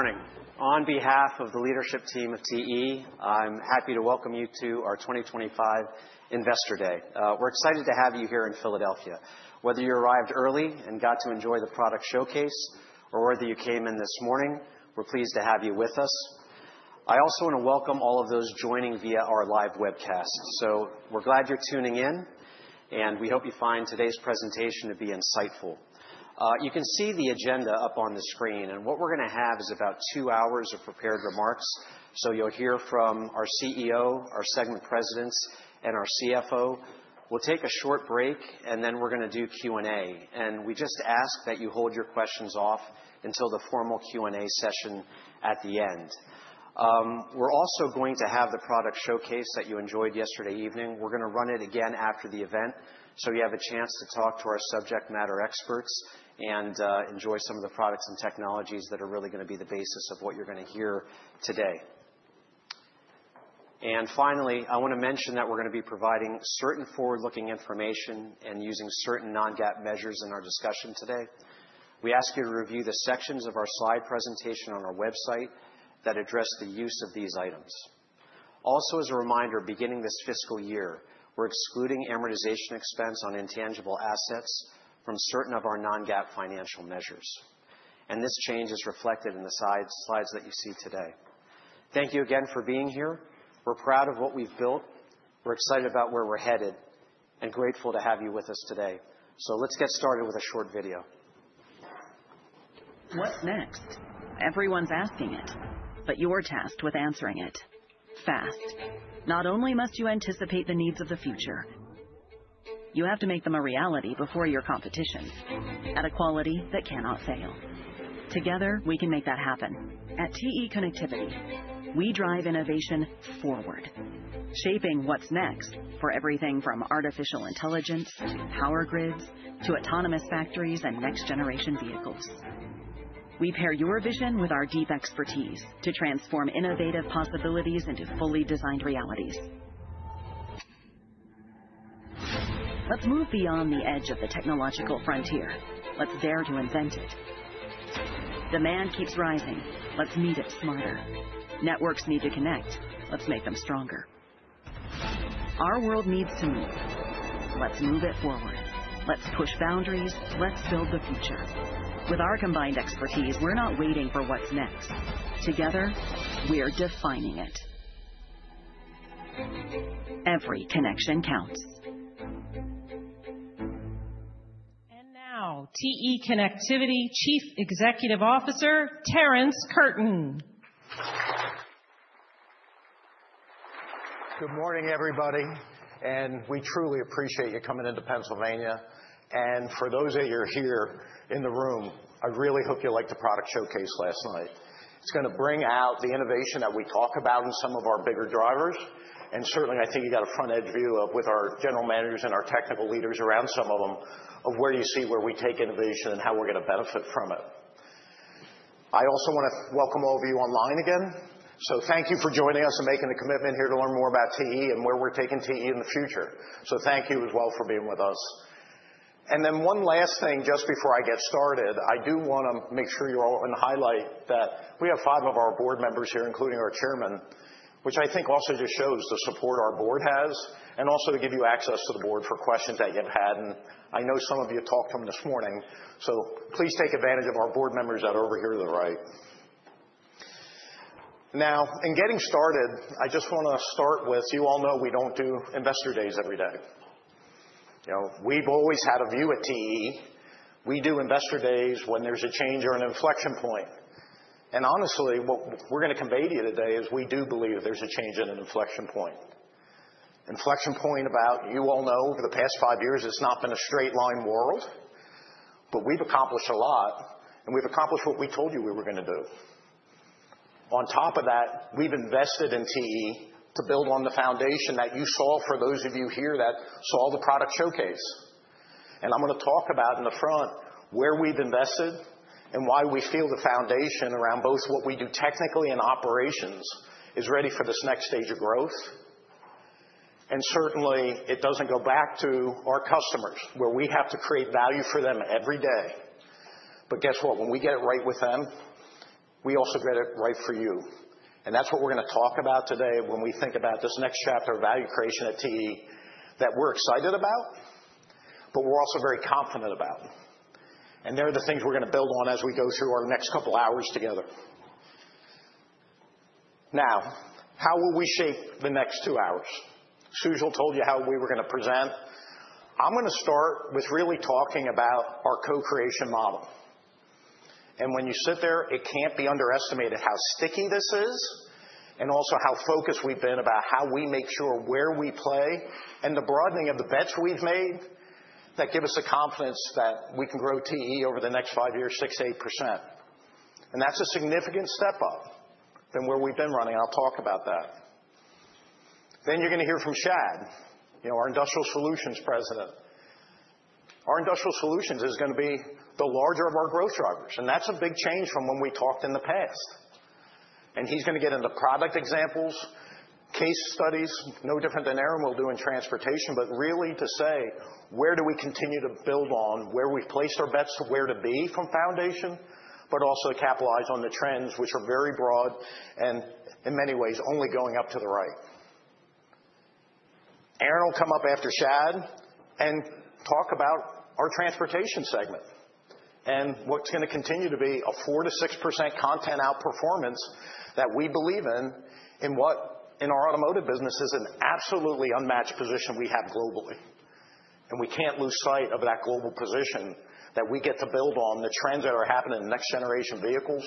Morning. On behalf of the leadership team of TE, I'm happy to welcome you to our 2025 Investor Day. We're excited to have you here in Philadelphia. Whether you arrived early and got to enjoy the product showcase, or whether you came in this morning, we're pleased to have you with us. I also want to welcome all of those joining via our live webcast. We're glad you're tuning in, and we hope you find today's presentation to be insightful. You can see the agenda up on the screen, and what we're going to have is about two hours of prepared remarks. You'll hear from our CEO, our segment presidents, and our CFO. We'll take a short break, and then we're going to do Q&A. We just ask that you hold your questions off until the formal Q&A session at the end. We're also going to have the product showcase that you enjoyed yesterday evening. We're going to run it again after the event, so you have a chance to talk to our subject matter experts and enjoy some of the products and technologies that are really going to be the basis of what you're going to hear today. Finally, I want to mention that we're going to be providing certain forward-looking information and using certain non-GAAP measures in our discussion today. We ask you to review the sections of our slide presentation on our website that address the use of these items. Also, as a reminder, beginning this fiscal year, we're excluding amortization expense on intangible assets from certain of our non-GAAP financial measures. This change is reflected in the slides that you see today. Thank you again for being here. We're proud of what we've built. We're excited about where we're headed and grateful to have you with us today. Let's get started with a short video. What's next? Everyone's asking it, but you're tasked with answering it. Fast. Not only must you anticipate the needs of the future, you have to make them a reality before your competition at a quality that cannot fail. Together, we can make that happen. At TE Connectivity, we drive innovation forward, shaping what's next for everything from artificial intelligence, power grids, to autonomous factories and next-generation vehicles. We pair your vision with our deep expertise to transform innovative possibilities into fully designed realities. Let's move beyond the edge of the technological frontier. Let's dare to invent it. Demand keeps rising. Let's meet it smarter. Networks need to connect. Let's make them stronger. Our world needs to move. Let's move it forward. Let's push boundaries. Let's build the future. With our combined expertise, we're not waiting for what's next. Together, we're defining it. Every connection counts. Now, TE Connectivity Chief Executive Officer, Terrence Curtin. Good morning, everybody. We truly appreciate you coming into Pennsylvania. For those of you who are here in the room, I really hope you liked the product showcase last night. It is going to bring out the innovation that we talk about in some of our bigger drivers. I think you got a front-end view with our general managers and our technical leaders around some of them of where you see where we take innovation and how we are going to benefit from it. I also want to welcome all of you online again. Thank you for joining us and making the commitment here to learn more about TE and where we are taking TE in the future. Thank you as well for being with us. One last thing just before I get started, I do want to make sure you all highlight that we have five of our board members here, including our chairman, which I think also just shows the support our board has, and also to give you access to the board for questions that you've had. I know some of you talked to them this morning. Please take advantage of our board members that are over here to the right. Now, in getting started, I just want to start with, you all know we don't do investor days every day. We've always had a view at TE. We do investor days when there's a change or an inflection point. Honestly, what we're going to convey to you today is we do believe there's a change in an inflection point. Inflection point about, you all know, over the past five years, it's not been a straight-line world, but we've accomplished a lot, and we've accomplished what we told you we were going to do. On top of that, we've invested in TE to build on the foundation that you saw for those of you here that saw the product showcase. I'm going to talk about in the front where we've invested and why we feel the foundation around both what we do technically and operations is ready for this next stage of growth. It doesn't go back to our customers where we have to create value for them every day. Guess what? When we get it right with them, we also get it right for you. That is what we are going to talk about today when we think about this next chapter of value creation at TE that we are excited about, but we are also very confident about. They are the things we are going to build on as we go through our next couple of hours together. Now, how will we shape the next two hours? Sujal told you how we were going to present. I am going to start with really talking about our co-creation model. When you sit there, it cannot be underestimated how sticky this is and also how focused we have been about how we make sure where we play and the broadening of the bets we have made that give us the confidence that we can grow TE over the next five years, 6%-8%. That is a significant step up than where we have been running. I will talk about that. You are going to hear from Shad, our Industrial Solutions President. Our industrial solutions is going to be the larger of our growth drivers. That is a big change from when we talked in the past. He is going to get into product examples, case studies, no different than Aaron will do in transportation, but really to say, where do we continue to build on where we have placed our bets to where to be from foundation, but also capitalize on the trends, which are very broad and in many ways only going up to the right. Aaron will come up after Shad and talk about our transportation segment and what is going to continue to be a 4%-6% content outperformance that we believe in in our automotive business is an absolutely unmatched position we have globally. We can't lose sight of that global position that we get to build on the trends that are happening in next-generation vehicles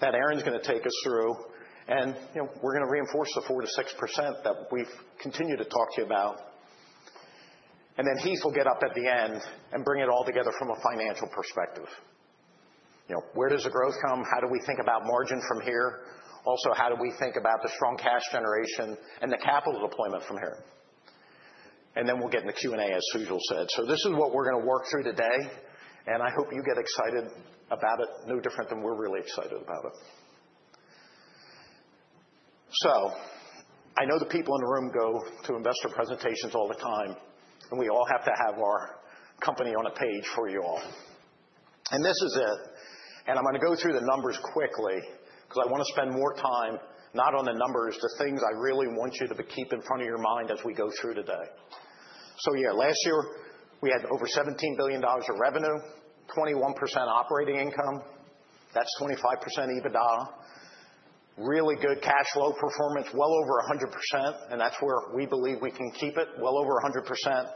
that Aaron's going to take us through. We're going to reinforce the 4%-6% that we've continued to talk to you about. Heath will get up at the end and bring it all together from a financial perspective. Where does the growth come? How do we think about margin from here? Also, how do we think about the strong cash generation and the capital deployment from here? We'll get into Q&A, as Sujal said. This is what we're going to work through today. I hope you get excited about it, no different than we're really excited about it. I know the people in the room go to investor presentations all the time, and we all have to have our company on a page for you all. This is it. I'm going to go through the numbers quickly because I want to spend more time not on the numbers, the things I really want you to keep in front of your mind as we go through today. Yeah, last year, we had over $17 billion of revenue, 21% operating income. That's 25% EBITDA. Really good cash flow performance, well over 100%. That's where we believe we can keep it, well over 100%.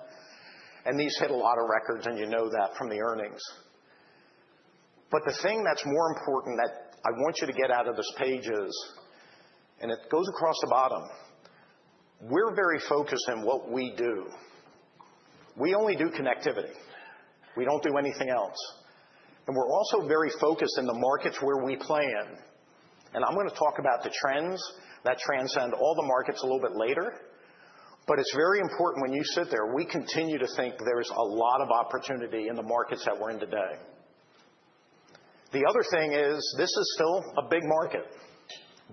These hit a lot of records, and you know that from the earnings. The thing that's more important that I want you to get out of this page is, and it goes across the bottom, we're very focused in what we do. We only do connectivity. We don't do anything else. We're also very focused in the markets where we play in. I'm going to talk about the trends that transcend all the markets a little bit later. It's very important when you sit there, we continue to think there's a lot of opportunity in the markets that we're in today. The other thing is, this is still a big market.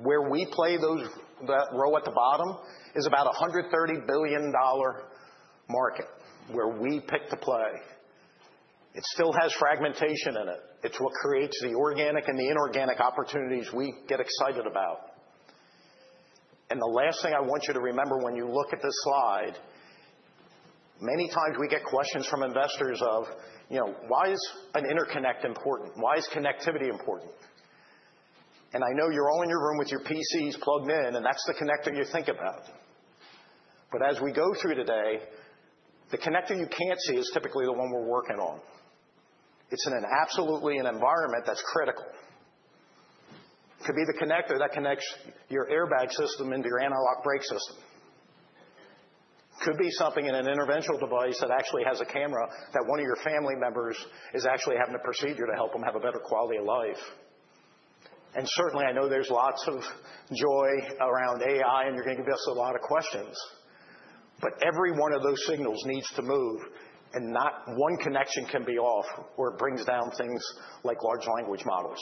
Where we play, that row at the bottom is about a $130 billion market where we pick to play. It still has fragmentation in it. It's what creates the organic and the inorganic opportunities we get excited about. The last thing I want you to remember when you look at this slide, many times we get questions from investors of, why is an interconnect important? Why is connectivity important? I know you're all in your room with your PCs plugged in, and that's the connector you think about. As we go through today, the connector you can't see is typically the one we're working on. It's absolutely an environment that's critical. It could be the connector that connects your airbag system into your analog brake system. It could be something in an interventional device that actually has a camera that one of your family members is actually having a procedure to help them have a better quality of life. Certainly, I know there's lots of joy around AI, and you're going to give us a lot of questions. Every one of those signals needs to move, and not one connection can be off or it brings down things like large language models.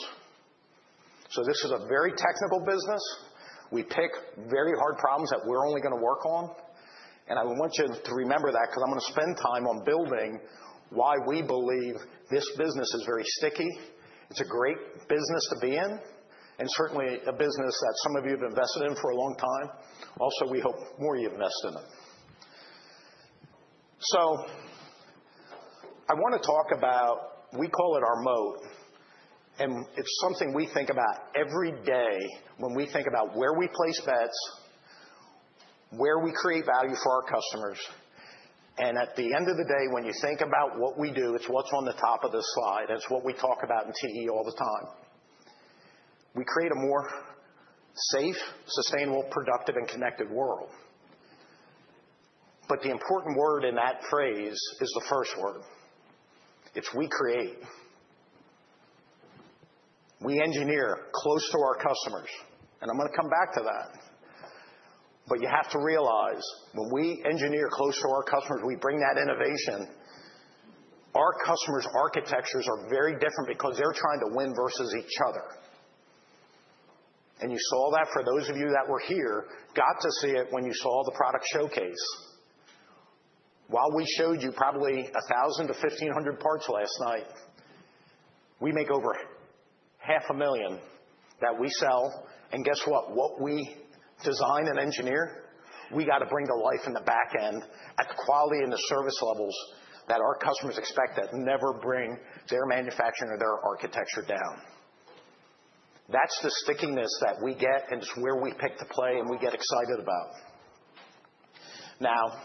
This is a very technical business. We pick very hard problems that we're only going to work on. I want you to remember that because I'm going to spend time on building why we believe this business is very sticky. It's a great business to be in, and certainly a business that some of you have invested in for a long time. Also, we hope more of you have invested in it. I want to talk about, we call it our moat. It's something we think about every day when we think about where we place bets, where we create value for our customers. At the end of the day, when you think about what we do, it's what's on the top of this slide. It's what we talk about in TE all the time. We create a more safe, sustainable, productive, and connected world. The important word in that phrase is the first word. It's we create. We engineer close to our customers. I'm going to come back to that. You have to realize when we engineer close to our customers, we bring that innovation. Our customers' architectures are very different because they're trying to win versus each other. You saw that for those of you that were here, got to see it when you saw the product showcase. While we showed you probably 1,000-1,500 parts last night, we make over 500,000 that we sell. Guess what? What we design and engineer, we got to bring to life in the back end at the quality and the service levels that our customers expect that never bring their manufacturing or their architecture down. That's the stickiness that we get, and it's where we pick to play and we get excited about. Now,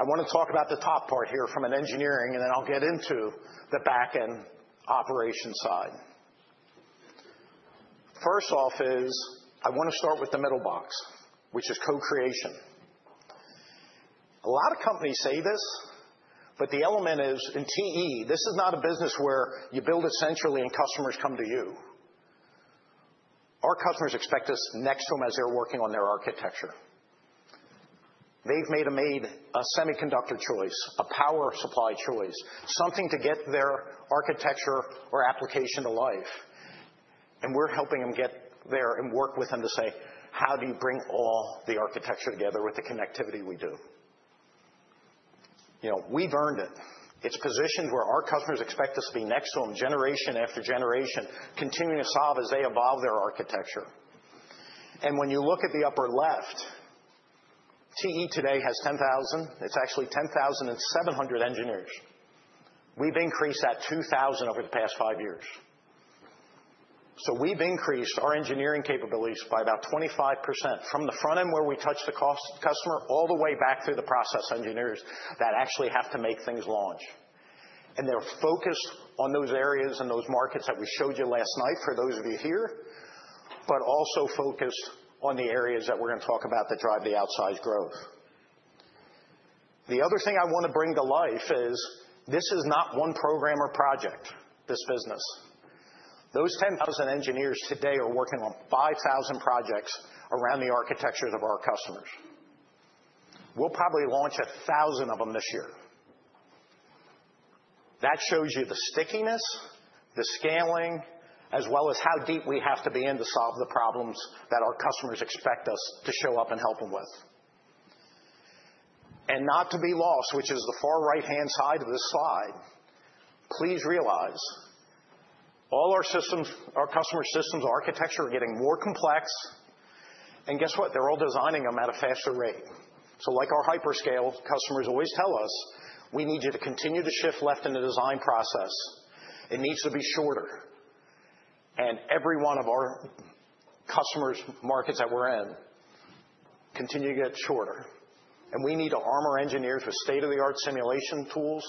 I want to talk about the top part here from an engineering, and then I'll get into the back end operation side. First off is I want to start with the middle box, which is co-creation. A lot of companies say this, but the element is in TE, this is not a business where you build essentially and customers come to you. Our customers expect us next to them as they're working on their architecture. They've made a semiconductor choice, a power supply choice, something to get their architecture or application to life. We are helping them get there and work with them to say, how do you bring all the architecture together with the connectivity we do? We have earned it. It is positions where our customers expect us to be next to them generation after generation, continuing to solve as they evolve their architecture. When you look at the upper left, TE today has 10,000. It is actually 10,700 engineers. We have increased that 2,000 over the past five years. We have increased our engineering capabilities by about 25% from the front end where we touch the customer all the way back through the process engineers that actually have to make things launch. They are focused on those areas and those markets that we showed you last night for those of you here, but also focused on the areas that we are going to talk about that drive the outsized growth. The other thing I want to bring to life is this is not one program or project, this business. Those 10,000 engineers today are working on 5,000 projects around the architectures of our customers. We'll probably launch 1,000 of them this year. That shows you the stickiness, the scaling, as well as how deep we have to be in to solve the problems that our customers expect us to show up and help them with. Not to be lost, which is the far right-hand side of this slide, please realize all our customer systems architecture are getting more complex. Guess what? They're all designing them at a faster rate. Like our hyperscale customers always tell us, we need you to continue to shift left in the design process. It needs to be shorter. Every one of our customers' markets that we're in continue to get shorter. We need to arm our engineers with state-of-the-art simulation tools,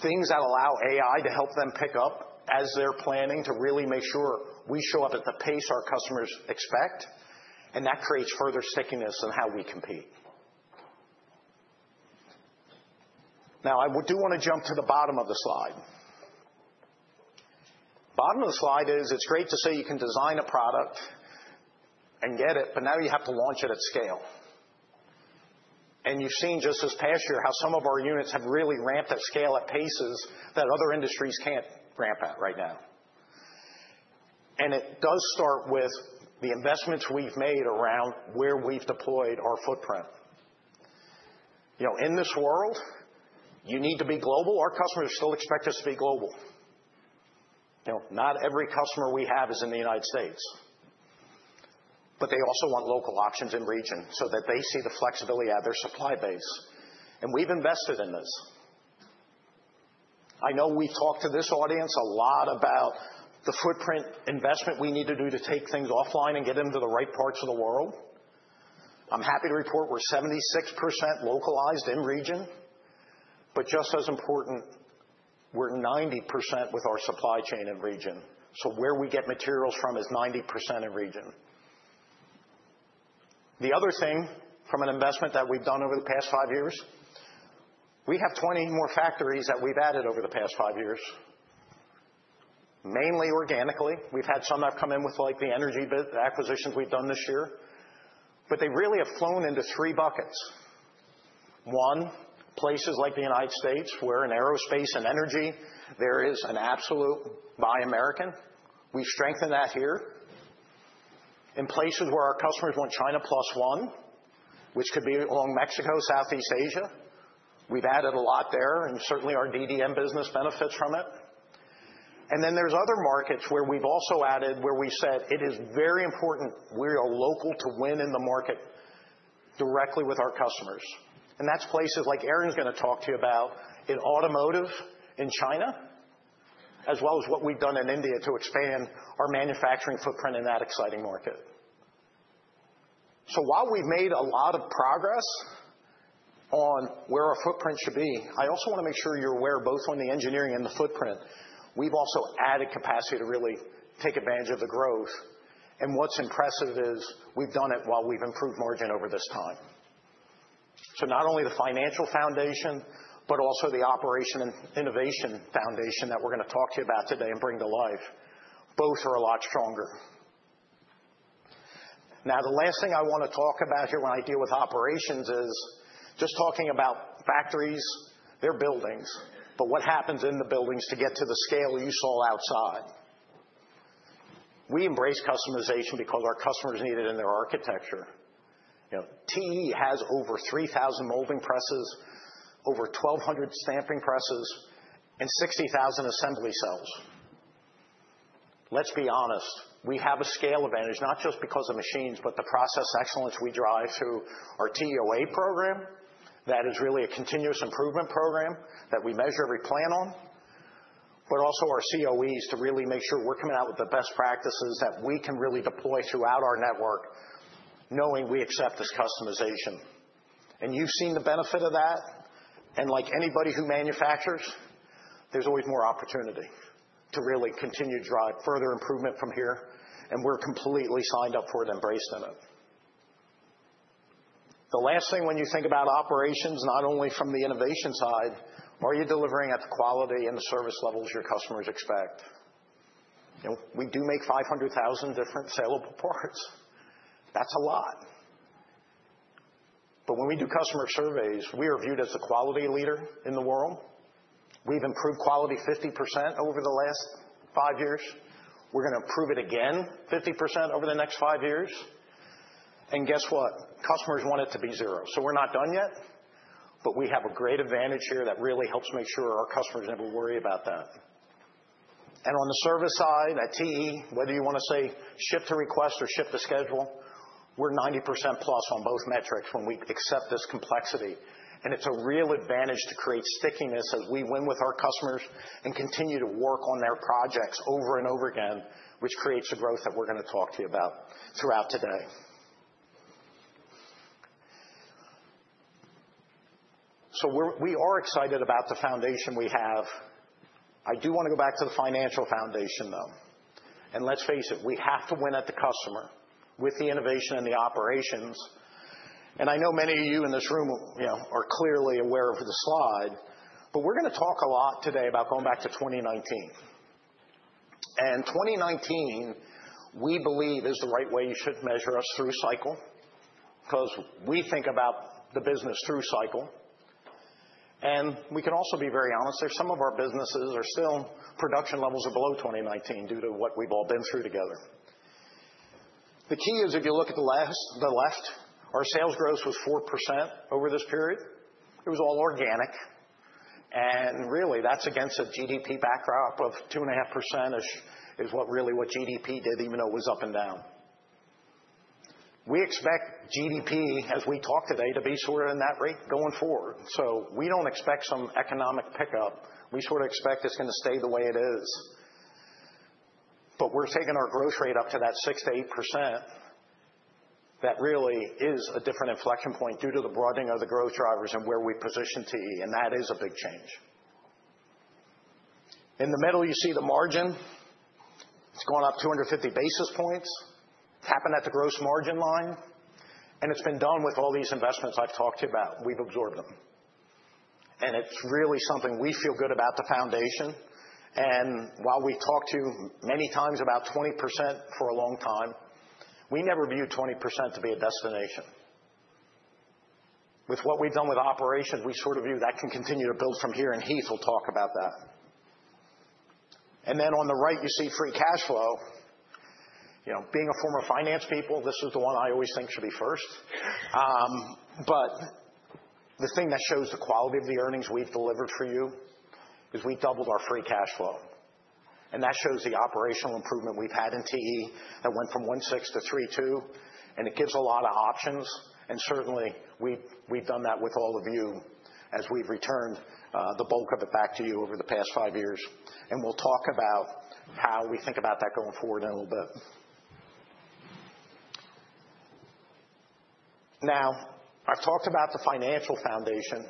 things that allow AI to help them pick up as they're planning to really make sure we show up at the pace our customers expect. That creates further stickiness in how we compete. I do want to jump to the bottom of the slide. Bottom of the slide is it's great to say you can design a product and get it, but now you have to launch it at scale. You have seen just this past year how some of our units have really ramped at scale at paces that other industries can't ramp at right now. It does start with the investments we have made around where we have deployed our footprint. In this world, you need to be global. Our customers still expect us to be global. Not every customer we have is in the United States. They also want local options in region so that they see the flexibility at their supply base. We have invested in this. I know we have talked to this audience a lot about the footprint investment we need to do to take things offline and get into the right parts of the world. I am happy to report we are 76% localized in region. Just as important, we are 90% with our supply chain in region. Where we get materials from is 90% in region. The other thing from an investment that we have done over the past five years, we have 20 more factories that we have added over the past five years, mainly organically. We have had some that have come in with the energy acquisitions we have done this year. They really have flown into three buckets. One, places like the United States where in aerospace and energy, there is an absolute buy American. We have strengthened that here. In places where our customers want China Plus One, which could be along Mexico, Southeast Asia, we have added a lot there, and certainly our DDM business benefits from it. There are other markets where we have also added where we said it is very important we are local to win in the market directly with our customers. That is places like Aaron is going to talk to you about in automotive in China, as well as what we have done in India to expand our manufacturing footprint in that exciting market. While we have made a lot of progress on where our footprint should be, I also want to make sure you are aware both on the engineering and the footprint. We have also added capacity to really take advantage of the growth. What's impressive is we've done it while we've improved margin over this time. Not only the financial foundation, but also the operation and innovation foundation that we're going to talk to you about today and bring to life, both are a lot stronger. The last thing I want to talk about here when I deal with operations is just talking about factories, their buildings, but what happens in the buildings to get to the scale you saw outside. We embrace customization because our customers need it in their architecture. TE has over 3,000 molding presses, over 1,200 stamping presses, and 60,000 assembly cells. Let's be honest, we have a scale advantage not just because of machines, but the process excellence we drive through our TEOA program that is really a continuous improvement program that we measure every plant on, but also our COEs to really make sure we're coming out with the best practices that we can really deploy throughout our network, knowing we accept this customization. You've seen the benefit of that. Like anybody who manufactures, there's always more opportunity to really continue to drive further improvement from here. We're completely signed up for it and embraced in it. The last thing when you think about operations, not only from the innovation side, are you delivering at the quality and the service levels your customers expect? We do make 500,000 different saleable parts. That's a lot. When we do customer surveys, we are viewed as the quality leader in the world. We have improved quality 50% over the last five years. We are going to improve it again 50% over the next five years. Guess what? Customers want it to be zero. We are not done yet, but we have a great advantage here that really helps make sure our customers never worry about that. On the service side at TE, whether you want to say ship to request or ship to schedule, we are 90%+ on both metrics when we accept this complexity. It is a real advantage to create stickiness as we win with our customers and continue to work on their projects over and over again, which creates the growth that we are going to talk to you about throughout today. We are excited about the foundation we have. I do want to go back to the financial foundation, though. Let's face it, we have to win at the customer with the innovation and the operations. I know many of you in this room are clearly aware of the slide, but we're going to talk a lot today about going back to 2019. In 2019, we believe, is the right way you should measure us through cycle because we think about the business through cycle. We can also be very honest. Some of our businesses are still production levels are below 2019 due to what we've all been through together. The key is if you look at the left, our sales growth was 4% over this period. It was all organic. Really, that's against a GDP backdrop of 2.5%-ish is really what GDP did, even though it was up and down. We expect GDP, as we talk today, to be sort of in that rate going forward. We do not expect some economic pickup. We sort of expect it is going to stay the way it is. We are taking our growth rate up to that 6%-8%. That really is a different inflection point due to the broadening of the growth drivers and where we position TE. That is a big change. In the middle, you see the margin. It has gone up 250 basis points. It has happened at the gross margin line. It has been done with all these investments I have talked to you about. We have absorbed them. It is really something we feel good about the foundation. While we have talked to you many times about 20% for a long time, we never viewed 20% to be a destination. With what we've done with operations, we sort of view that can continue to build from here. Heath will talk about that. On the right, you see free cash flow. Being a former finance people, this is the one I always think should be first. The thing that shows the quality of the earnings we've delivered for you is we doubled our free cash flow. That shows the operational improvement we've had in TE that went from $1.6 billion to $3.2 billion. It gives a lot of options. Certainly, we've done that with all of you as we've returned the bulk of it back to you over the past five years. We'll talk about how we think about that going forward in a little bit. Now, I've talked about the financial foundation.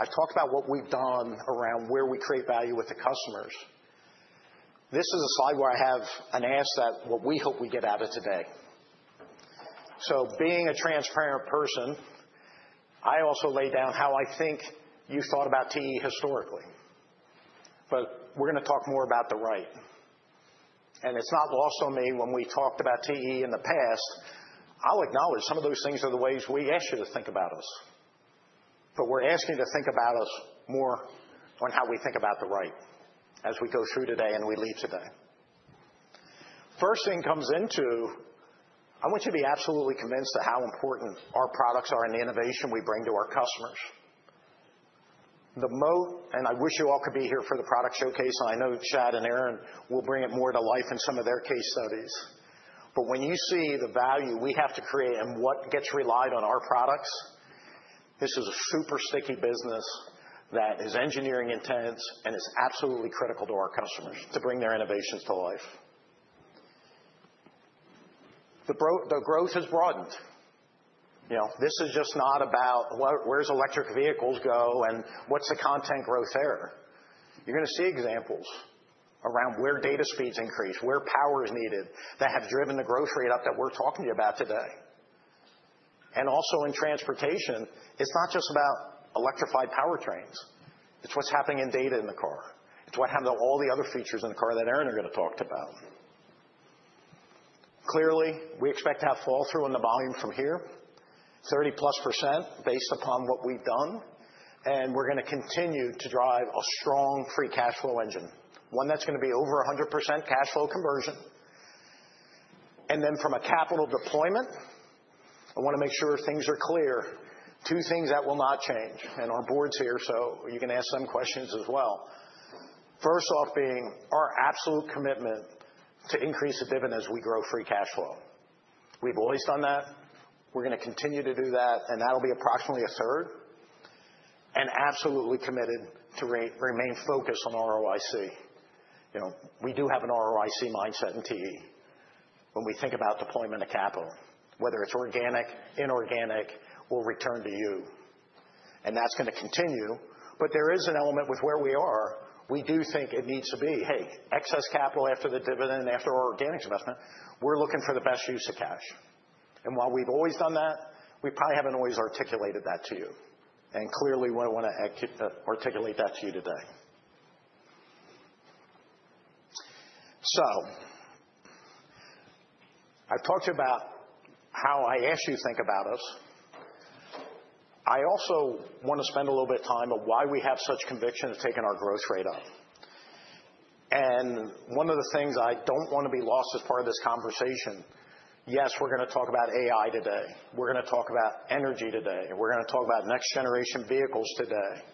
I've talked about what we've done around where we create value with the customers. This is a slide where I have an ask at what we hope we get out of today. Being a transparent person, I also lay down how I think you've thought about TE historically. We're going to talk more about the right. It's not lost on me when we talked about TE in the past. I'll acknowledge some of those things are the ways we ask you to think about us. We're asking you to think about us more on how we think about the right as we go through today and we leave today. First thing comes into I want you to be absolutely convinced of how important our products are and the innovation we bring to our customers. I wish you all could be here for the product showcase. I know Shad and Aaron will bring it more to life in some of their case studies. When you see the value we have to create and what gets relied on our products, this is a super sticky business that is engineering intense and is absolutely critical to our customers to bring their innovations to life. The growth has broadened. This is just not about where does electric vehicles go and what is the content growth there. You are going to see examples around where data speeds increase, where power is needed that have driven the growth rate up that we are talking to you about today. Also in transportation, it is not just about electrified powertrains. It is what is happening in data in the car. It is what happened to all the other features in the car that Aaron is going to talk to you about. Clearly, we expect to have fall through in the volume from here, 30%+ based upon what we've done. We're going to continue to drive a strong free cash flow engine, one that's going to be over 100% cash flow conversion. From a capital deployment, I want to make sure things are clear. Two things that will not change. Our board's here, so you can ask them questions as well. First off being our absolute commitment to increase the dividend as we grow free cash flow. We've always done that. We're going to continue to do that. That'll be approximately a third. Absolutely committed to remain focused on ROIC. We do have an ROIC mindset in TE when we think about deployment of capital, whether it's organic, inorganic, or return to you. That's going to continue. There is an element with where we are. We do think it needs to be, hey, excess capital after the dividend, after our organic investment, we're looking for the best use of cash. While we've always done that, we probably haven't always articulated that to you. Clearly, we want to articulate that to you today. I've talked to you about how I asked you to think about us. I also want to spend a little bit of time on why we have such conviction of taking our growth rate up. One of the things I don't want to be lost as part of this conversation, yes, we're going to talk about AI today. We're going to talk about energy today. We're going to talk about next-generation vehicles today.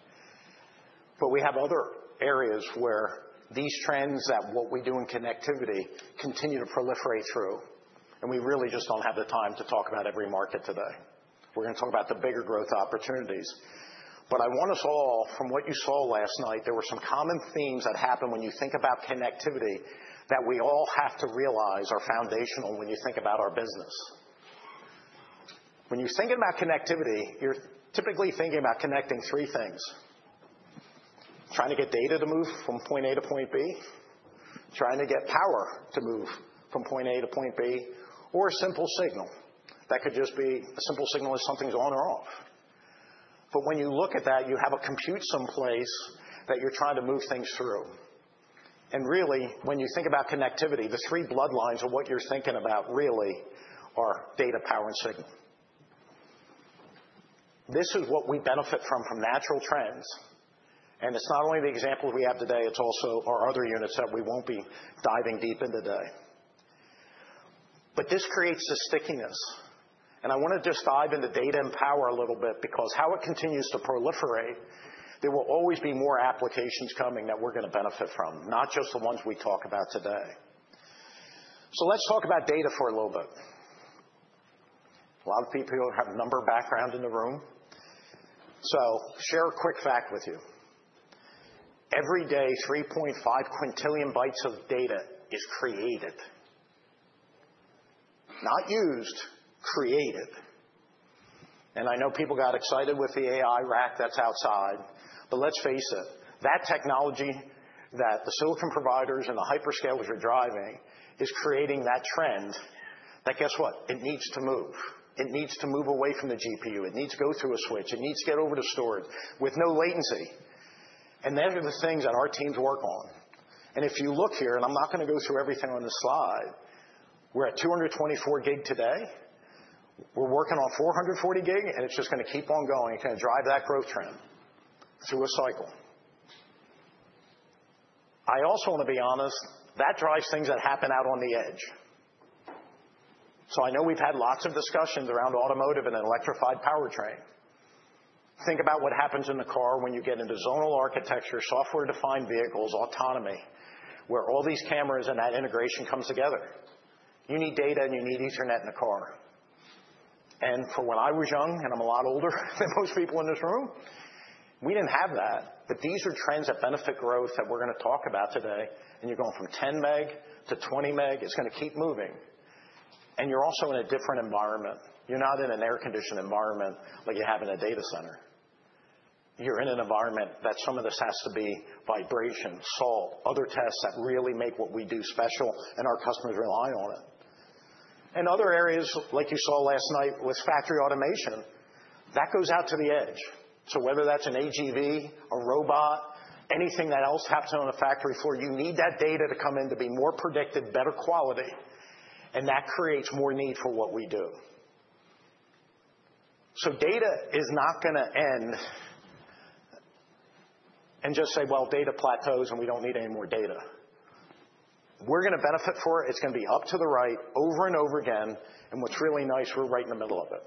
We have other areas where these trends that what we do in connectivity continue to proliferate through. We really just do not have the time to talk about every market today. We are going to talk about the bigger growth opportunities. I want us all, from what you saw last night, there were some common themes that happen when you think about connectivity that we all have to realize are foundational when you think about our business. When you are thinking about connectivity, you are typically thinking about connecting three things: trying to get data to move from point A to point B, trying to get power to move from point A to point B, or a simple signal. That could just be a simple signal if something is on or off. When you look at that, you have a compute someplace that you are trying to move things through. Really, when you think about connectivity, the three bloodlines of what you're thinking about really are data, power, and signal. This is what we benefit from from natural trends. It's not only the examples we have today. It's also our other units that we won't be diving deep into today. This creates a stickiness. I want to just dive into data and power a little bit because how it continues to proliferate, there will always be more applications coming that we're going to benefit from, not just the ones we talk about today. Let's talk about data for a little bit. A lot of people have a number of backgrounds in the room. I'll share a quick fact with you. Every day, 3.5 quintillion bytes of data is created. Not used, created. I know people got excited with the AI rack that's outside. Let's face it, that technology that the Silicon providers and the hyperscalers are driving is creating that trend that, guess what? It needs to move. It needs to move away from the GPU. It needs to go through a switch. It needs to get over to storage with no latency. Those are the things that our teams work on. If you look here, and I'm not going to go through everything on this slide, we're at 224 gig today. We're working on 440 gig, and it's just going to keep on going. It's going to drive that growth trend through a cycle. I also want to be honest. That drives things that happen out on the edge. I know we've had lots of discussions around automotive and an electrified powertrain. Think about what happens in the car when you get into zonal architecture, software-defined vehicles, autonomy, where all these cameras and that integration comes together. You need data, and you need Ethernet in the car. For when I was young, and I'm a lot older than most people in this room, we did not have that. These are trends that benefit growth that we are going to talk about today. You are going from 10 MW to 20 MW. It is going to keep moving. You are also in a different environment. You are not in an air-conditioned environment like you have in a data center. You are in an environment that some of this has to be vibration, salt, other tests that really make what we do special, and our customers rely on it. Other areas, like you saw last night with factory automation, that goes out to the edge. Whether that's an AGV, a robot, anything else that happens on a factory floor, you need that data to come in to be more predictive, better quality. That creates more need for what we do. Data is not going to end and just say, "Well, data plateaus, and we don't need any more data." We're going to benefit for it. It's going to be up to the right over and over again. What's really nice, we're right in the middle of it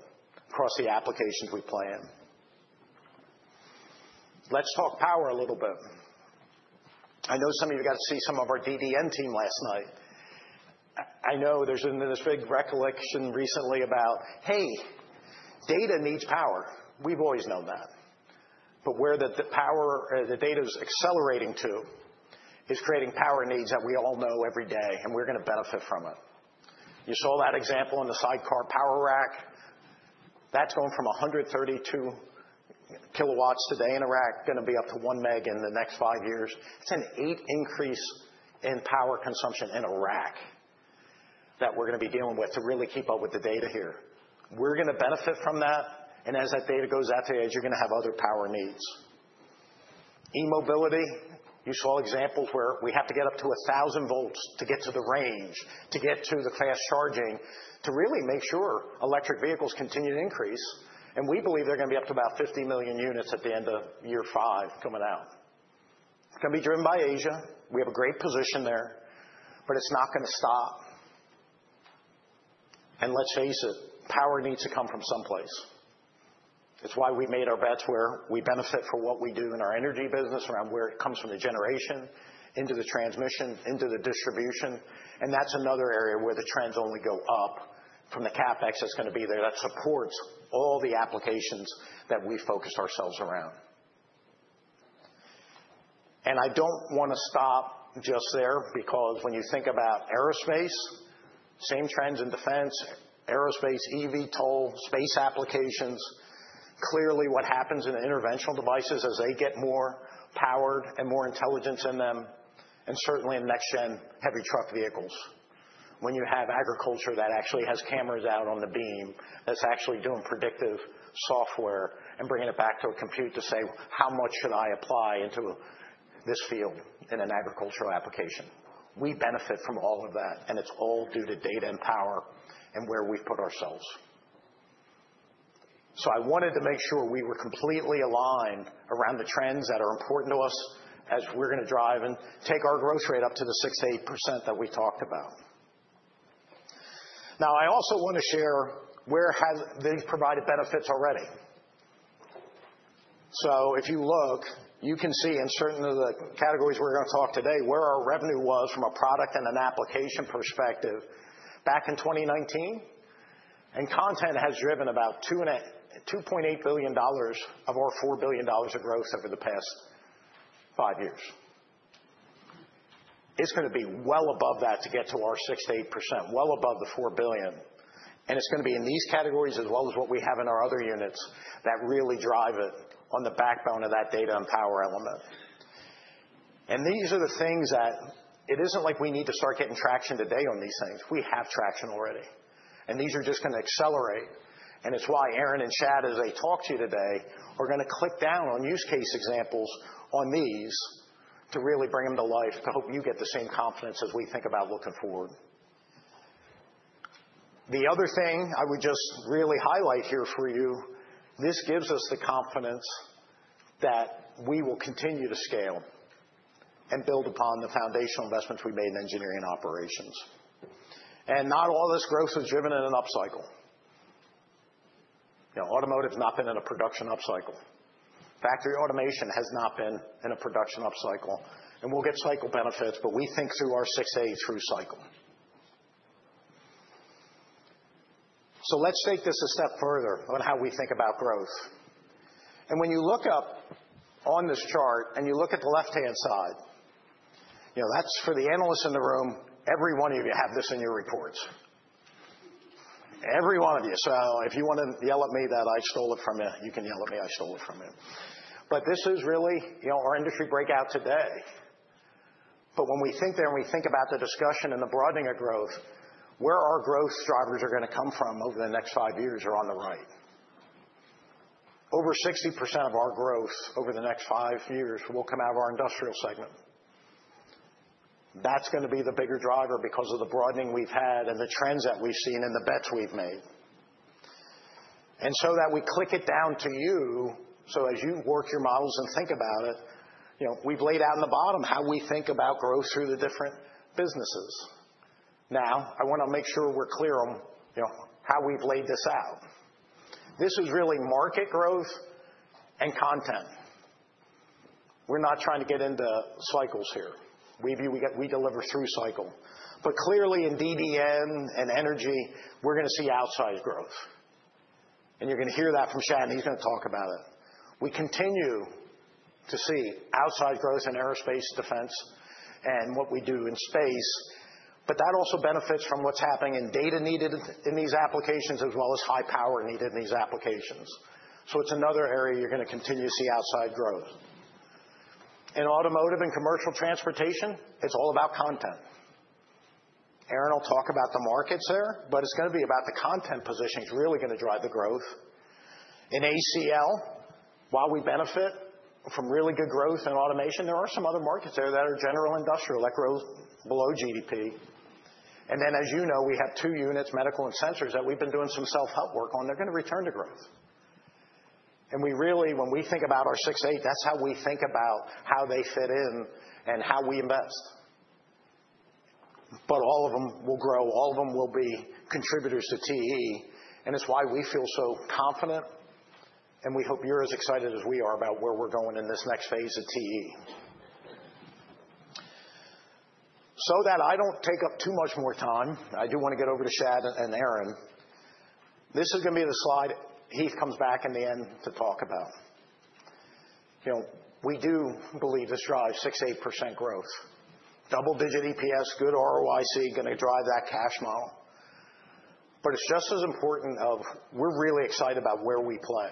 across the applications we play in. Let's talk power a little bit. I know some of you got to see some of our DDN team last night. I know there's been this big recollection recently about, "Hey, data needs power." We've always known that. Where the data is accelerating to is creating power needs that we all know every day, and we're going to benefit from it. You saw that example in the sidecar power rack. That's going from 132 kW today in a rack, going to be up to 1 MW in the next five years. It's an eight increase in power consumption in a rack that we're going to be dealing with to really keep up with the data here. We're going to benefit from that. As that data goes out to the edge, you're going to have other power needs. E-mobility, you saw examples where we have to get up to 1,000 V to get to the range, to get to the fast charging, to really make sure electric vehicles continue to increase. We believe they're going to be up to about 50 million units at the end of year five coming out. It is going to be driven by Asia. We have a great position there, but it is not going to stop. Let's face it, power needs to come from someplace. It is why we made our bets where we benefit for what we do in our energy business around where it comes from the generation into the transmission, into the distribution. That is another area where the trends only go up from the CapEx that is going to be there that supports all the applications that we focus ourselves around. I do not want to stop just there because when you think about aerospace, same trends in defense, aerospace, EV, toll, space applications. Clearly, what happens in interventional devices as they get more powered and more intelligence in them, and certainly in next-gen heavy truck vehicles, when you have agriculture that actually has cameras out on the beam that's actually doing predictive software and bringing it back to a compute to say, "How much should I apply into this field in an agricultural application?" We benefit from all of that. It is all due to data and power and where we've put ourselves. I wanted to make sure we were completely aligned around the trends that are important to us as we're going to drive and take our growth rate up to the 6%-8% that we talked about. I also want to share where they've provided benefits already. If you look, you can see in certain of the categories we are going to talk today where our revenue was from a product and an application perspective back in 2019. Content has driven about $2.8 billion of our $4 billion of growth over the past five years. It is going to be well above that to get to our 6%-8%—well above the $4 billion. It is going to be in these categories as well as what we have in our other units that really drive it on the backbone of that data and power element. These are the things that it is not like we need to start getting traction today on these things. We have traction already. These are just going to accelerate. It is why Aaron and Shad, as they talk to you today, are going to click down on use case examples on these to really bring them to life to help you get the same confidence as we think about looking forward. The other thing I would just really highlight here for you, this gives us the confidence that we will continue to scale and build upon the foundational investments we made in engineering and operations. Not all this growth was driven in an upcycle. Automotive has not been in a production upcycle. Factory automation has not been in a production upcycle. We will get cycle benefits, but we think through our 6%-8% through cycle. Let us take this a step further on how we think about growth. When you look up on this chart and you look at the left-hand side, that's for the analysts in the room. Every one of you have this in your reports. Every one of you. If you want to yell at me that I stole it from you, you can yell at me. I stole it from you. This is really our industry breakout today. When we think there and we think about the discussion and the broadening of growth, where our growth drivers are going to come from over the next five years are on the right. Over 60% of our growth over the next five years will come out of our industrial segment. That's going to be the bigger driver because of the broadening we've had and the trends that we've seen and the bets we've made. So that we click it down to you, so as you work your models and think about it, we've laid out in the bottom how we think about growth through the different businesses. Now, I want to make sure we're clear on how we've laid this out. This is really market growth and content. We're not trying to get into cycles here. We deliver through cycle. Clearly, in DDN and energy, we're going to see outsized growth. You're going to hear that from Shad. He's going to talk about it. We continue to see outsized growth in aerospace, defense, and what we do in space. That also benefits from what's happening in data needed in these applications as well as high power needed in these applications. It's another area you're going to continue to see outsized growth. In automotive and commercial transportation, it's all about content. Aaron will talk about the markets there, but it's going to be about the content positioning is really going to drive the growth. In ACL, while we benefit from really good growth in automation, there are some other markets there that are general industrial that grow below GDP. As you know, we have two units, medical and sensors, that we've been doing some self-help work on. They're going to return to growth. When we think about our 6%-8%, that's how we think about how they fit in and how we invest. All of them will grow. All of them will be contributors to TE. It's why we feel so confident. We hope you're as excited as we are about where we're going in this next phase of TE. That I don't take up too much more time, I do want to get over to Shad and Aaron. This is going to be the slide Heath comes back in the end to talk about. We do believe this drives 6%-8% growth. Double-digit EPS, good ROIC, going to drive that cash model. It is just as important of we're really excited about where we play.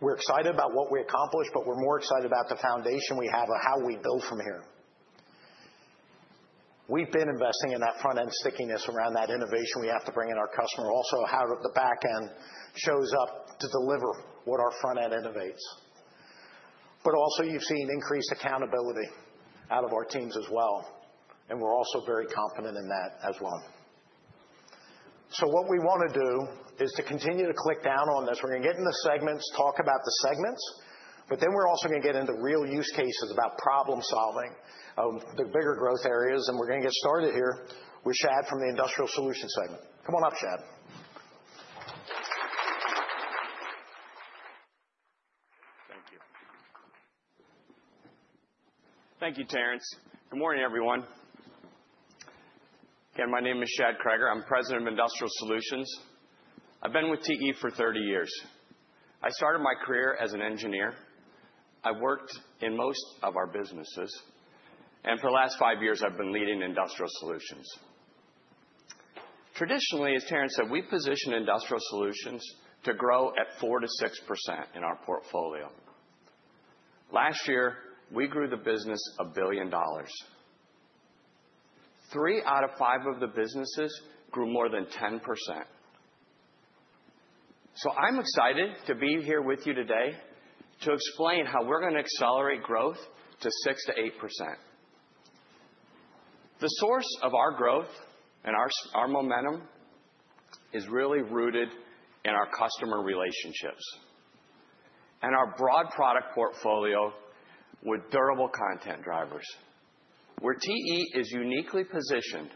We're excited about what we accomplished, but we're more excited about the foundation we have of how we build from here. We've been investing in that front-end stickiness around that innovation we have to bring in our customer, also how the back-end shows up to deliver what our front-end innovates. Also, you've seen increased accountability out of our teams as well. We're also very confident in that as well. What we want to do is to continue to click down on this. We're going to get into the segments, talk about the segments. We're also going to get into real use cases about problem-solving of the bigger growth areas. We're going to get started here with Shad from the Industrial Solutions segment. Come on up, Shad. Thank you. Thank you, Terrence. Good morning, everyone. Again, my name is Shad Kroeger. I'm President of Industrial Solutions. I've been with TE for 30 years. I started my career as an engineer. I've worked in most of our businesses. For the last five years, I've been leading Industrial Solutions. Traditionally, as Terrence said, we've positioned Industrial Solutions to grow at 4%-6% in our portfolio. Last year, we grew the business $1 billion. Three out of five of the businesses grew more than 10%. I'm excited to be here with you today to explain how we're going to accelerate growth to 6%-8%. The source of our growth and our momentum is really rooted in our customer relationships and our broad product portfolio with durable content drivers, where TE is uniquely positioned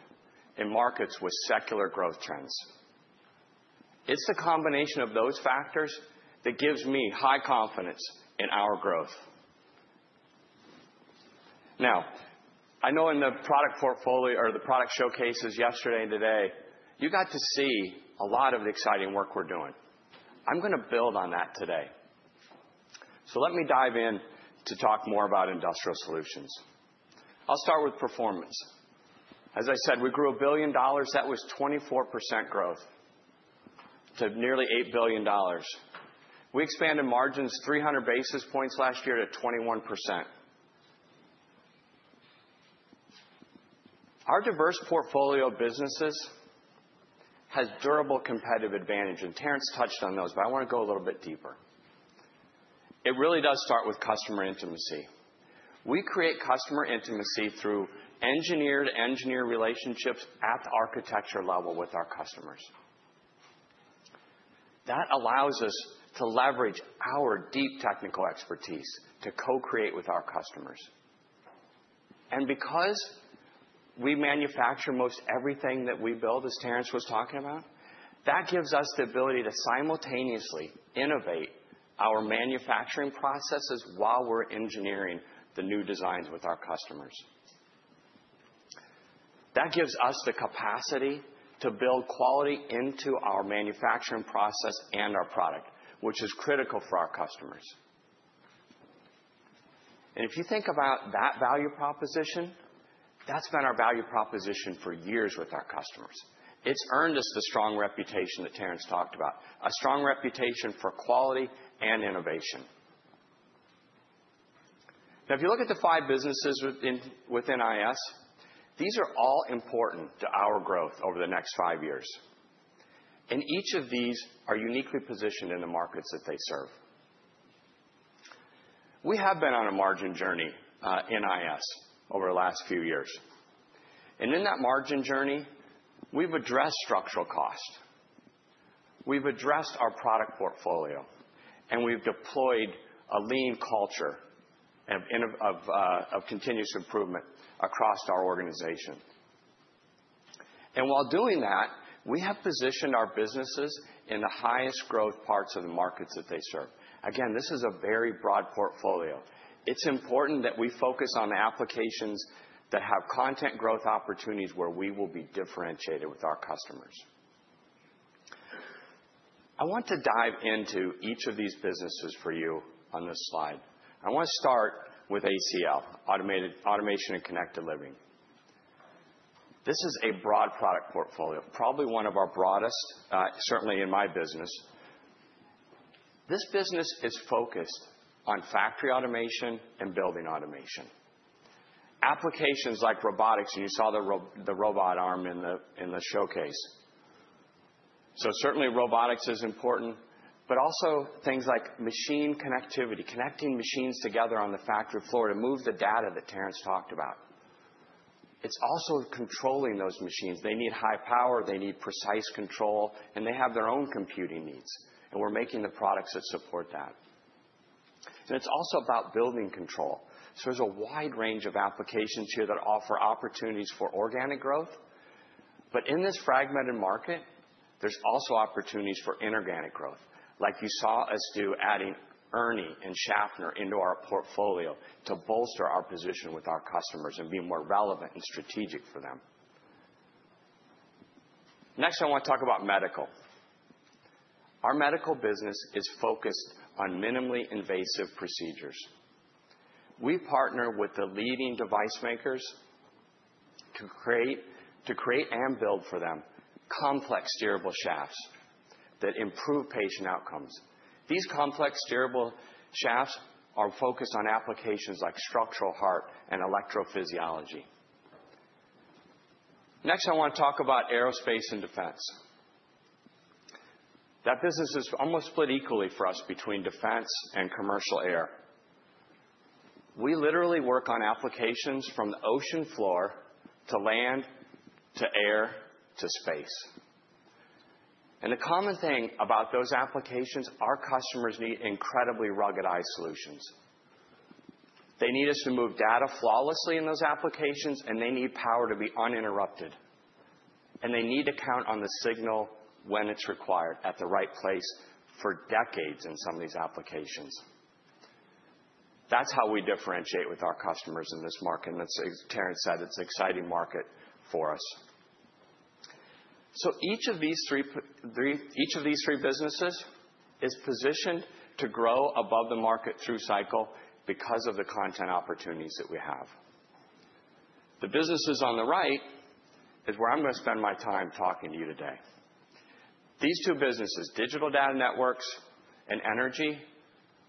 in markets with secular growth trends. It's the combination of those factors that gives me high confidence in our growth. Now, I know in the product portfolio or the product showcases yesterday and today, you got to see a lot of the exciting work we're doing. I'm going to build on that today. Let me dive in to talk more about industrial solutions. I'll start with performance. As I said, we grew a billion dollars. That was 24% growth to nearly $8 billion. We expanded margins 300 basis points last year to 21%. Our diverse portfolio of businesses has durable competitive advantage. Terrence touched on those, but I want to go a little bit deeper. It really does start with customer intimacy. We create customer intimacy through engineered engineer relationships at the architecture level with our customers. That allows us to leverage our deep technical expertise to co-create with our customers. Because we manufacture most everything that we build, as Terrence was talking about, that gives us the ability to simultaneously innovate our manufacturing processes while we're engineering the new designs with our customers. That gives us the capacity to build quality into our manufacturing process and our product, which is critical for our customers. If you think about that value proposition, that's been our value proposition for years with our customers. It's earned us the strong reputation that Terrence talked about, a strong reputation for quality and innovation. If you look at the five businesses within IS, these are all important to our growth over the next five years. Each of these are uniquely positioned in the markets that they serve. We have been on a margin journey in IS over the last few years. In that margin journey, we've addressed structural cost. We've addressed our product portfolio, and we've deployed a lean culture of continuous improvement across our organization. While doing that, we have positioned our businesses in the highest growth parts of the markets that they serve. This is a very broad portfolio. It's important that we focus on applications that have content growth opportunities where we will be differentiated with our customers. I want to dive into each of these businesses for you on this slide. I want to start with ACL, Automation and Connected Living. This is a broad product portfolio, probably one of our broadest, certainly in my business. This business is focused on factory automation and building automation, applications like robotics. You saw the robot arm in the showcase. Robotics is important, but also things like machine connectivity, connecting machines together on the factory floor to move the data that Terrence talked about. It is also controlling those machines. They need high power. They need precise control. They have their own computing needs. We are making the products that support that. It is also about building control. There is a wide range of applications here that offer opportunities for organic growth. In this fragmented market, there's also opportunities for inorganic growth, like you saw us do, adding ERNI and Schaffner into our portfolio to bolster our position with our customers and be more relevant and strategic for them. Next, I want to talk about medical. Our medical business is focused on minimally invasive procedures. We partner with the leading device makers to create and build for them complex steerable shafts that improve patient outcomes. These complex steerable shafts are focused on applications like structural heart and electrophysiology. Next, I want to talk about aerospace and defense. That business is almost split equally for us between defense and commercial air. We literally work on applications from the ocean floor to land to air to space. The common thing about those applications, our customers need incredibly ruggedized solutions. They need us to move data flawlessly in those applications, and they need power to be uninterrupted. They need to count on the signal when it's required at the right place for decades in some of these applications. That's how we differentiate with our customers in this market. As Terrence said, it's an exciting market for us. Each of these three businesses is positioned to grow above the market through cycle because of the content opportunities that we have. The businesses on the right is where I'm going to spend my time talking to you today. These two businesses, Digital Data Networks and Energy,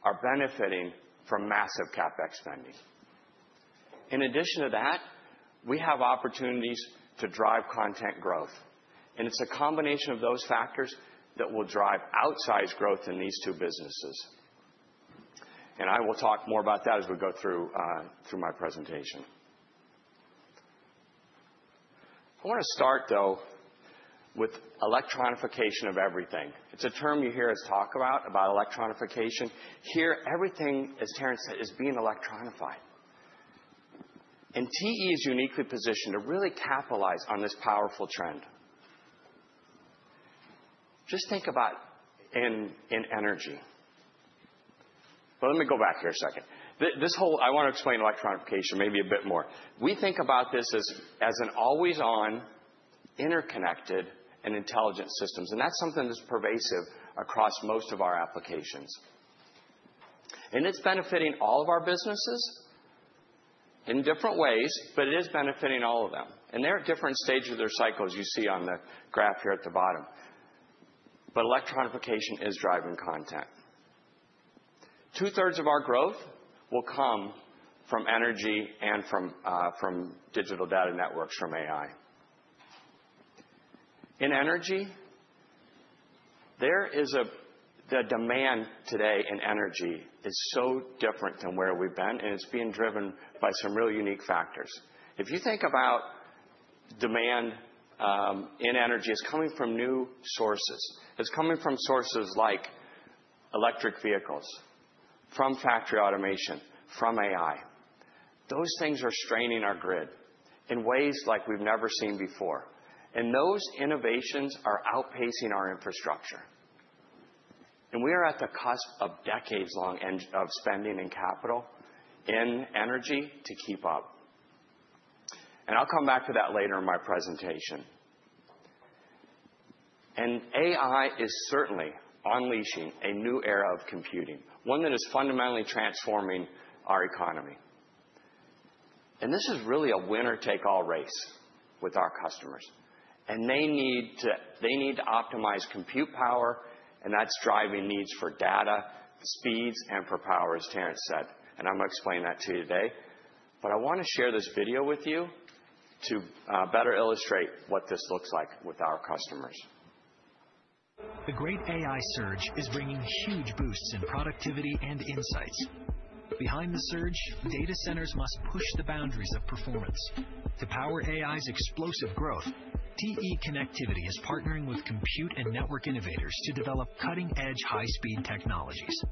are benefiting from massive CapEx spending. In addition to that, we have opportunities to drive content growth. It's a combination of those factors that will drive outsized growth in these two businesses. I will talk more about that as we go through my presentation. I want to start, though, with electronification of everything. It's a term you hear us talk about, about electronification. Here, everything, as Terrence said, is being electronified. TE is uniquely positioned to really capitalize on this powerful trend. Just think about in energy. Let me go back here a second. I want to explain electronification maybe a bit more. We think about this as an always-on, interconnected, and intelligent systems. That's something that's pervasive across most of our applications. It's benefiting all of our businesses in different ways, but it is benefiting all of them. They're at different stages of their cycle, as you see on the graph here at the bottom. Electronification is driving content. Two-thirds of our growth will come from energy and from digital data networks from AI. In energy, the demand today in energy is so different than where we've been, and it's being driven by some really unique factors. If you think about demand in energy, it's coming from new sources. It's coming from sources like electric vehicles, from factory automation, from AI. Those things are straining our grid in ways like we've never seen before. Those innovations are outpacing our infrastructure. We are at the cusp of decades-long spending and capital in energy to keep up. I'll come back to that later in my presentation. AI is certainly unleashing a new era of computing, one that is fundamentally transforming our economy. This is really a winner-take-all race with our customers. They need to optimize compute power, and that's driving needs for data, speeds, and for power, as Terrence said. I'm going to explain that to you today. I want to share this video with you to better illustrate what this looks like with our customers. The great AI surge is bringing huge boosts in productivity and insights. Behind the surge, data centers must push the boundaries of performance. To power AI's explosive growth, TE Connectivity is partnering with compute and network innovators to develop cutting-edge, high-speed technologies.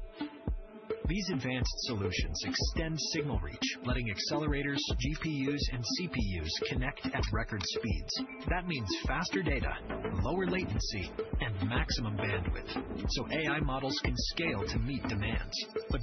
These advanced solutions extend signal reach, letting accelerators, GPUs, and CPUs connect at record speeds. That means faster data, lower latency, and maximum bandwidth, so AI models can scale to meet demands.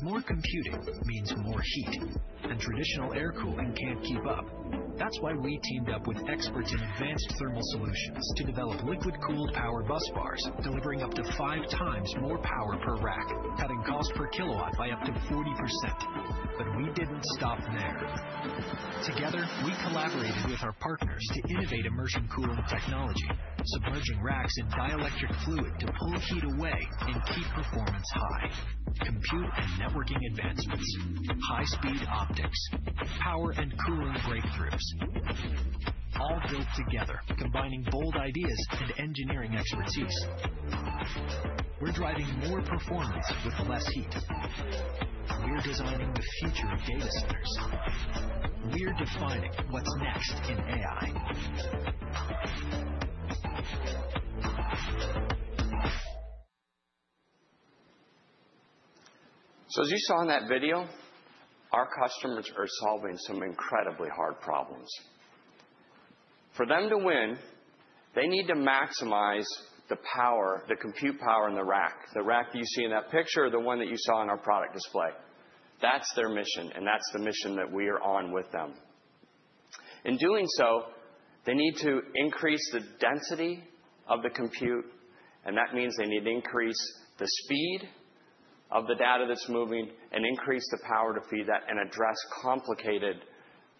More computing means more heat, and traditional air cooling cannot keep up. That is why we teamed up with experts in advanced thermal solutions to develop liquid-cooled power bus bars, delivering up to five times more power per rack, cutting cost per kilowatt by up to 40%. We did not stop there. Together, we collaborated with our partners to innovate immersion cooling technology, submerging racks in dielectric fluid to pull heat away and keep performance high. Compute and networking advancements, high-speed optics, power and cooling breakthroughs, all built together, combining bold ideas and engineering expertise. We're driving more performance with less heat. We're designing the future of data centers. We're defining what's next in AI. As you saw in that video, our customers are solving some incredibly hard problems. For them to win, they need to maximize the power, the compute power in the rack. The rack that you see in that picture is the one that you saw in our product display. That's their mission, and that's the mission that we are on with them. In doing so, they need to increase the density of the compute, and that means they need to increase the speed of the data that's moving and increase the power to feed that and address complicated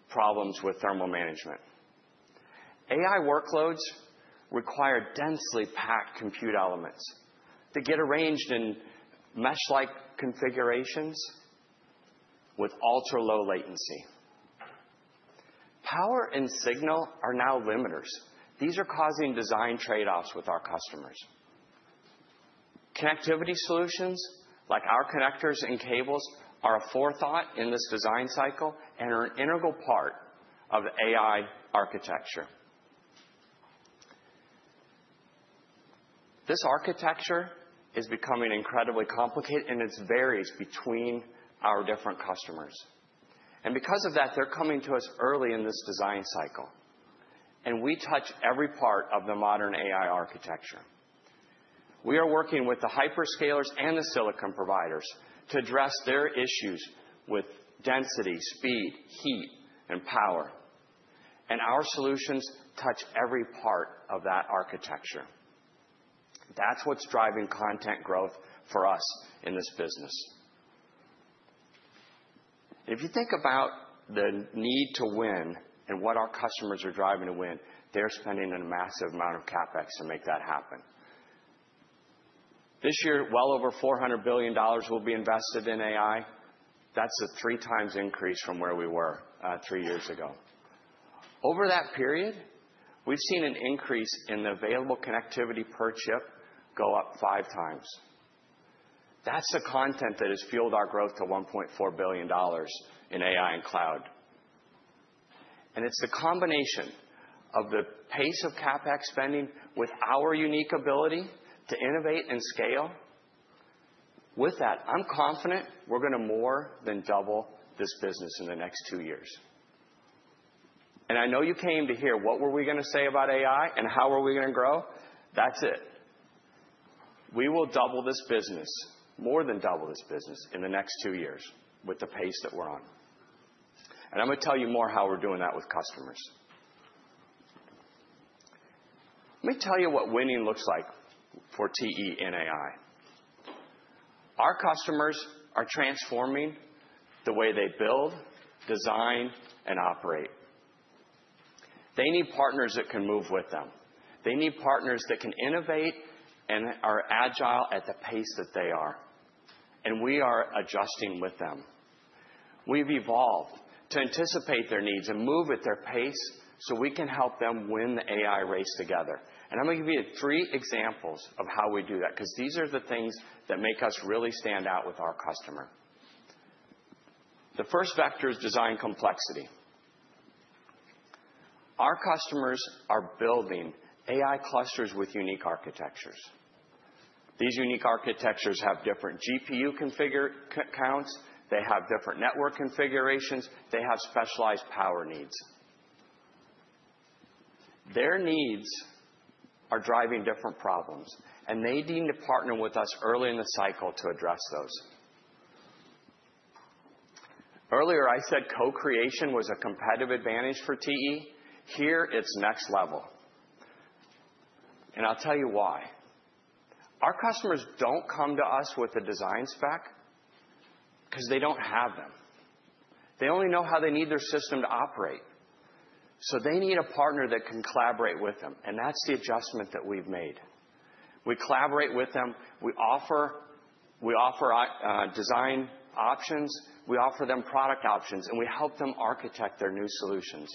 problems with thermal management. AI workloads require densely packed compute elements that get arranged in mesh-like configurations with ultra-low latency. Power and signal are now limiters. These are causing design trade-offs with our customers. Connectivity solutions, like our connectors and cables, are a forethought in this design cycle and are an integral part of AI architecture. This architecture is becoming incredibly complicated, and it varies between our different customers. Because of that, they're coming to us early in this design cycle, and we touch every part of the modern AI architecture. We are working with the hyperscalers and the silicon providers to address their issues with density, speed, heat, and power. Our solutions touch every part of that architecture. That's what's driving content growth for us in this business. If you think about the need to win and what our customers are driving to win, they're spending a massive amount of CapEx to make that happen. This year, well over $400 billion will be invested in AI. That's a 3x increase from where we were three years ago. Over that period, we've seen an increase in the available connectivity per chip go up 5x. That's the content that has fueled our growth to $1.4 billion in AI and cloud. It's the combination of the pace of CapEx spending with our unique ability to innovate and scale. With that, I'm confident we're going to more than double this business in the next two years. I know you came to hear, "What were we going to say about AI, and how are we going to grow?" That is it. We will double this business, more than double this business in the next two years with the pace that we are on. I am going to tell you more how we are doing that with customers. Let me tell you what winning looks like for TE in AI. Our customers are transforming the way they build, design, and operate. They need partners that can move with them. They need partners that can innovate and are agile at the pace that they are. We are adjusting with them. We have evolved to anticipate their needs and move at their pace so we can help them win the AI race together. I'm going to give you three examples of how we do that because these are the things that make us really stand out with our customer. The first vector is design complexity. Our customers are building AI clusters with unique architectures. These unique architectures have different GPU counts. They have different network configurations. They have specialized power needs. Their needs are driving different problems, and they need to partner with us early in the cycle to address those. Earlier, I said co-creation was a competitive advantage for TE. Here, it's next level. I'll tell you why. Our customers don't come to us with a design spec because they don't have them. They only know how they need their system to operate. They need a partner that can collaborate with them. That's the adjustment that we've made. We collaborate with them. We offer design options. We offer them product options, and we help them architect their new solutions.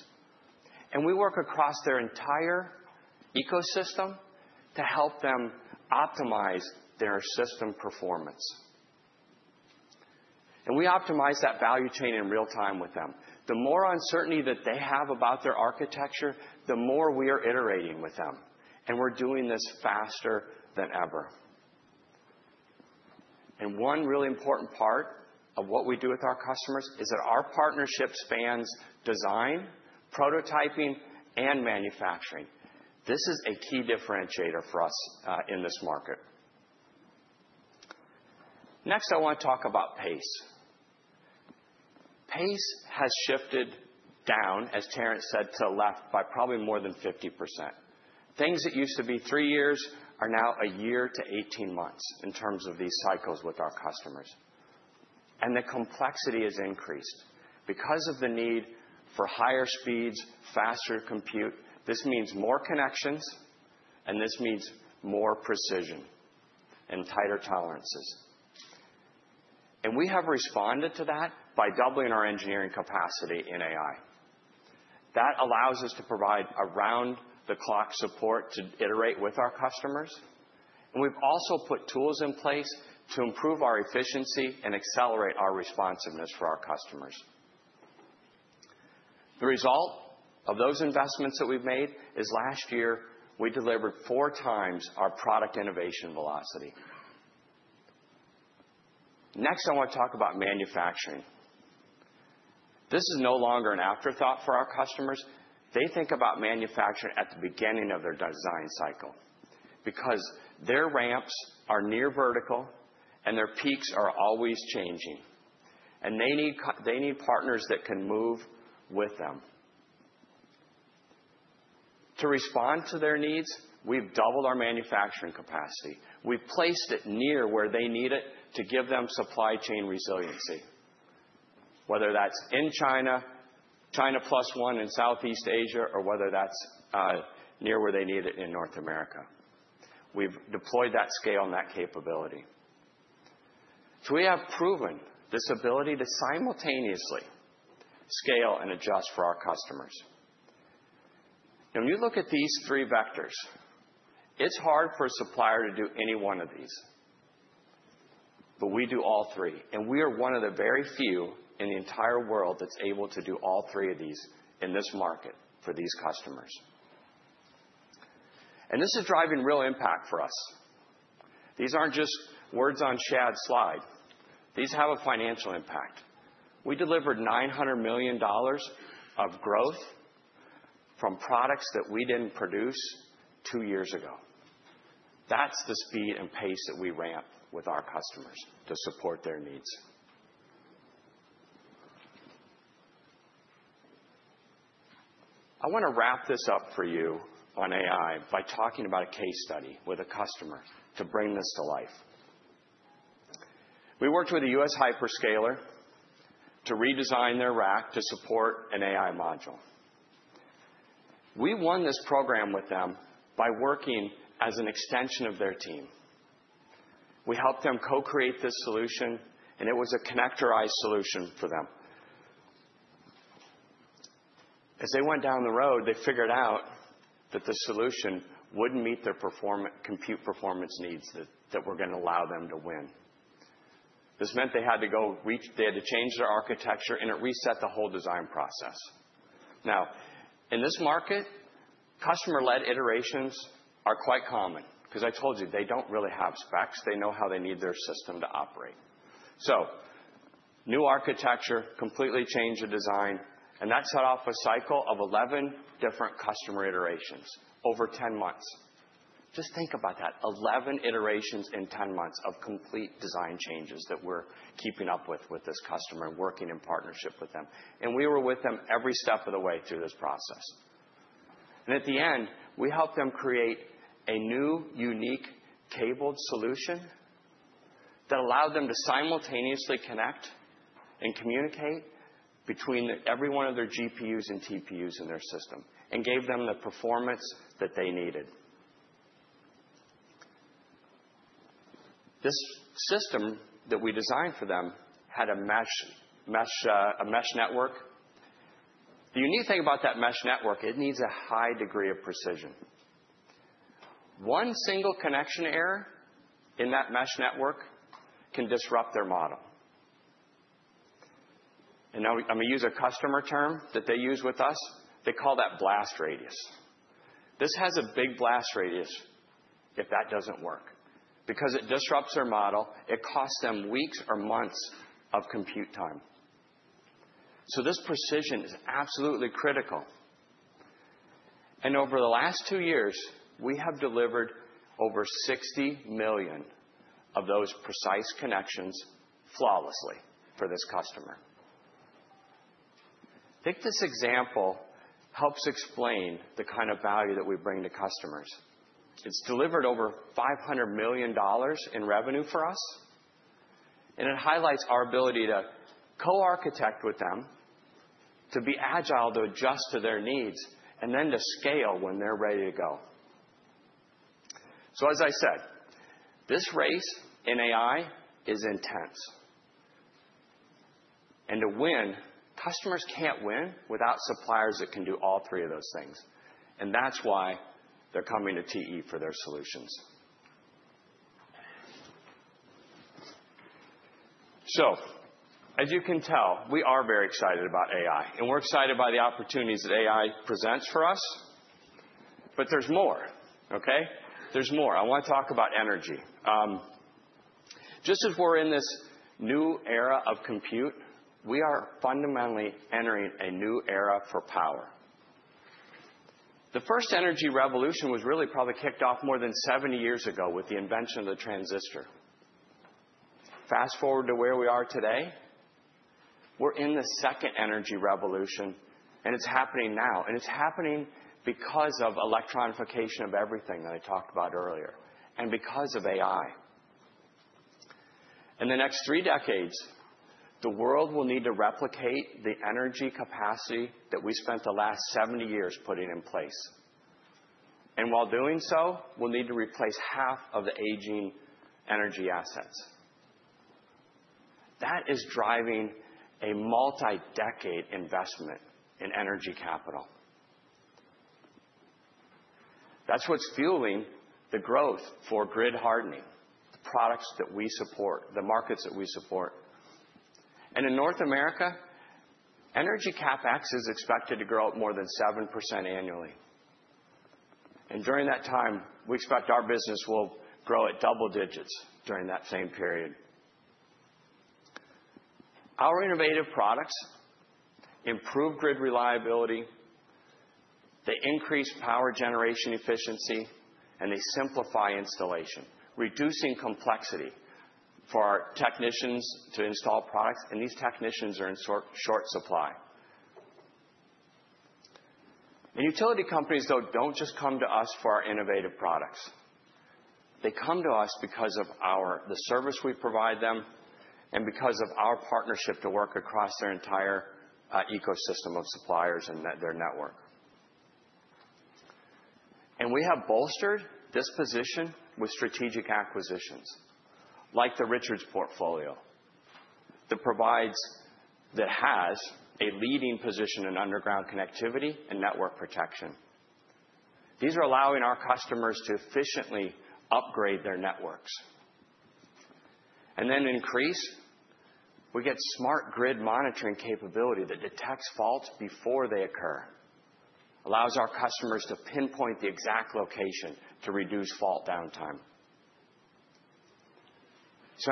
We work across their entire ecosystem to help them optimize their system performance. We optimize that value chain in real time with them. The more uncertainty that they have about their architecture, the more we are iterating with them. We're doing this faster than ever. One really important part of what we do with our customers is that our partnership spans design, prototyping, and manufacturing. This is a key differentiator for us in this market. Next, I want to talk about pace. Pace has shifted down, as Terrence said, to the left by probably more than 50%. Things that used to be three years are now a year to 18 months in terms of these cycles with our customers. The complexity has increased because of the need for higher speeds, faster compute. This means more connections, and this means more precision and tighter tolerances. We have responded to that by doubling our engineering capacity in AI. That allows us to provide around-the-clock support to iterate with our customers. We have also put tools in place to improve our efficiency and accelerate our responsiveness for our customers. The result of those investments that we have made is last year, we delivered four times our product innovation velocity. Next, I want to talk about manufacturing. This is no longer an afterthought for our customers. They think about manufacturing at the beginning of their design cycle because their ramps are near vertical, and their peaks are always changing. They need partners that can move with them. To respond to their needs, we have doubled our manufacturing capacity. We've placed it near where they need it to give them supply chain resiliency, whether that's in China, China Plus One in Southeast Asia, or whether that's near where they need it in North America. We've deployed that scale and that capability. We have proven this ability to simultaneously scale and adjust for our customers. Now, when you look at these three vectors, it's hard for a supplier to do any one of these. We do all three. We are one of the very few in the entire world that's able to do all three of these in this market for these customers. This is driving real impact for us. These aren't just words on a slide. These have a financial impact. We delivered $900 million of growth from products that we didn't produce two years ago. That's the speed and pace that we ramp with our customers to support their needs. I want to wrap this up for you on AI by talking about a case study with a customer to bring this to life. We worked with a US hyperscaler to redesign their rack to support an AI module. We won this program with them by working as an extension of their team. We helped them co-create this solution, and it was a connectorized solution for them. As they went down the road, they figured out that the solution wouldn't meet their compute performance needs that were going to allow them to win. This meant they had to go reach; they had to change their architecture, and it reset the whole design process. Now, in this market, customer-led iterations are quite common because I told you they don't really have specs. They know how they need their system to operate. New architecture, completely changed the design, and that set off a cycle of 11 different customer iterations over 10 months. Just think about that: 11 iterations in 10 months of complete design changes that we're keeping up with with this customer and working in partnership with them. We were with them every step of the way through this process. At the end, we helped them create a new, unique cabled solution that allowed them to simultaneously connect and communicate between every one of their GPUs and TPUs in their system and gave them the performance that they needed. This system that we designed for them had a mesh network. The unique thing about that mesh network is it needs a high degree of precision. One single connection error in that mesh network can disrupt their model. I'm going to use a customer term that they use with us. They call that blast radius. This has a big blast radius if that doesn't work because it disrupts their model. It costs them weeks or months of compute time. This precision is absolutely critical. Over the last two years, we have delivered over 60 million of those precise connections flawlessly for this customer. I think this example helps explain the kind of value that we bring to customers. It's delivered over $500 million in revenue for us. It highlights our ability to co-architect with them, to be agile, to adjust to their needs, and then to scale when they're ready to go. As I said, this race in AI is intense. To win, customers can't win without suppliers that can do all three of those things. That is why they are coming to TE for their solutions. As you can tell, we are very excited about AI. We are excited by the opportunities that AI presents for us. There is more, okay? There is more. I want to talk about energy. Just as we are in this new era of compute, we are fundamentally entering a new era for power. The first energy revolution was really probably kicked off more than 70 years ago with the invention of the transistor. Fast forward to where we are today, we are in the second energy revolution, and it is happening now. It is happening because of electronification of everything that I talked about earlier and because of AI. In the next three decades, the world will need to replicate the energy capacity that we spent the last 70 years putting in place. While doing so, we'll need to replace half of the aging energy assets. That is driving a multi-decade investment in energy capital. That's what's fueling the growth for grid hardening, the products that we support, the markets that we support. In North America, energy CapEx is expected to grow at more than 7% annually. During that time, we expect our business will grow at double digits during that same period. Our innovative products improve grid reliability. They increase power generation efficiency, and they simplify installation, reducing complexity for our technicians to install products. These technicians are in short supply. Utility companies, though, do not just come to us for our innovative products. They come to us because of the service we provide them and because of our partnership to work across their entire ecosystem of suppliers and their network. We have bolstered this position with strategic acquisitions like the Richards portfolio that has a leading position in underground connectivity and network protection. These are allowing our customers to efficiently upgrade their networks. In addition, we get smart grid monitoring capability that detects faults before they occur, allows our customers to pinpoint the exact location to reduce fault downtime.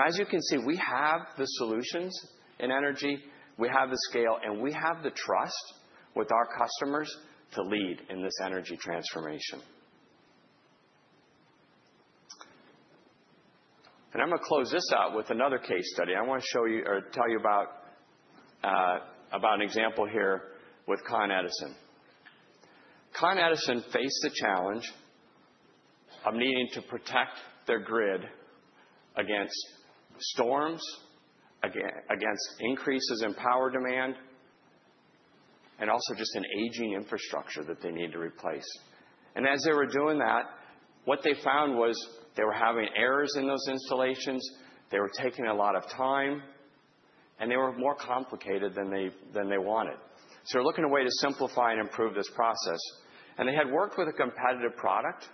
As you can see, we have the solutions in energy. We have the scale, and we have the trust with our customers to lead in this energy transformation. I'm going to close this out with another case study. I want to tell you about an example here with Con Edison. Con Edison faced the challenge of needing to protect their grid against storms, against increases in power demand, and also just an aging infrastructure that they need to replace. As they were doing that, what they found was they were having errors in those installations. They were taking a lot of time, and they were more complicated than they wanted. They are looking at a way to simplify and improve this process. They had worked with a competitive product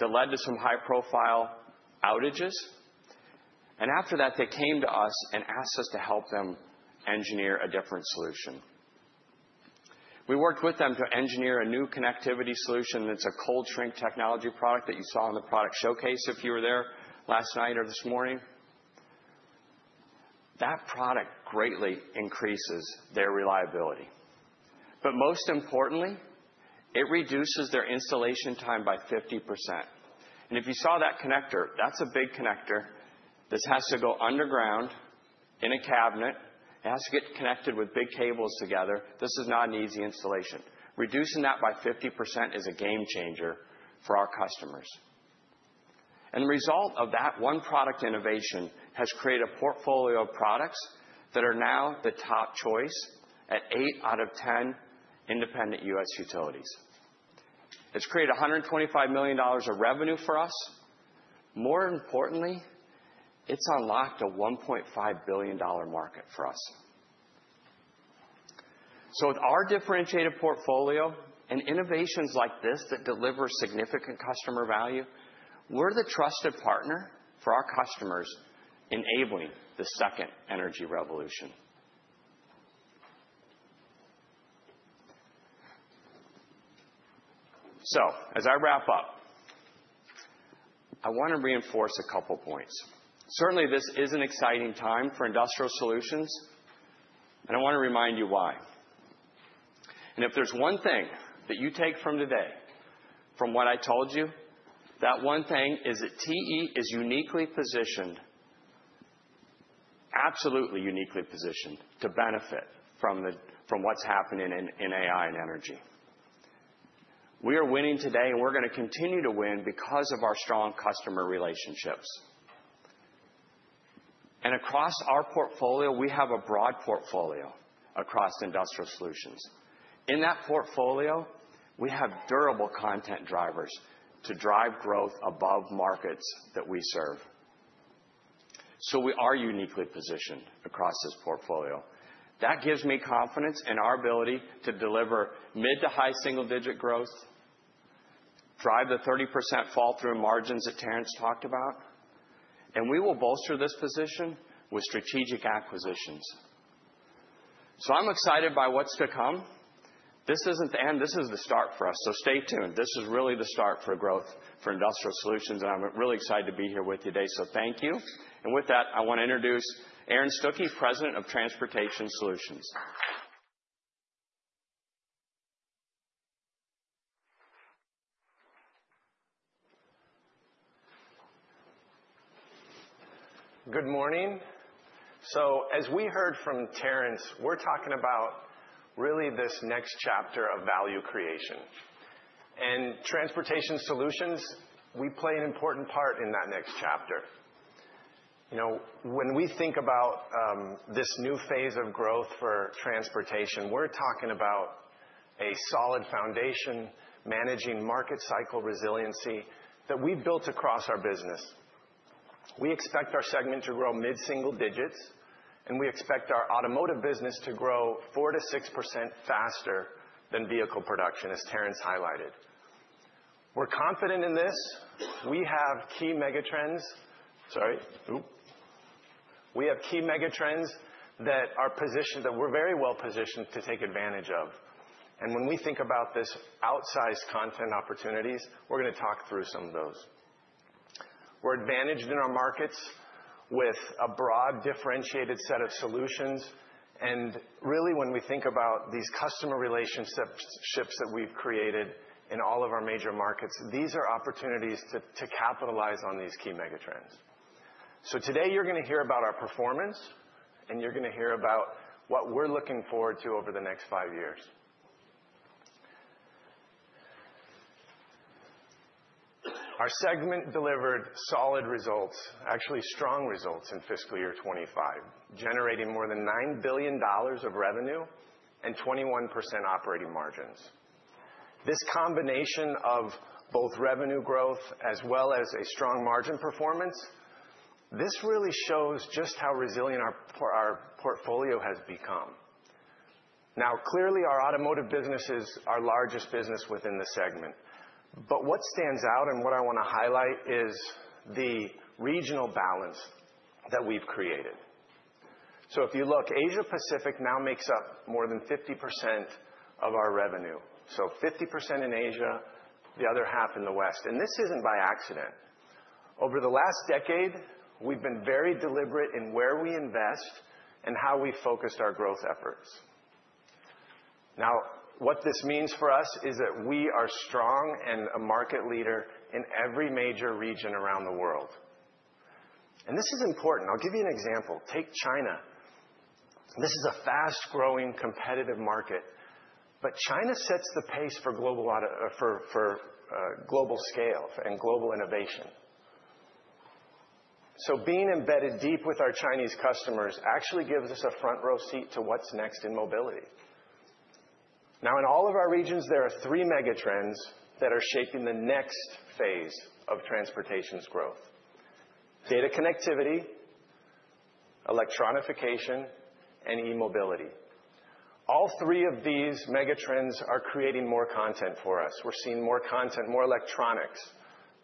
that led to some high-profile outages. After that, they came to us and asked us to help them engineer a different solution. We worked with them to engineer a new connectivity solution. It is a cold shrink technology product that you saw in the product showcase if you were there last night or this morning. That product greatly increases their reliability. Most importantly, it reduces their installation time by 50%. If you saw that connector, that is a big connector. This has to go underground in a cabinet. It has to get connected with big cables together. This is not an easy installation. Reducing that by 50% is a game changer for our customers. The result of that one product innovation has created a portfolio of products that are now the top choice at 8 out of 10 independent U.S. utilities. It has created $125 million of revenue for us. More importantly, it has unlocked a $1.5 billion market for us. With our differentiated portfolio and innovations like this that deliver significant customer value, we are the trusted partner for our customers enabling the second energy revolution. As I wrap up, I want to reinforce a couple of points. Certainly, this is an exciting time for industrial solutions. I want to remind you why. If there is one thing that you take from today, from what I told you, that one thing is that TE is uniquely positioned, absolutely uniquely positioned to benefit from what is happening in AI and energy. We are winning today, and we are going to continue to win because of our strong customer relationships. Across our portfolio, we have a broad portfolio across industrial solutions. In that portfolio, we have durable content drivers to drive growth above markets that we serve. We are uniquely positioned across this portfolio. That gives me confidence in our ability to deliver mid to high single-digit growth, drive the 30% fall-through margins that Terrence talked about. We will bolster this position with strategic acquisitions. I am excited by what is to come. This is not the end. This is the start for us. Stay tuned. This is really the start for growth for industrial solutions. I'm really excited to be here with you today. Thank you. With that, I want to introduce Aaron Stucki, President of Transportation Solutions. Good morning. As we heard from Terrence, we're talking about really this next chapter of value creation. In Transportation Solutions, we play an important part in that next chapter. When we think about this new phase of growth for transportation, we're talking about a solid foundation managing market cycle resiliency that we've built across our business. We expect our segment to grow mid-single digits, and we expect our automotive business to grow 4%-6% faster than vehicle production, as Terrence highlighted. We're confident in this. We have key megatrends. Sorry. We have key megatrends that we're very well positioned to take advantage of. When we think about this outsized content opportunities, we're going to talk through some of those. We're advantaged in our markets with a broad differentiated set of solutions. Really, when we think about these customer relationships that we've created in all of our major markets, these are opportunities to capitalize on these key megatrends. Today, you're going to hear about our performance, and you're going to hear about what we're looking forward to over the next five years. Our segment delivered solid results, actually strong results in fiscal year 2025, generating more than $9 billion of revenue and 21% operating margins. This combination of both revenue growth as well as a strong margin performance, this really shows just how resilient our portfolio has become. Now, clearly, our automotive business is our largest business within the segment. What stands out and what I want to highlight is the regional balance that we've created. If you look, Asia-Pacific now makes up more than 50% of our revenue. 50% in Asia, the other half in the West. This isn't by accident. Over the last decade, we've been very deliberate in where we invest and how we focus our growth efforts. What this means for us is that we are strong and a market leader in every major region around the world. This is important. I'll give you an example. Take China. This is a fast-growing, competitive market. China sets the pace for global scale and global innovation. Being embedded deep with our Chinese customers actually gives us a front-row seat to what's next in mobility. Now, in all of our regions, there are three megatrends that are shaping the next phase of transportation's growth: data connectivity, electronification, and e-mobility. All three of these megatrends are creating more content for us. We're seeing more content, more electronics,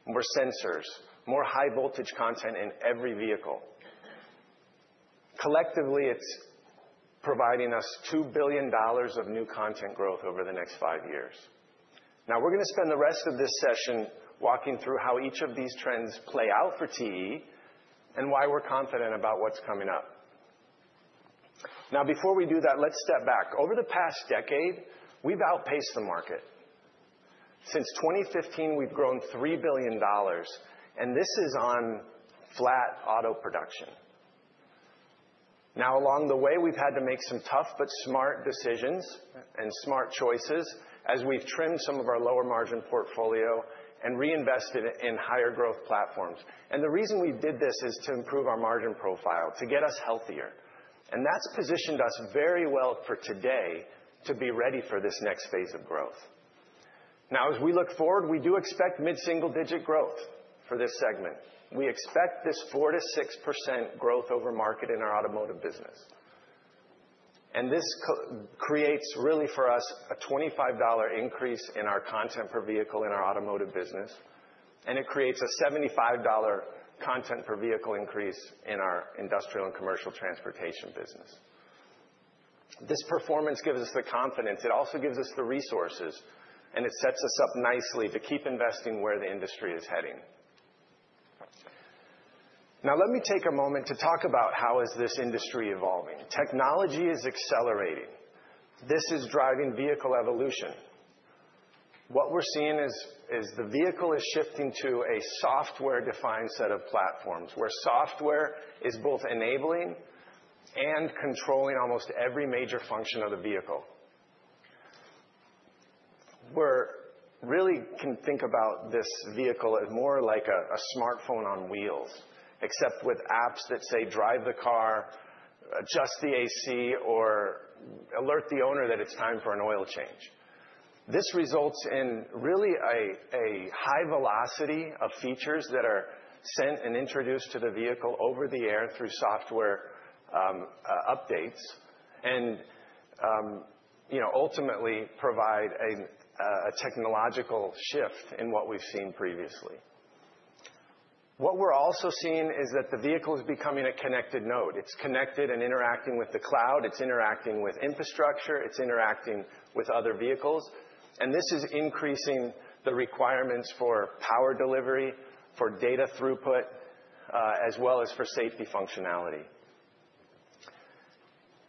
more sensors, more high-voltage content in every vehicle. Collectively, it's providing us $2 billion of new content growth over the next five years. Now, we're going to spend the rest of this session walking through how each of these trends play out for TE and why we're confident about what's coming up. Now, before we do that, let's step back. Over the past decade, we've outpaced the market. Since 2015, we've grown $3 billion, and this is on flat auto production. Now, along the way, we've had to make some tough but smart decisions and smart choices as we've trimmed some of our lower-margin portfolio and reinvested in higher-growth platforms. The reason we did this is to improve our margin profile, to get us healthier. That has positioned us very well for today to be ready for this next phase of growth. Now, as we look forward, we do expect mid-single-digit growth for this segment. We expect this 4%-6% growth over market in our automotive business. This creates, really, for us, a $25 increase in our content per vehicle in our automotive business. It creates a $75 content per vehicle increase in our industrial and commercial transportation business. This performance gives us the confidence. It also gives us the resources, and it sets us up nicely to keep investing where the industry is heading. Now, let me take a moment to talk about how this industry is evolving. Technology is accelerating. This is driving vehicle evolution. What we're seeing is the vehicle is shifting to a software-defined set of platforms where software is both enabling and controlling almost every major function of the vehicle. We really can think about this vehicle as more like a smartphone on wheels, except with apps that say, "Drive the car, adjust the AC," or "Alert the owner that it's time for an oil change." This results in, really, a high velocity of features that are sent and introduced to the vehicle over the air through software updates and ultimately provide a technological shift in what we've seen previously. What we're also seeing is that the vehicle is becoming a connected node. It's connected and interacting with the cloud. It's interacting with infrastructure. It's interacting with other vehicles. This is increasing the requirements for power delivery, for data throughput, as well as for safety functionality.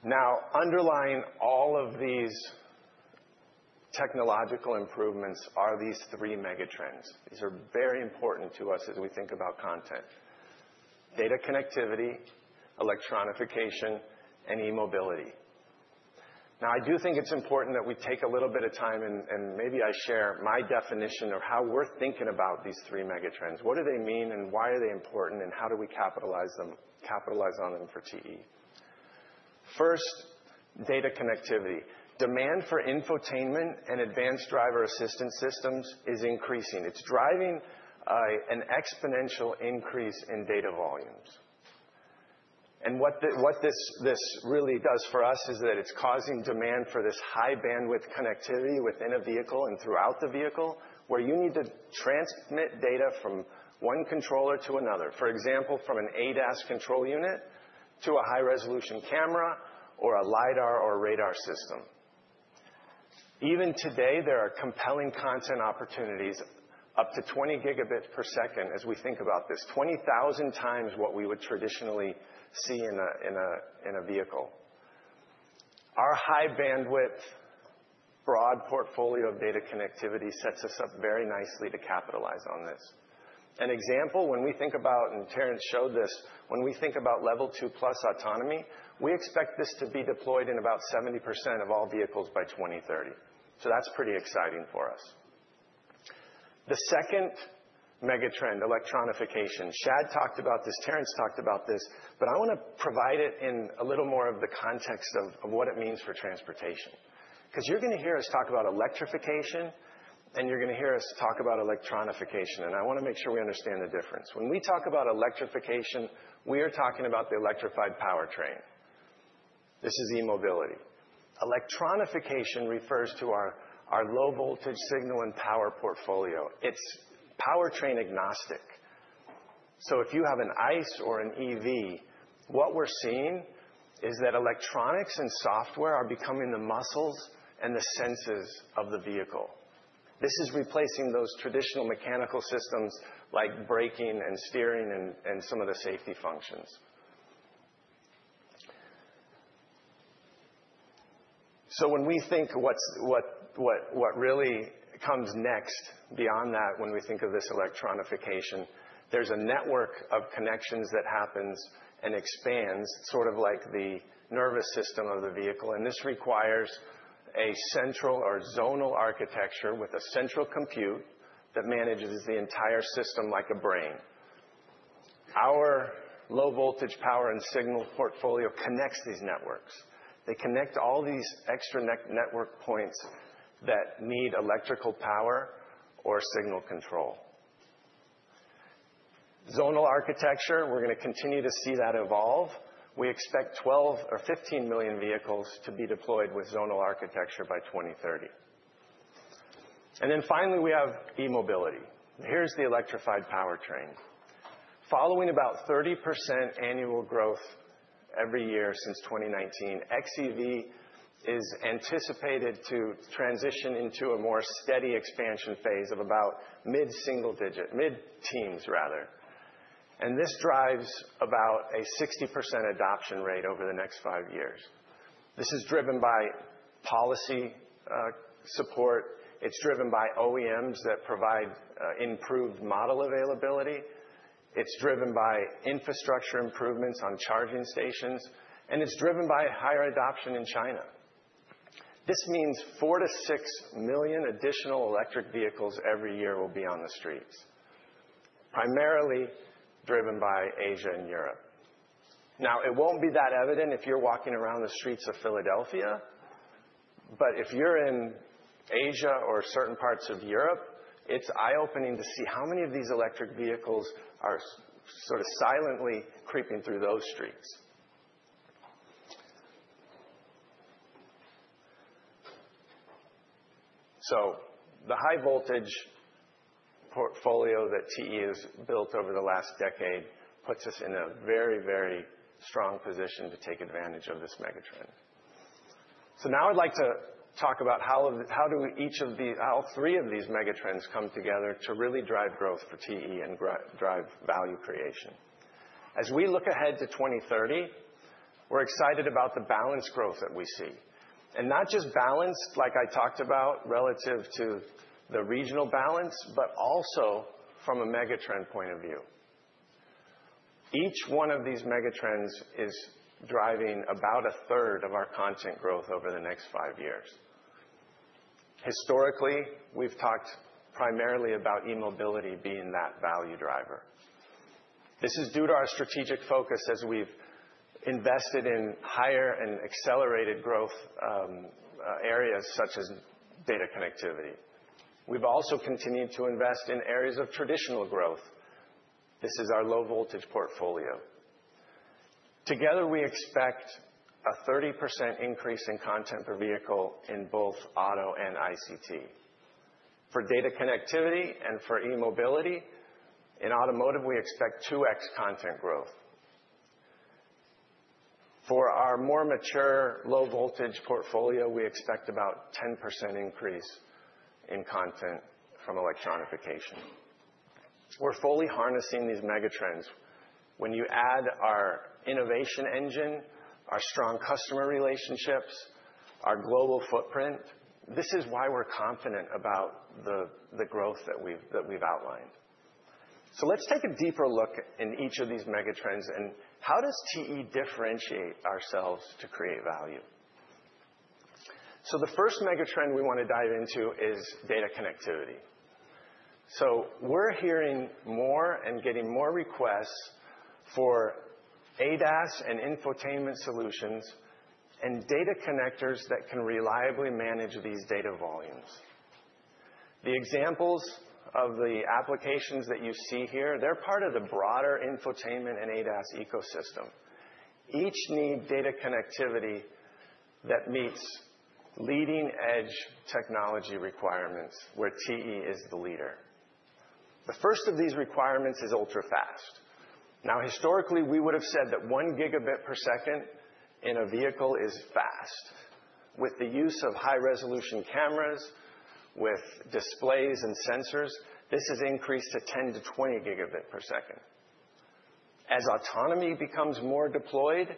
Now, underlying all of these technological improvements are these three megatrends. These are very important to us as we think about content: data connectivity, electronification, and e-mobility. I do think it's important that we take a little bit of time, and maybe I share my definition of how we're thinking about these three megatrends. What do they mean, and why are they important, and how do we capitalize on them for TE? First, data connectivity. Demand for infotainment and advanced driver assistance systems is increasing. It's driving an exponential increase in data volumes. What this really does for us is that it's causing demand for this high-bandwidth connectivity within a vehicle and throughout the vehicle where you need to transmit data from one controller to another, for example, from an ADAS control unit to a high-resolution camera or a LiDAR or a radar system. Even today, there are compelling content opportunities up to 20 Gb per second as we think about this, 20,000 times what we would traditionally see in a vehicle. Our high-bandwidth, broad portfolio of data connectivity sets us up very nicely to capitalize on this. An example, when we think about, and Terrence showed this, when we think about Level 2 Plus autonomy, we expect this to be deployed in about 70% of all vehicles by 2030. That's pretty exciting for us. The second megatrend, electronification. Shad talked about this. Terrence talked about this. I want to provide it in a little more of the context of what it means for transportation. Because you're going to hear us talk about electrification, and you're going to hear us talk about electronification. I want to make sure we understand the difference. When we talk about electrification, we are talking about the electrified powertrain. This is e-mobility. Electronification refers to our low-voltage signal and power portfolio. It's powertrain agnostic. So, if you have an ICE or an EV, what we're seeing is that electronics and software are becoming the muscles and the senses of the vehicle. This is replacing those traditional mechanical systems like braking and steering and some of the safety functions. When we think of what really comes next beyond that, when we think of this electronification, there's a network of connections that happens and expands, sort of like the nervous system of the vehicle. This requires a central or zonal architecture with a central compute that manages the entire system like a brain. Our low-voltage power and signal portfolio connects these networks. They connect all these extra network points that need electrical power or signal control. Zonal architecture, we're going to continue to see that evolve. We expect 12 or 15 million vehicles to be deployed with zonal architecture by 2030. Finally, we have e-mobility. Here's the electrified powertrain. Following about 30% annual growth every year since 2019, xEV is anticipated to transition into a more steady expansion phase of about mid-single digit, mid-teens, rather. This drives about a 60% adoption rate over the next five years. This is driven by policy support. It is driven by OEMs that provide improved model availability. It is driven by infrastructure improvements on charging stations. It is driven by higher adoption in China. This means 4-6 million additional electric vehicles every year will be on the streets, primarily driven by Asia and Europe. It will not be that evident if you are walking around the streets of Philadelphia. If you are in Asia or certain parts of Europe, it is eye-opening to see how many of these electric vehicles are sort of silently creeping through those streets. The high-voltage portfolio that TE has built over the last decade puts us in a very, very strong position to take advantage of this megatrend. Now I'd like to talk about how do each of these, how three of these megatrends come together to really drive growth for TE and drive value creation. As we look ahead to 2030, we're excited about the balanced growth that we see. Not just balanced, like I talked about, relative to the regional balance, but also from a megatrend point of view. Each one of these megatrends is driving about a third of our content growth over the next five years. Historically, we've talked primarily about e-mobility being that value driver. This is due to our strategic focus as we've invested in higher and accelerated growth areas such as data connectivity. We've also continued to invest in areas of traditional growth. This is our low-voltage portfolio. Together, we expect a 30% increase in content per vehicle in both auto and ICT. For data connectivity and for e-mobility, in automotive, we expect 2x content growth. For our more mature low-voltage portfolio, we expect about a 10% increase in content from electronification. We're fully harnessing these megatrends. When you add our innovation engine, our strong customer relationships, our global footprint, this is why we're confident about the growth that we've outlined. Let's take a deeper look in each of these megatrends. How does TE differentiate ourselves to create value? The first megatrend we want to dive into is data connectivity. We're hearing more and getting more requests for ADAS and infotainment solutions and data connectors that can reliably manage these data volumes. The examples of the applications that you see here, they're part of the broader infotainment and ADAS ecosystem. Each needs data connectivity that meets leading-edge technology requirements where TE is the leader. The first of these requirements is ultra-fast. Now, historically, we would have said that 1 Gb per second in a vehicle is fast. With the use of high-resolution cameras, with displays and sensors, this has increased to 10 Gb-20 Gb per second. As autonomy becomes more deployed,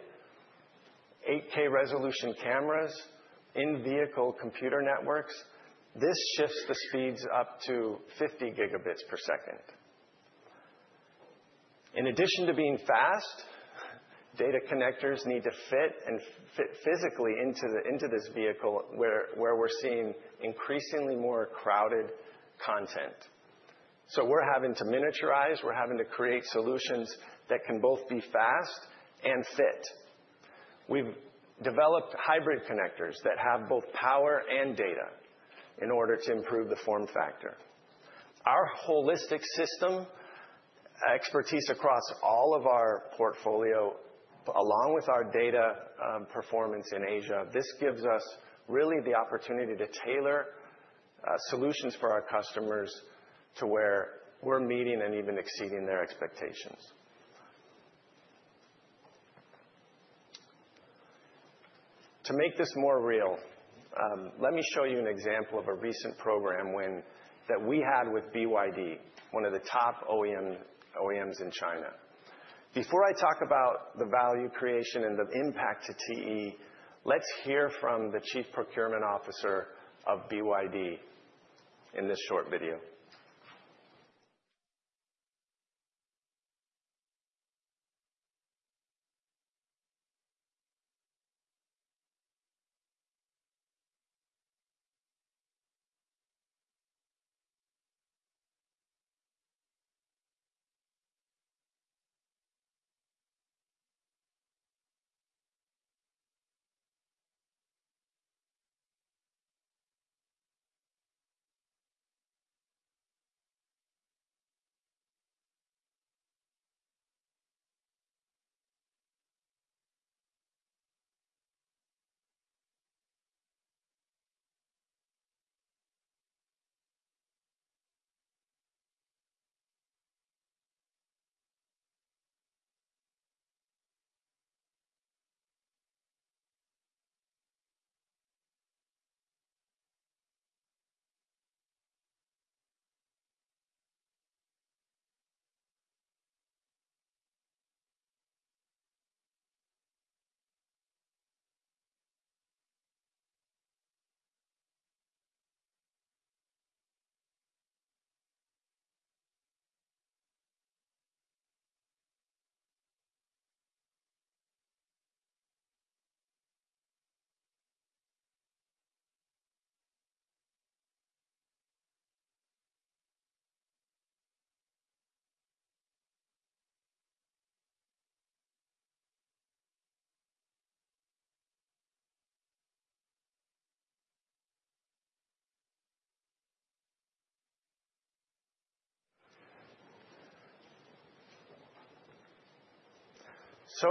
8K resolution cameras in vehicle computer networks, this shifts the speeds up to 50 Gb per second. In addition to being fast, data connectors need to fit physically into this vehicle where we're seeing increasingly more crowded content. We are having to miniaturize. We are having to create solutions that can both be fast and fit. We have developed hybrid connectors that have both power and data in order to improve the form factor. Our holistic system, expertise across all of our portfolio, along with our data performance in Asia, this gives us really the opportunity to tailor solutions for our customers to where we're meeting and even exceeding their expectations. To make this more real, let me show you an example of a recent program that we had with BYD, one of the top OEMs in China. Before I talk about the value creation and the impact to TE, let's hear from the Chief Procurement Officer of BYD in this short video.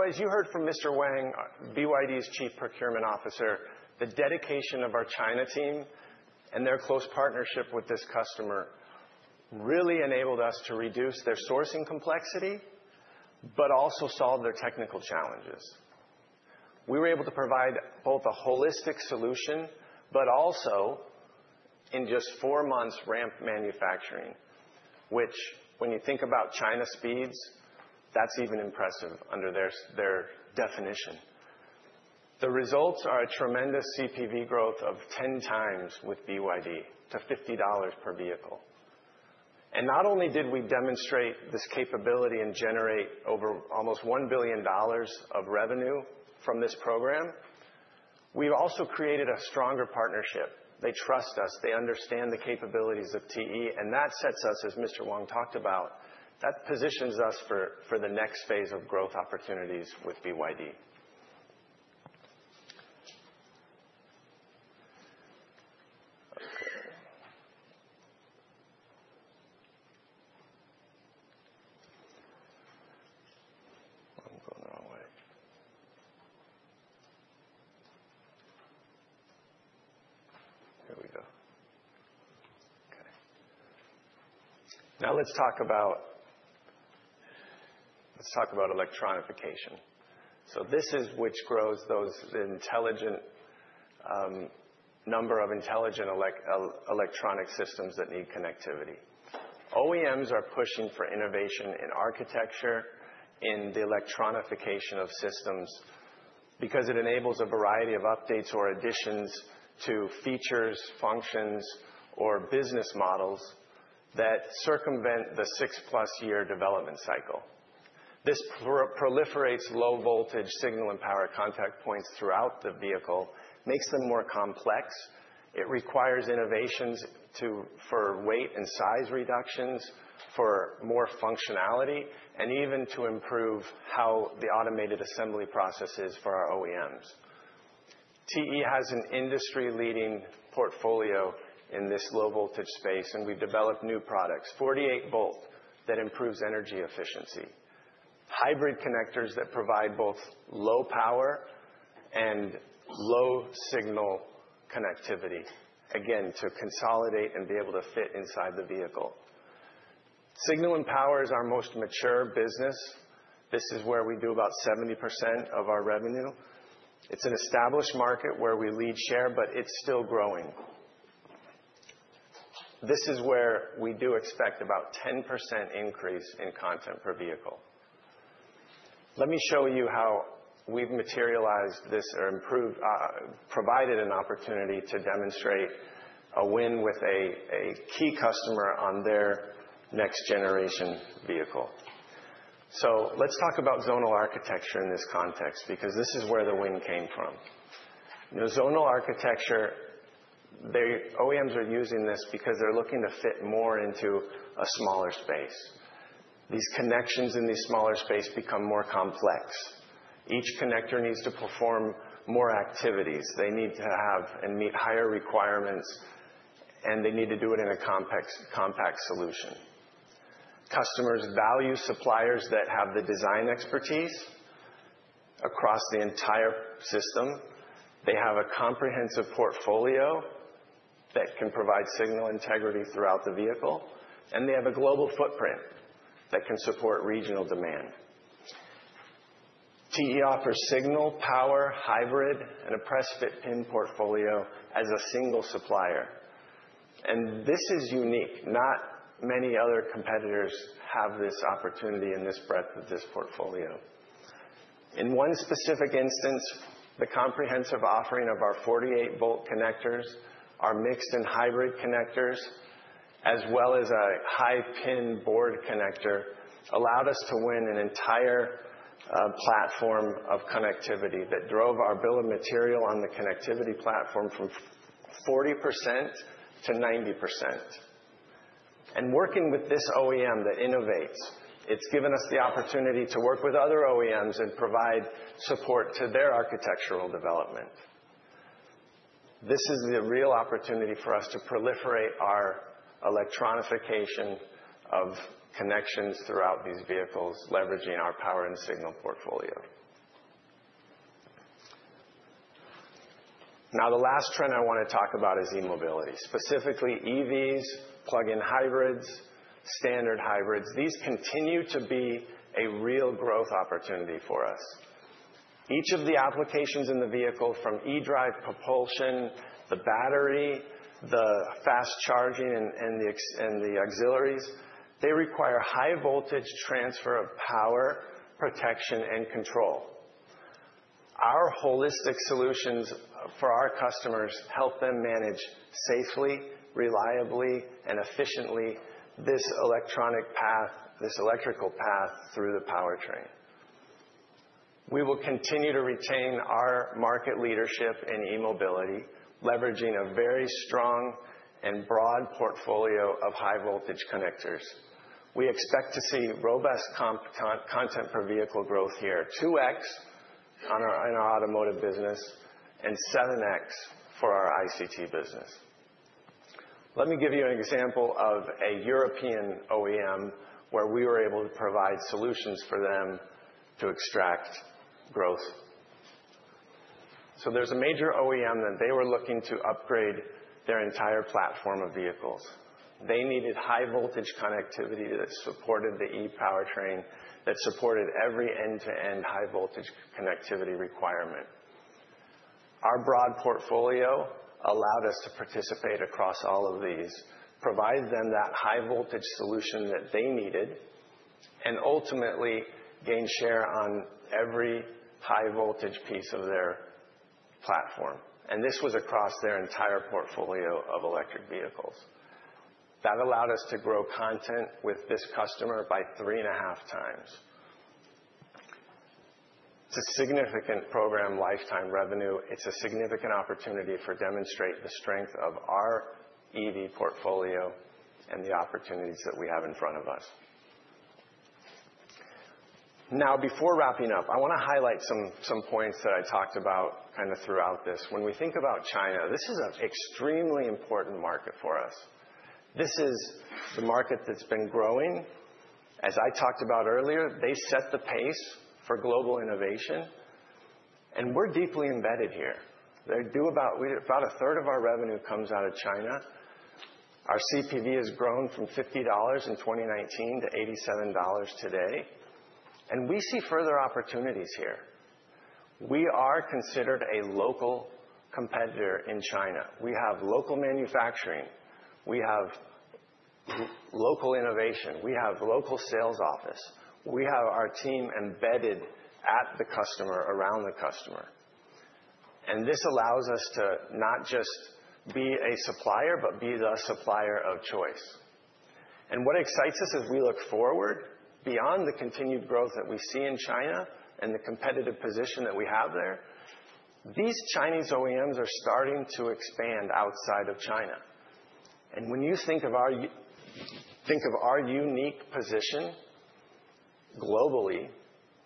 As you heard from Mr. Wang, BYD's Chief Procurement Officer, the dedication of our China team and their close partnership with this customer really enabled us to reduce their sourcing complexity, but also solve their technical challenges. We were able to provide both a holistic solution, but also in just four months, ramp manufacturing, which, when you think about China speeds, that's even impressive under their definition. The results are a tremendous CPV growth of 10x with BYD to $50 per vehicle. Not only did we demonstrate this capability and generate over almost $1 billion of revenue from this program, we've also created a stronger partnership. They trust us. They understand the capabilities of TE. That sets us, as Mr. Wang talked about, that positions us for the next phase of growth opportunities with BYD. I'm going the wrong way. Here we go. Okay. Now, let's talk about, let's talk about electronification. This is which grows the number of intelligent electronic systems that need connectivity. OEMs are pushing for innovation in architecture, in the electronification of systems, because it enables a variety of updates or additions to features, functions, or business models that circumvent the six-plus year development cycle. This proliferates low-voltage signal and power contact points throughout the vehicle, makes them more complex. It requires innovations for weight and size reductions, for more functionality, and even to improve how the automated assembly process is for our OEMs. TE has an industry-leading portfolio in this low-voltage space, and we've developed new products, 48V, that improves energy efficiency, hybrid connectors that provide both low power and low signal connectivity, again, to consolidate and be able to fit inside the vehicle. Signal and power is our most mature business. This is where we do about 70% of our revenue. It's an established market where we lead share, but it's still growing. This is where we do expect about a 10% increase in content per vehicle. Let me show you how we've materialized this or provided an opportunity to demonstrate a win with a key customer on their next-generation vehicle. Let's talk about zonal architecture in this context, because this is where the win came from. Zonal architecture, the OEMs are using this because they're looking to fit more into a smaller space. These connections in the smaller space become more complex. Each connector needs to perform more activities. They need to have and meet higher requirements, and they need to do it in a compact solution. Customers value suppliers that have the design expertise across the entire system. They have a comprehensive portfolio that can provide signal integrity throughout the vehicle. They have a global footprint that can support regional demand. TE offers signal, power, hybrid, and a press-fit pin portfolio as a single supplier. This is unique. Not many other competitors have this opportunity and this breadth of this portfolio. In one specific instance, the comprehensive offering of our 48V connectors, our mixed and hybrid connectors, as well as a high-pin board connector, allowed us to win an entire platform of connectivity that drove our bill of material on the connectivity platform from 40% to 90%. Working with this OEM that innovates, it's given us the opportunity to work with other OEMs and provide support to their architectural development. This is the real opportunity for us to proliferate our electronification of connections throughout these vehicles, leveraging our power and signal portfolio. The last trend I want to talk about is e-mobility, specifically EVs, plug-in hybrids, standard hybrids. These continue to be a real growth opportunity for us. Each of the applications in the vehicle, from eDrive propulsion, the battery, the fast charging, and the auxiliaries, they require high-voltage transfer of power, protection, and control. Our holistic solutions for our customers help them manage safely, reliably, and efficiently this electronic path, this electrical path through the powertrain. We will continue to retain our market leadership in e-mobility, leveraging a very strong and broad portfolio of high-voltage connectors. We expect to see robust content per vehicle growth here, 2x in our automotive business and 7x for our ICT business. Let me give you an example of a European OEM where we were able to provide solutions for them to extract growth. There is a major OEM that they were looking to upgrade their entire platform of vehicles. They needed high-voltage connectivity that supported the ePowertrain, that supported every end-to-end high-voltage connectivity requirement. Our broad portfolio allowed us to participate across all of these, provide them that high-voltage solution that they needed, and ultimately gain share on every high-voltage piece of their platform. This was across their entire portfolio of electric vehicles. That allowed us to grow content with this customer by three and a half times. It is a significant program lifetime revenue. It is a significant opportunity for demonstrating the strength of our EV portfolio and the opportunities that we have in front of us. Now, before wrapping up, I want to highlight some points that I talked about kind of throughout this. When we think about China, this is an extremely important market for us. This is the market that has been growing. As I talked about earlier, they set the pace for global innovation. We're deeply embedded here. We do about a third of our revenue comes out of China. Our CPV has grown from $50 in 2019 to $87 today. We see further opportunities here. We are considered a local competitor in China. We have local manufacturing. We have local innovation. We have a local sales office. We have our team embedded at the customer, around the customer. This allows us to not just be a supplier, but be the supplier of choice. What excites us as we look forward, beyond the continued growth that we see in China and the competitive position that we have there, these Chinese OEMs are starting to expand outside of China. When you think of our unique position globally,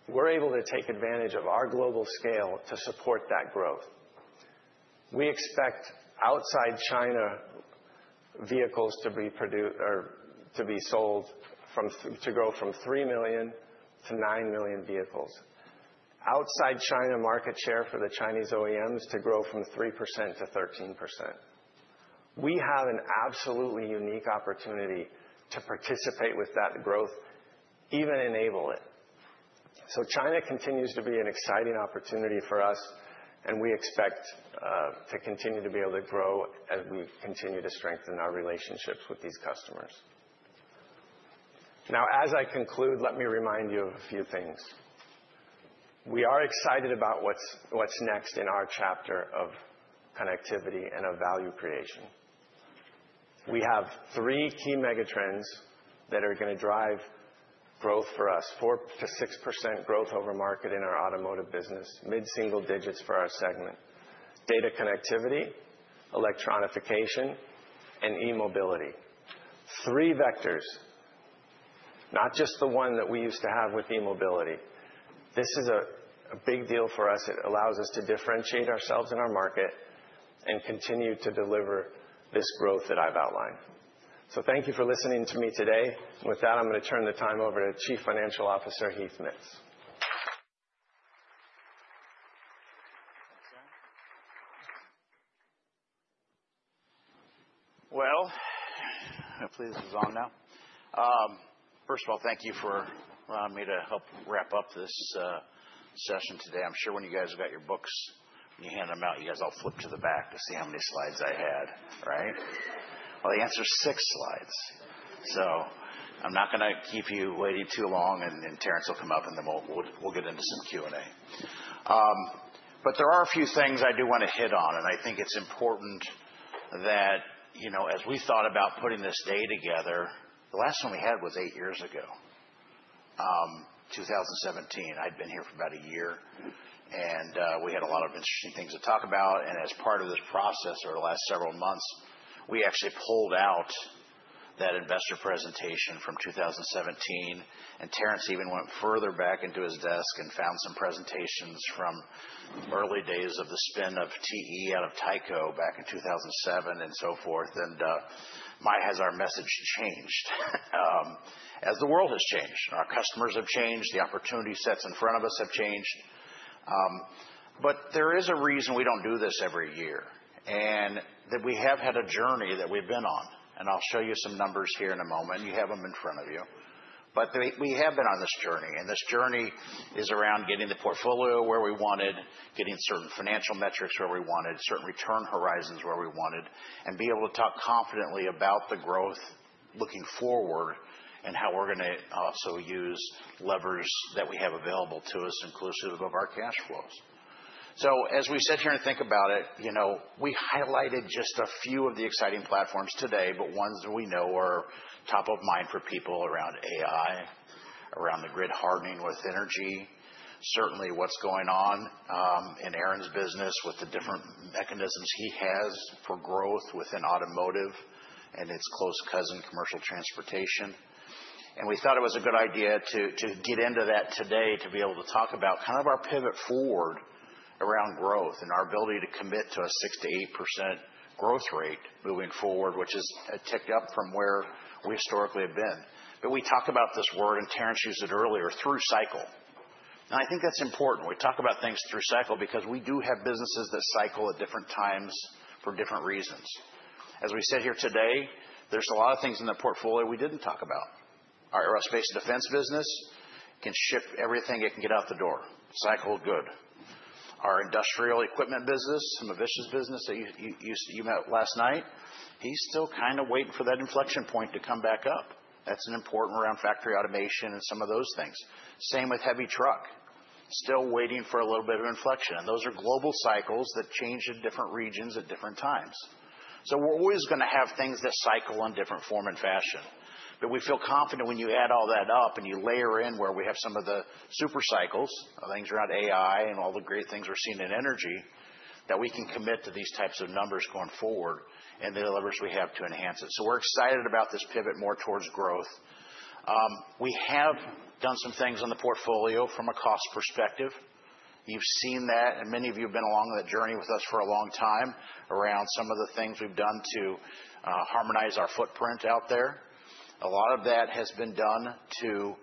we're able to take advantage of our global scale to support that growth. We expect outside China vehicles to be sold to grow from 3 million to 9 million vehicles. Outside China market share for the Chinese OEMs to grow from 3% to 13%. We have an absolutely unique opportunity to participate with that growth, even enable it. China continues to be an exciting opportunity for us, and we expect to continue to be able to grow as we continue to strengthen our relationships with these customers. Now, as I conclude, let me remind you of a few things. We are excited about what's next in our chapter of connectivity and of value creation. We have three key megatrends that are going to drive growth for us: 4%-6% growth over market in our automotive business, mid-single digits for our segment, data connectivity, electronification, and e-mobility. Three vectors, not just the one that we used to have with e-mobility. This is a big deal for us. It allows us to differentiate ourselves in our market and continue to deliver this growth that I've outlined. Thank you for listening to me today. With that, I'm going to turn the time over to Chief Financial Officer Heath Mitts. Hopefully this is on now. First of all, thank you for allowing me to help wrap up this session today. I'm sure when you guys have got your books and you hand them out, you guys all flipped to the back to see how many slides I had, right? The answer is six slides. I'm not going to keep you waiting too long, and Terrence will come up, and then we'll get into some Q&A. There are a few things I do want to hit on, and I think it's important that, you know, as we thought about putting this day together, the last one we had was eight years ago, 2017. I'd been here for about a year, and we had a lot of interesting things to talk about. As part of this process over the last several months, we actually pulled out that investor presentation from 2017. Terrence even went further back into his desk and found some presentations from early days of the spin of TE out of Tyco back in 2007 and so forth. Might have our message changed as the world has changed, and our customers have changed, the opportunity sets in front of us have changed. There is a reason we do not do this every year, and that we have had a journey that we have been on. I will show you some numbers here in a moment. You have them in front of you. We have been on this journey. This journey is around getting the portfolio where we wanted, getting certain financial metrics where we wanted, certain return horizons where we wanted, and be able to talk confidently about the growth looking forward and how we are going to also use levers that we have available to us, inclusive of our cash flows. As we sit here and think about it, you know, we highlighted just a few of the exciting platforms today, but ones that we know are top of mind for people around AI, around the grid hardening with energy, certainly what's going on in Aaron's business with the different mechanisms he has for growth within automotive and its close cousin, commercial transportation. We thought it was a good idea to get into that today to be able to talk about kind of our pivot forward around growth and our ability to commit to a 6%-8% growth rate moving forward, which has ticked up from where we historically have been. We talk about this word, and Terrence used it earlier, through cycle. I think that's important. We talk about things through cycle because we do have businesses that cycle at different times for different reasons. As we sit here today, there are a lot of things in the portfolio we did not talk about. Our aerospace defense business can ship everything it can get out the door, cycle good. Our industrial equipment business, some of this business that you met last night, he is still kind of waiting for that inflection point to come back up. That is an important round factory automation and some of those things. Same with heavy truck, still waiting for a little bit of inflection. Those are global cycles that change in different regions at different times. We are always going to have things that cycle in different form and fashion. We feel confident when you add all that up and you layer in where we have some of the super cycles, things around AI and all the great things we're seeing in energy, that we can commit to these types of numbers going forward and the levers we have to enhance it. We're excited about this pivot more towards growth. We have done some things on the portfolio from a cost perspective. You've seen that, and many of you have been along that journey with us for a long time around some of the things we've done to harmonize our footprint out there. A lot of that has been done to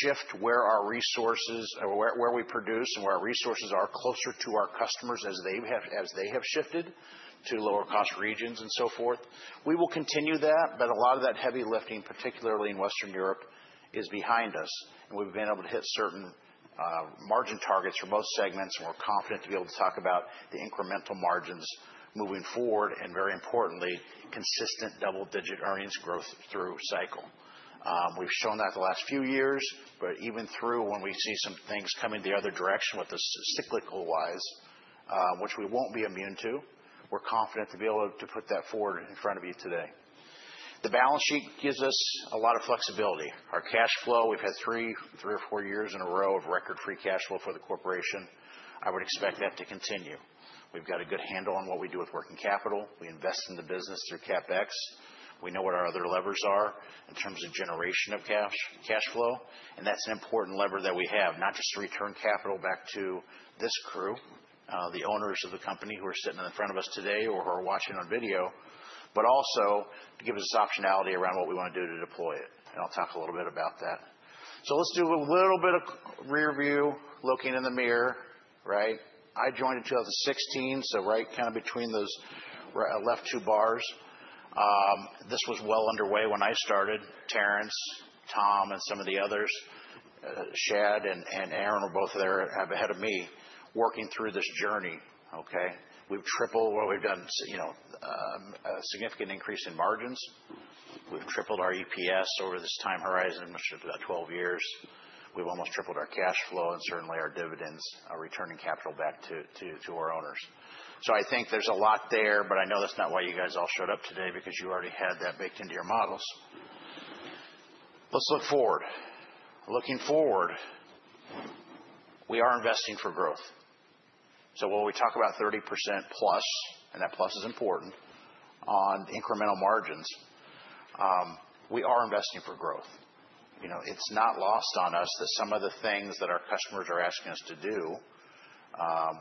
shift where our resources or where we produce and where our resources are closer to our customers as they have shifted to lower cost regions and so forth. We will continue that, but a lot of that heavy lifting, particularly in Western Europe, is behind us. We have been able to hit certain margin targets for both segments, and we are confident to be able to talk about the incremental margins moving forward and, very importantly, consistent double-digit earnings growth through cycle. We have shown that the last few years, but even through when we see some things coming the other direction with us cyclical-wise, which we will not be immune to, we are confident to be able to put that forward in front of you today. The balance sheet gives us a lot of flexibility. Our cash flow, we have had three or four years in a row of record-free cash flow for the corporation. I would expect that to continue. We have got a good handle on what we do with working capital. We invest in the business through CapEx. We know what our other levers are in terms of generation of cash flow. That is an important lever that we have, not just to return capital back to this crew, the owners of the company who are sitting in front of us today or who are watching on video, but also to give us optionality around what we want to do to deploy it. I'll talk a little bit about that. Let's do a little bit of rearview, looking in the mirror, right? I joined in 2016, so right kind of between those left two bars. This was well underway when I started. Terrence, Tom, and some of the others, Shad and Aaron were both there ahead of me, working through this journey, okay? We've tripled what we've done, you know, a significant increase in margins. We've tripled our EPS over this time horizon, which is about 12 years. We've almost tripled our cash flow and certainly our dividends, our returning capital back to our owners. I think there's a lot there, but I know that's not why you guys all showed up today because you already had that baked into your models. Let's look forward. Looking forward, we are investing for growth. When we talk about 30%+, and that plus is important, on incremental margins, we are investing for growth. You know, it's not lost on us that some of the things that our customers are asking us to do,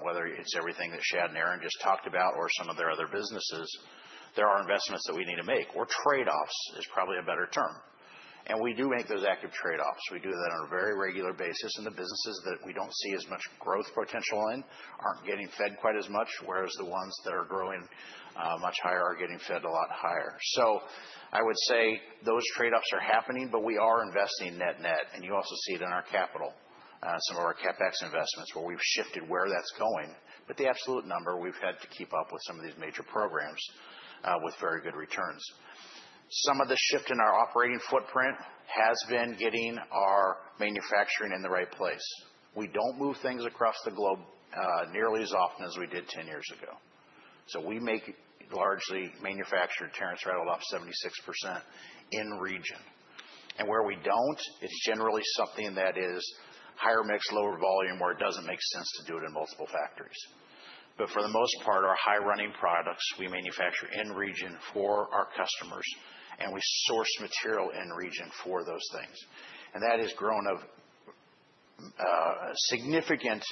whether it's everything that Shad and Aaron just talked about or some of their other businesses, there are investments that we need to make, or trade-offs is probably a better term. We do make those active trade-offs. We do that on a very regular basis. The businesses that we do not see as much growth potential in are not getting fed quite as much, whereas the ones that are growing much higher are getting fed a lot higher. I would say those trade-offs are happening, but we are investing net-net. You also see it in our capital, some of our CapEx investments, where we have shifted where that is going. The absolute number, we have had to keep up with some of these major programs with very good returns. Some of the shift in our operating footprint has been getting our manufacturing in the right place. We do not move things across the globe nearly as often as we did 10 years ago. We make largely manufactured, Terrence rattled off, 76% in region. Where we don't, it's generally something that is higher mix, lower volume, where it doesn't make sense to do it in multiple factories. For the most part, our high-running products, we manufacture in region for our customers, and we source material in region for those things. That has grown of significant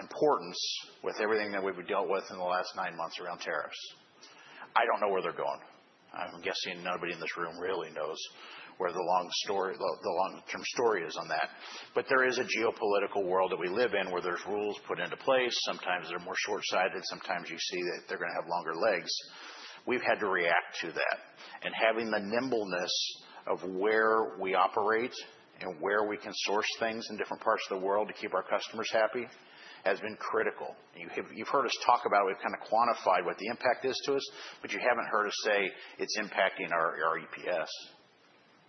importance with everything that we've dealt with in the last nine months around tariffs. I don't know where they're going. I'm guessing nobody in this room really knows where the long-term story is on that. There is a geopolitical world that we live in where there's rules put into place. Sometimes they're more short-sighted. Sometimes you see that they're going to have longer legs. We've had to react to that. Having the nimbleness of where we operate and where we can source things in different parts of the world to keep our customers happy has been critical. You've heard us talk about it. We've kind of quantified what the impact is to us, but you haven't heard us say it's impacting our EPS.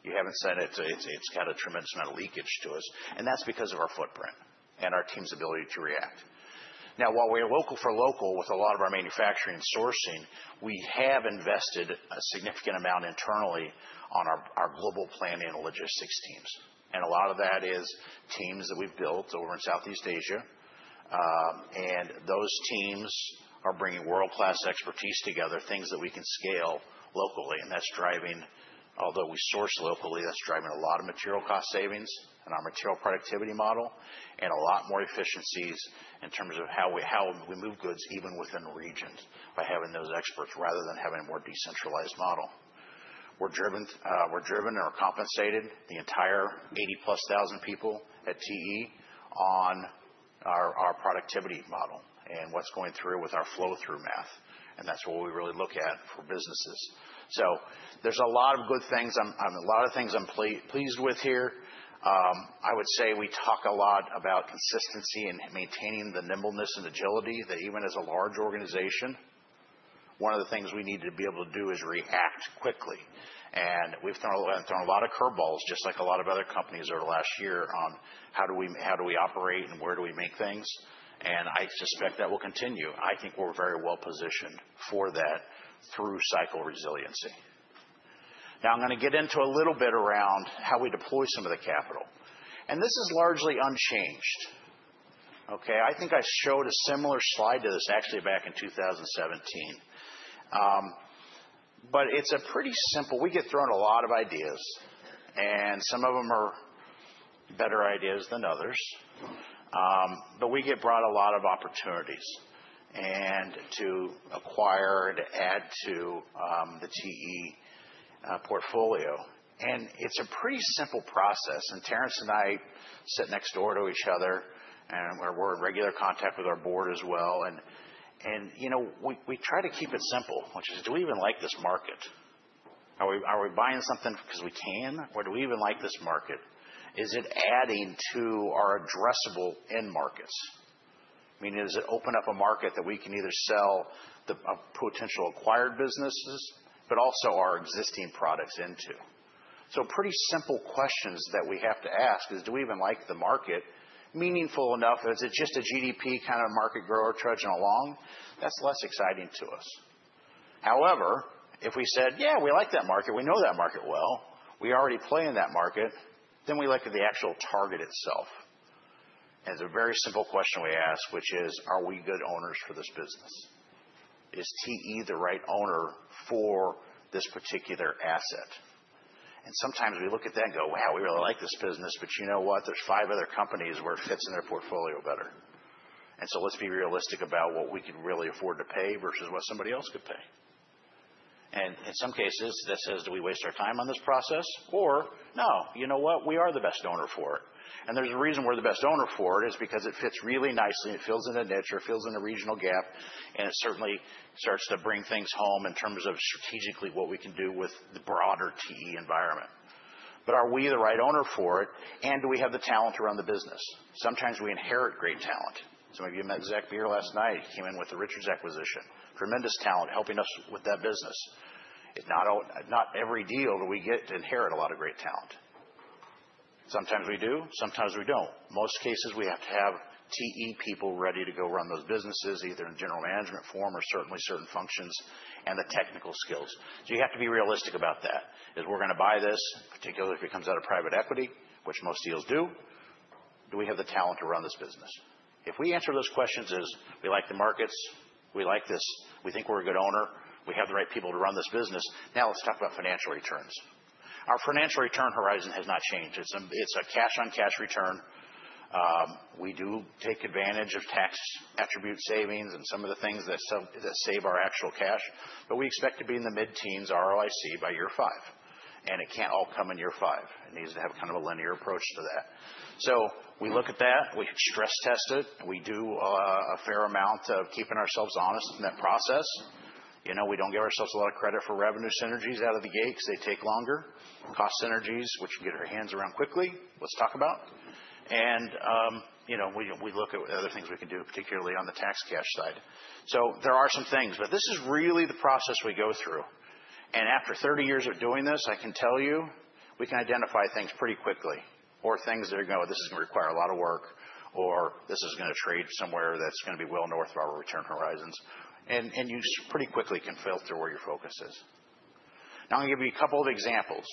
You haven't said it's got a tremendous amount of leakage to us. That is because of our footprint and our team's ability to react. While we're local for local with a lot of our manufacturing and sourcing, we have invested a significant amount internally on our global planning and logistics teams. A lot of that is teams that we've built over in Southeast Asia. Those teams are bringing world-class expertise together, things that we can scale locally. That's driving, although we source locally, a lot of material cost savings in our material productivity model and a lot more efficiencies in terms of how we move goods even within regions by having those experts rather than having a more decentralized model. We're driven and we're compensated, the entire 80+ thousand people at TE, on our productivity model and what's going through with our flow-through math. That's what we really look at for businesses. There are a lot of good things. A lot of things I'm pleased with here. I would say we talk a lot about consistency and maintaining the nimbleness and agility that even as a large organization, one of the things we need to be able to do is react quickly. We have thrown a lot of curveballs, just like a lot of other companies over the last year, on how do we operate and where do we make things. I suspect that will continue. I think we are very well positioned for that through cycle resiliency. Now, I am going to get into a little bit around how we deploy some of the capital. This is largely unchanged, okay? I think I showed a similar slide to this, actually, back in 2017. It is a pretty simple—we get thrown a lot of ideas, and some of them are better ideas than others. We get brought a lot of opportunities to acquire and add to the TE portfolio. It is a pretty simple process. Terrence and I sit next door to each other, and we are in regular contact with our board as well. You know, we try to keep it simple, which is, do we even like this market? Are we buying something because we can? Or do we even like this market? Is it adding to our addressable end markets? I mean, does it open up a market that we can either sell the potential acquired businesses, but also our existing products into? Pretty simple questions that we have to ask is, do we even like the market? Meaningful enough? Is it just a GDP kind of market grower trudging along? That's less exciting to us. However, if we said, "Yeah, we like that market. We know that market well. We already play in that market," then we look at the actual target itself. It is a very simple question we ask, which is, are we good owners for this business? Is TE the right owner for this particular asset? Sometimes we look at that and go, "Wow, we really like this business, but you know what? There are five other companies where it fits in their portfolio better." We have to be realistic about what we could really afford to pay versus what somebody else could pay. In some cases, that says, do we waste our time on this process? You know what? We are the best owner for it. The reason we are the best owner for it is because it fits really nicely. It fills in the niche or fills in the regional gap, and it certainly starts to bring things home in terms of strategically what we can do with the broader TE environment. Are we the right owner for it? Do we have the talent around the business? Sometimes we inherit great talent. Some of you met Zach Bier last night. He came in with the Richards acquisition, tremendous talent helping us with that business. It is not every deal that we get to inherit a lot of great talent. Sometimes we do. Sometimes we do not. Most cases, we have to have TE people ready to go run those businesses, either in general management form or certainly certain functions and the technical skills. You have to be realistic about that. Is we are going to buy this, particularly if it comes out of private equity, which most deals do? Do we have the talent to run this business? If we answer those questions as, "We like the markets. We like this. We think we are a good owner. We have the right people to run this business," now let's talk about financial returns. Our financial return horizon has not changed. It is a cash-on-cash return. We do take advantage of tax attribute savings and some of the things that save our actual cash, but we expect to be in the mid-teens ROIC by year five. It cannot all come in year five. It needs to have kind of a linear approach to that. We look at that. We stress test it. We do a fair amount of keeping ourselves honest in that process. You know, we do not give ourselves a lot of credit for revenue synergies out of the gate because they take longer, cost synergies, which we can get our hands around quickly. Let's talk about that. You know, we look at other things we can do, particularly on the tax cash side. There are some things, but this is really the process we go through. After 30 years of doing this, I can tell you we can identify things pretty quickly or things that are going to require a lot of work or this is going to trade somewhere that's going to be well north of our return horizons. You pretty quickly can filter where your focus is. Now, I'm going to give you a couple of examples.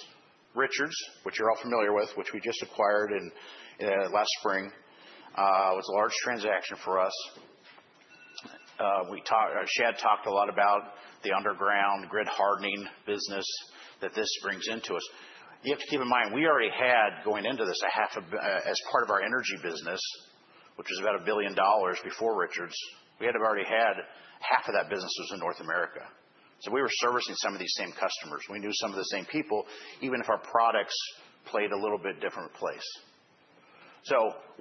Richards, which you're all familiar with, which we just acquired last spring, was a large transaction for us. Shad talked a lot about the underground grid hardening business that this brings into us. You have to keep in mind, we already had, going into this, as part of our energy business, which was about $1 billion before Richards, we had already had half of that business in North America. We were servicing some of these same customers. We knew some of the same people, even if our products played a little bit different place.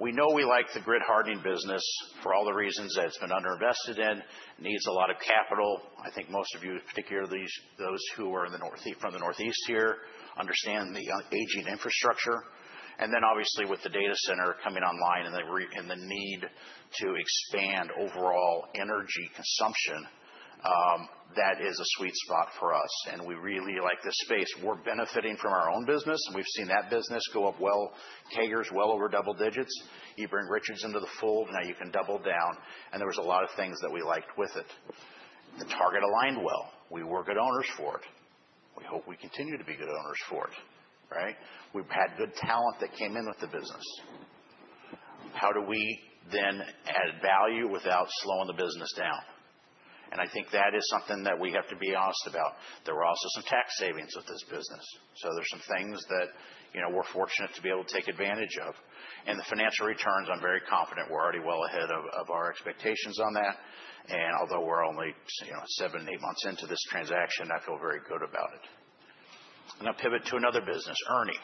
We know we like the grid hardening business for all the reasons that it's been underinvested in, needs a lot of capital. I think most of you, particularly those who are from the Northeast here, understand the aging infrastructure. Obviously, with the data center coming online and the need to expand overall energy consumption, that is a sweet spot for us. We really like this space. We're benefiting from our own business, and we've seen that business go up well, Harger is well over double digits. You bring Richards into the fold, now you can double down. There was a lot of things that we liked with it. The target aligned well. We were good owners for it. We hope we continue to be good owners for it, right? We had good talent that came in with the business. How do we then add value without slowing the business down? I think that is something that we have to be honest about. There were also some tax savings with this business. There are some things that, you know, we're fortunate to be able to take advantage of. The financial returns, I'm very confident we're already well ahead of our expectations on that. Although we're only, you know, seven to eight months into this transaction, I feel very good about it. I'm going to pivot to another business, ERNI.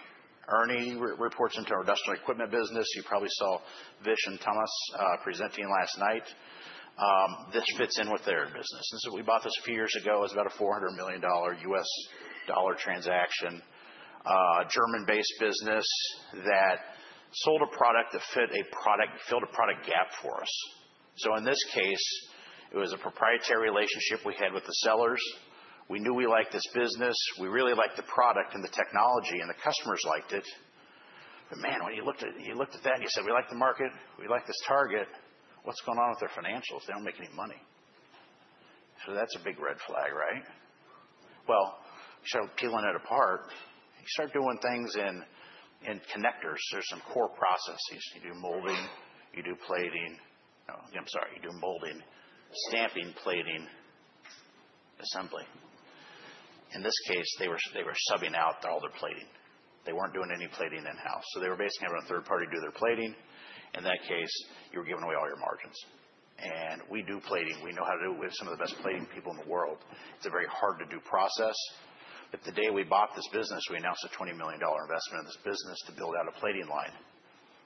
ERNI reports into our industrial equipment business. You probably saw Vish and Thomas presenting last night. This fits in with their business. We bought this a few years ago. It was about a $400 million U.S. Dollar transaction, a German-based business that sold a product that filled a product gap for us. In this case, it was a proprietary relationship we had with the sellers. We knew we liked this business. We really liked the product and the technology, and the customers liked it. Man, when you looked at that and you said, "We like the market. We like this target," what's going on with their financials? They do not make any money. That is a big red flag, right? You start peeling it apart. You start doing things in connectors. There are some core processes. You do molding. You do plating. No, I'm sorry. You do molding, stamping, plating, assembly. In this case, they were subbing out all their plating. They were not doing any plating in-house. They were basically having a third party do their plating. In that case, you were giving away all your margins. We do plating. We know how to do it with some of the best plating people in the world. It's a very hard-to-do process. The day we bought this business, we announced a $20 million investment in this business to build out a plating line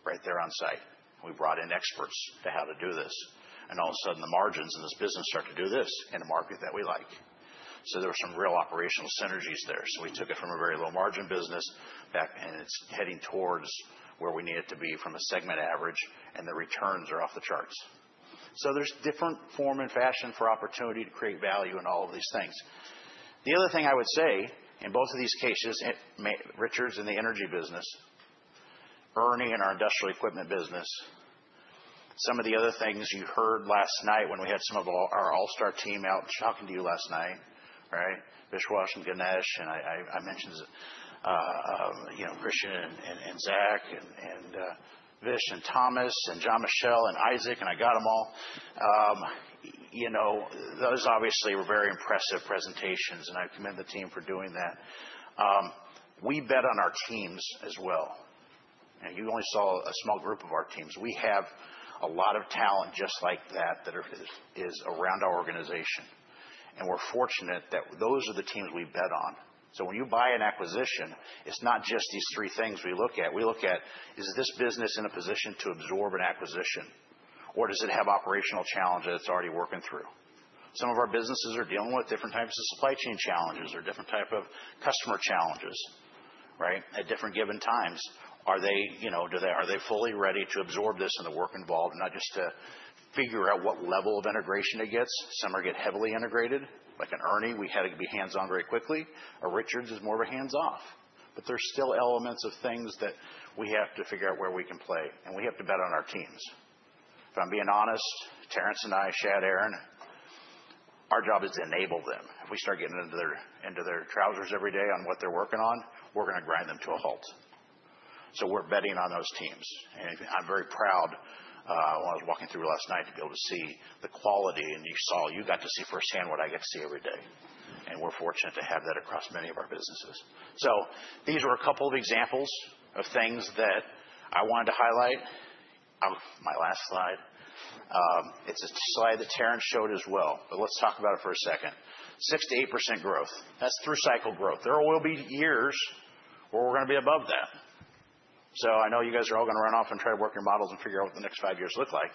right there on site. We brought in experts to how to do this. All of a sudden, the margins in this business start to do this in a market that we like. There were some real operational synergies there. We took it from a very low-margin business back. It's heading towards where we need it to be from a segment average, and the returns are off the charts. There's different form and fashion for opportunity to create value in all of these things. The other thing I would say in both of these cases, Richards in the energy business, ERNI in our industrial equipment business, some of the other things you heard last night when we had some of our All-Star team out talking to you last night, right? Vishwash and Ganesh, and I mentioned, you know, Christian and Zach and Vish and Thomas and Jean-Michel and Isaac, and I got them all. You know, those obviously were very impressive presentations, and I commend the team for doing that. We bet on our teams as well. You only saw a small group of our teams. We have a lot of talent just like that that is around our organization. We are fortunate that those are the teams we bet on. When you buy an acquisition, it is not just these three things we look at. We look at, is this business in a position to absorb an acquisition? Or does it have operational challenges it's already working through? Some of our businesses are dealing with different types of supply chain challenges or different types of customer challenges, right, at different given times. Are they, you know, are they fully ready to absorb this and the work involved, not just to figure out what level of integration it gets? Some are getting heavily integrated, like an ERNI. We had to be hands-on very quickly. A Richards is more of a hands-off. There are still elements of things that we have to figure out where we can play. We have to bet on our teams. If I'm being honest, Terrence and I, Shad, Aaron, our job is to enable them. If we start getting into their trousers every day on what they're working on, we're going to grind them to a halt. We're betting on those teams. I'm very proud when I was walking through last night to be able to see the quality, and you saw, you got to see firsthand what I get to see every day. We're fortunate to have that across many of our businesses. These were a couple of examples of things that I wanted to highlight. My last slide. It's a slide that Terrence showed as well, but let's talk about it for a second. 6%-8% growth. That's through cycle growth. There will be years where we're going to be above that. I know you guys are all going to run off and try to work your models and figure out what the next five years look like.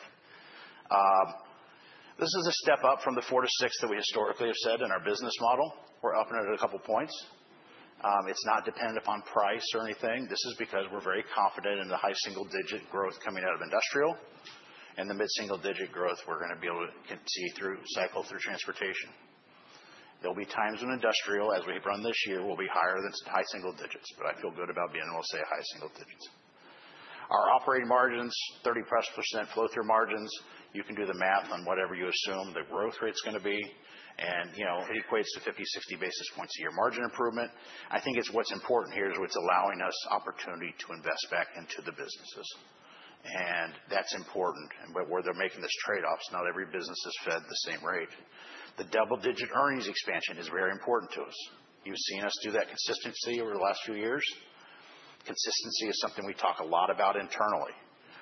This is a step up from the 4%-6% that we historically have said in our business model. We're up in it a couple of points. It's not dependent upon price or anything. This is because we're very confident in the high single-digit growth coming out of industrial. And the mid-single-digit growth, we're going to be able to see through cycle, through transportation. There'll be times when industrial, as we run this year, will be higher than high single digits. I feel good about being able to say high single digits. Our operating margins, 30%+ flow-through margins. You can do the math on whatever you assume the growth rate's going to be. You know, it equates to 50-60 basis points a year margin improvement. I think what's important here is what's allowing us opportunity to invest back into the businesses. That's important. Where they're making this trade-off, it's not every business is fed the same rate. The double-digit earnings expansion is very important to us. You've seen us do that consistency over the last few years. Consistency is something we talk a lot about internally.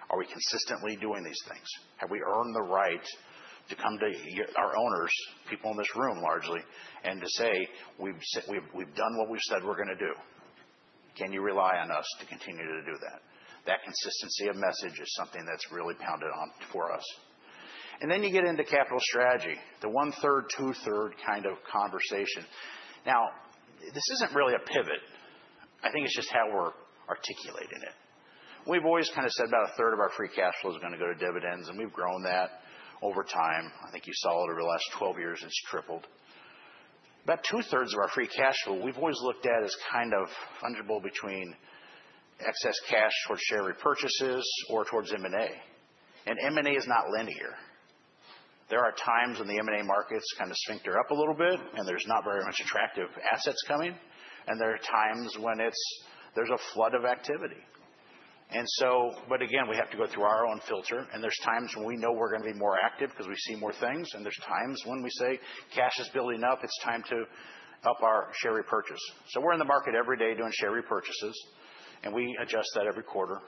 Are we consistently doing these things? Have we earned the right to come to our owners, people in this room largely, and to say, "We've done what we've said we're going to do. Can you rely on us to continue to do that?" That consistency of message is something that's really pounded on for us. You get into capital strategy, the one-third, two-third kind of conversation. Now, this isn't really a pivot. I think it's just how we're articulating it. We've always kind of said about a third of our free cash flow is going to go to dividends, and we've grown that over time. I think you saw it over the last 12 years, and it's tripled. About two-thirds of our free cash flow, we've always looked at as kind of fungible between excess cash towards share repurchases or towards M&A. M&A is not linear. There are times when the M&A markets kind of sphincter up a little bit, and there's not very much attractive assets coming. There are times when there's a flood of activity. Again, we have to go through our own filter. There are times when we know we're going to be more active because we see more things. There are times when we say cash is building up. It is time to up our share repurchase. We are in the market every day doing share repurchases, and we adjust that every quarter.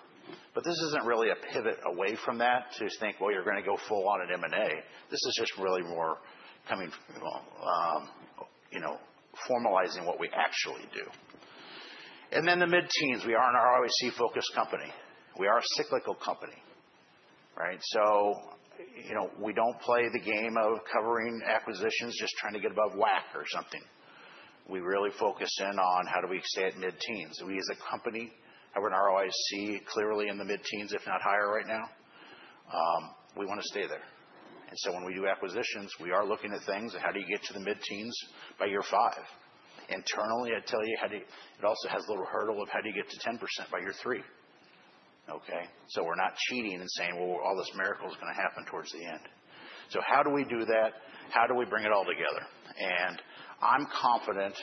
This is not really a pivot away from that to think, "You are going to go full on in M&A." This is just really more coming, you know, formalizing what we actually do. The mid-teens, we are an ROIC-focused company. We are a cyclical company, right? You know, we do not play the game of covering acquisitions, just trying to get above WAC or something. We really focus in on how do we stay at mid-teens. We, as a company, have an ROIC clearly in the mid-teens, if not higher right now. We want to stay there. When we do acquisitions, we are looking at things of how do you get to the mid-teens by year five. Internally, I tell you, it also has a little hurdle of how do you get to 10% by year three, okay? We are not cheating and saying, "Well, all this miracle is going to happen towards the end." How do we do that? How do we bring it all together? I am confident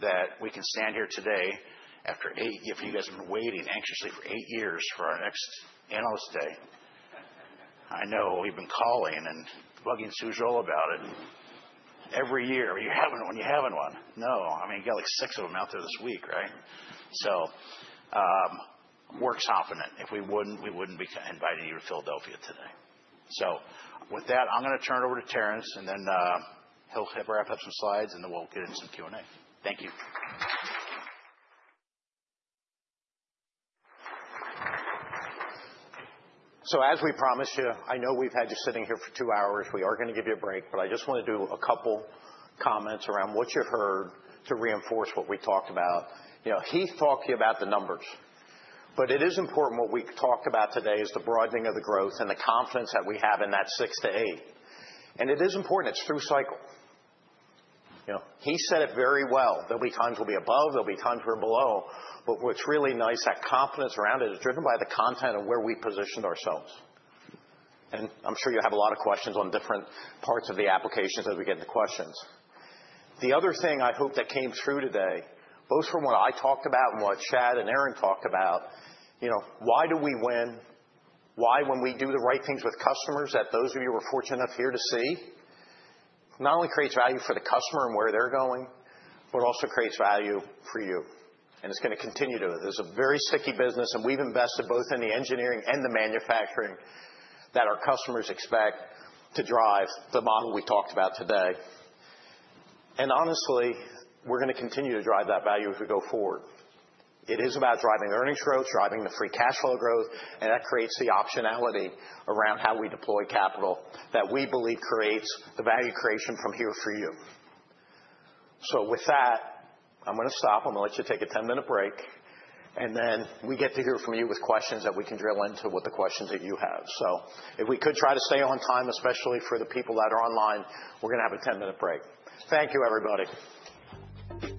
that we can stand here today after eight, if you guys have been waiting anxiously for eight years for our next analyst day, I know we have been calling and bugging Sujal about it. Every year, you are having one, you are having one. I mean, you got like six of them out there this week, right? We are confident. If we would not, we would not be inviting you to Philadelphia today. With that, I'm going to turn it over to Terrence, and then he'll wrap up some slides, and then we'll get into some Q&A. Thank you. As we promised you, I know we've had you sitting here for two hours. We are going to give you a break, but I just want to do a couple comments around what you heard to reinforce what we talked about. You know, Heath talked to you about the numbers, but it is important what we talked about today is the broadening of the growth and the confidence that we have in that 6%-8%. It is important. It's through cycle. You know, he said it very well. There'll be times we'll be above. There'll be times we're below. What's really nice, that confidence around it is driven by the content of where we positioned ourselves. I'm sure you'll have a lot of questions on different parts of the applications as we get into questions. The other thing I hope that came through today, both from what I talked about and what Shad and Aaron talked about, you know, why do we win? Why, when we do the right things with customers, that those of you who are fortunate enough here to see, not only creates value for the customer and where they're going, but also creates value for you. It's going to continue to. This is a very sticky business, and we've invested both in the engineering and the manufacturing that our customers expect to drive the model we talked about today. Honestly, we're going to continue to drive that value as we go forward. It is about driving earnings growth, driving the free cash flow growth, and that creates the optionality around how we deploy capital that we believe creates the value creation from here for you. With that, I'm going to stop. I'm going to let you take a 10-minute break, and then we get to hear from you with questions that we can drill into what the questions that you have. If we could try to stay on time, especially for the people that are online, we're going to have a 10-minute break. Thank you, everybody.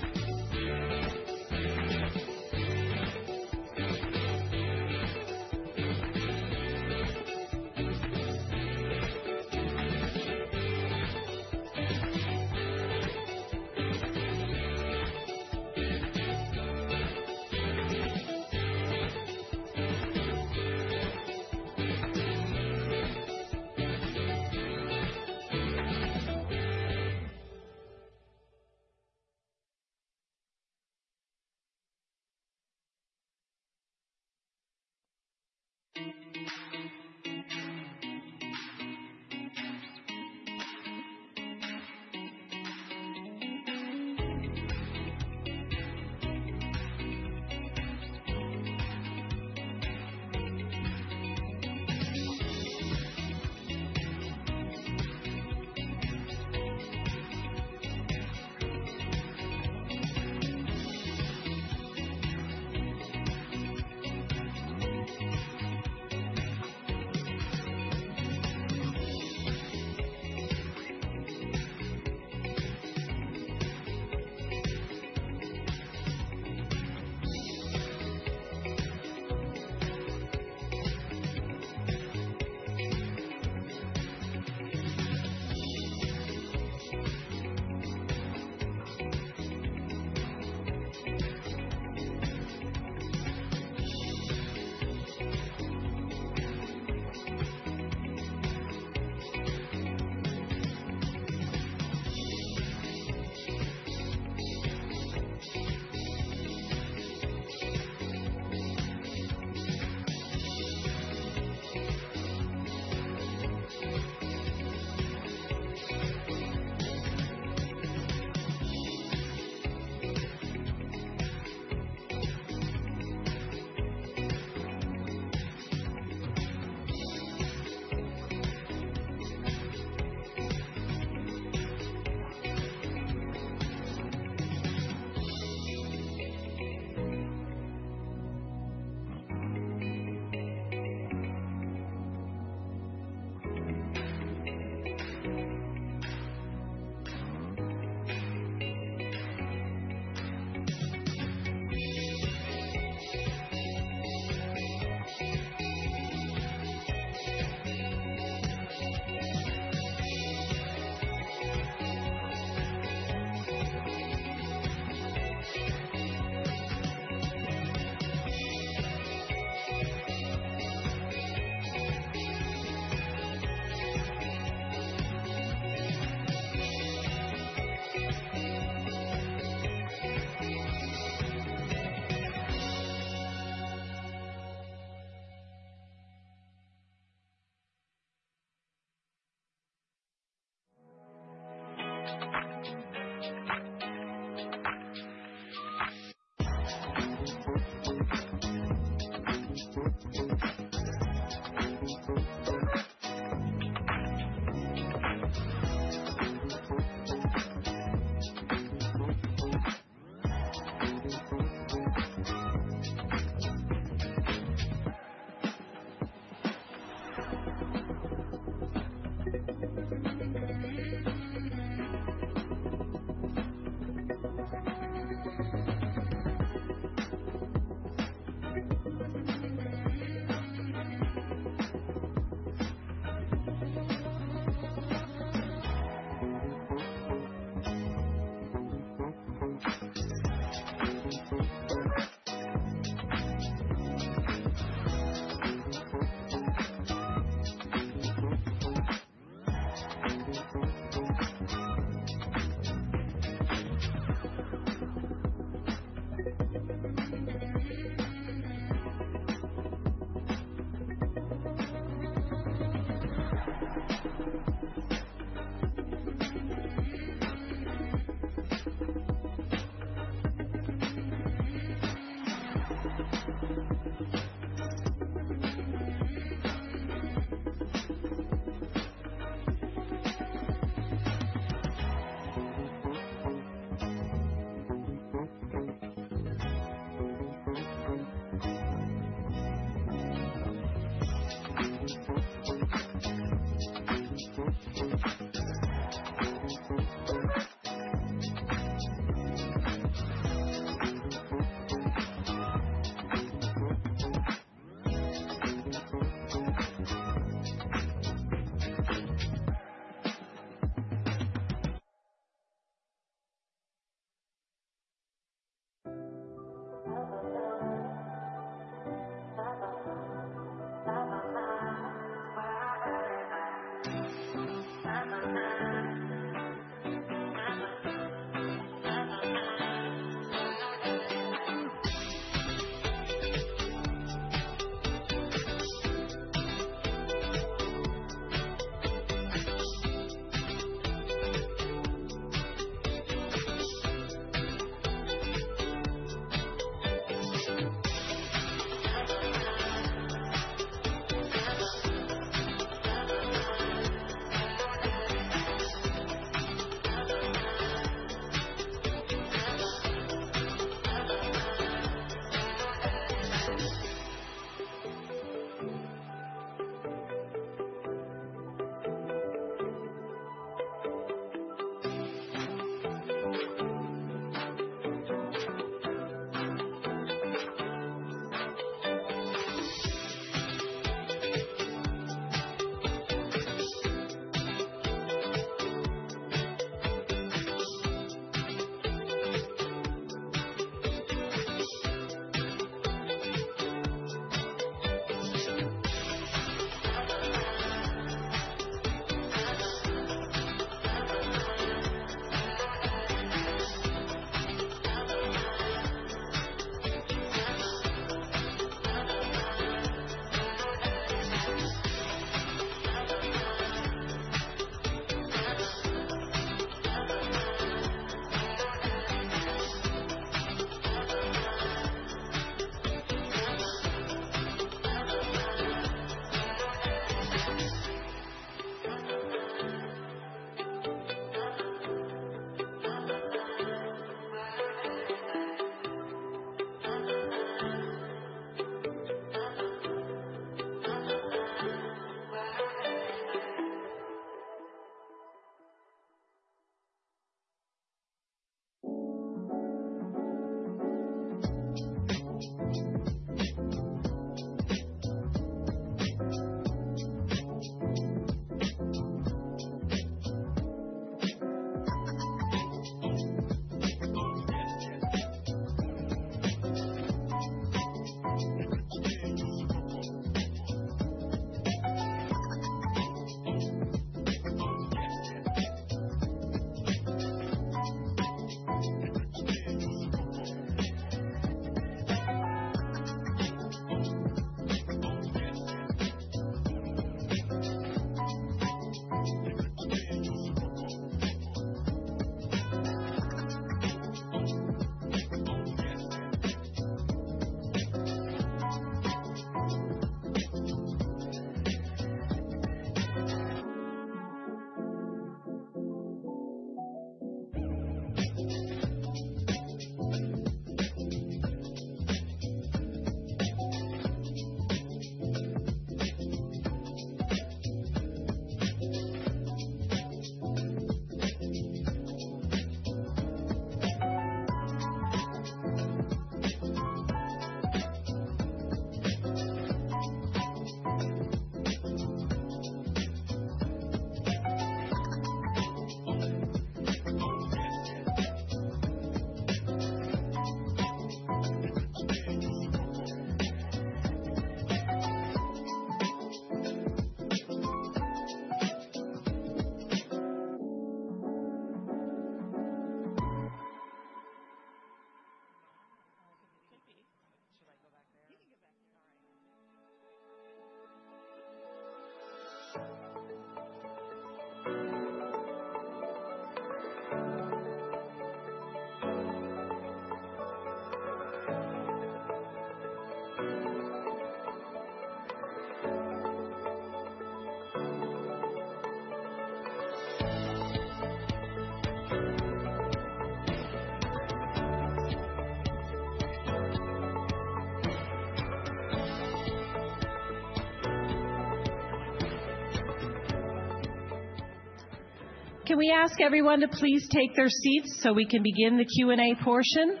Can we ask everyone to please take their seats so we can begin the Q&A portion?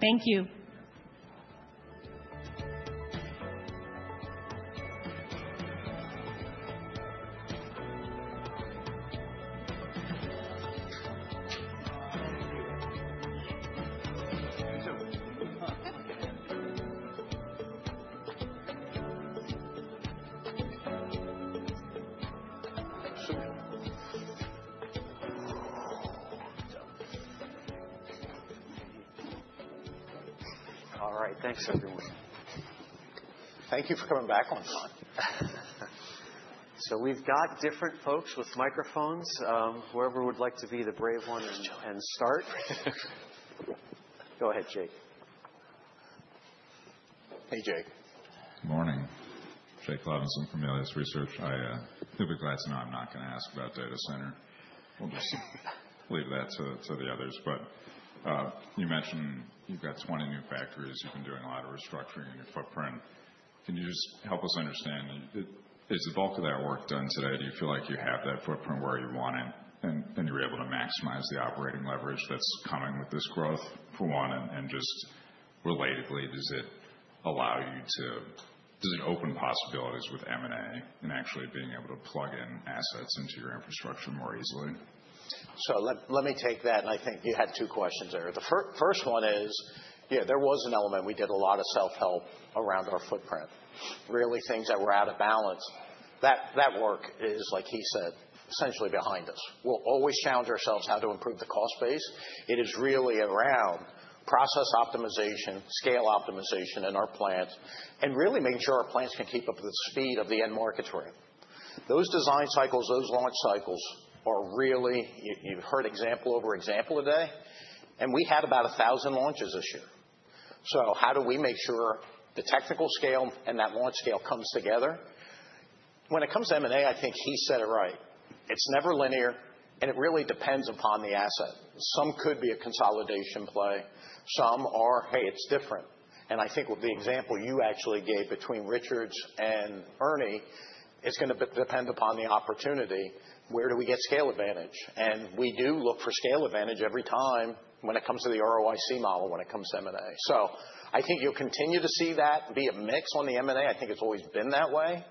Thank you. All right. Thanks, everyone. Thank you for coming back on time. We have different folks with microphones. Whoever would like to be the brave one and start, go ahead, Jake. Hey, Jake. Good morning. Jake Levinson from Melius Research. I'll be glad to know I'm not going to ask about data center. We'll just leave that to the others. You mentioned you've got 20 new factories. You've been doing a lot of restructuring in your footprint. Can you just help us understand, is the bulk of that work done today? Do you feel like you have that footprint where you want it, and you're able to maximize the operating leverage that's coming with this growth, for one? Just relatedly, does it allow you to open possibilities with M&A and actually being able to plug in assets into your infrastructure more easily? Let me take that. I think you had two questions there. The first one is, yeah, there was an element. We did a lot of self-help around our footprint, really things that were out of balance. That work is, like he said, essentially behind us. We'll always challenge ourselves how to improve the cost base. It is really around process optimization, scale optimization in our plants, and really making sure our plants can keep up with the speed of the end markets we're in. Those design cycles, those launch cycles are really, you have heard example over example today. We had about 1,000 launches this year. How do we make sure the technical scale and that launch scale comes together? When it comes to M&A, I think he said it right. It's never linear, and it really depends upon the asset. Some could be a consolidation play. Some are, hey, it's different. I think with the example you actually gave between Richards and ERNI, it's going to depend upon the opportunity. Where do we get scale advantage? We do look for scale advantage every time when it comes to the ROIC model when it comes to M&A. I think you'll continue to see that be a mix on the M&A. I think it's always been that way.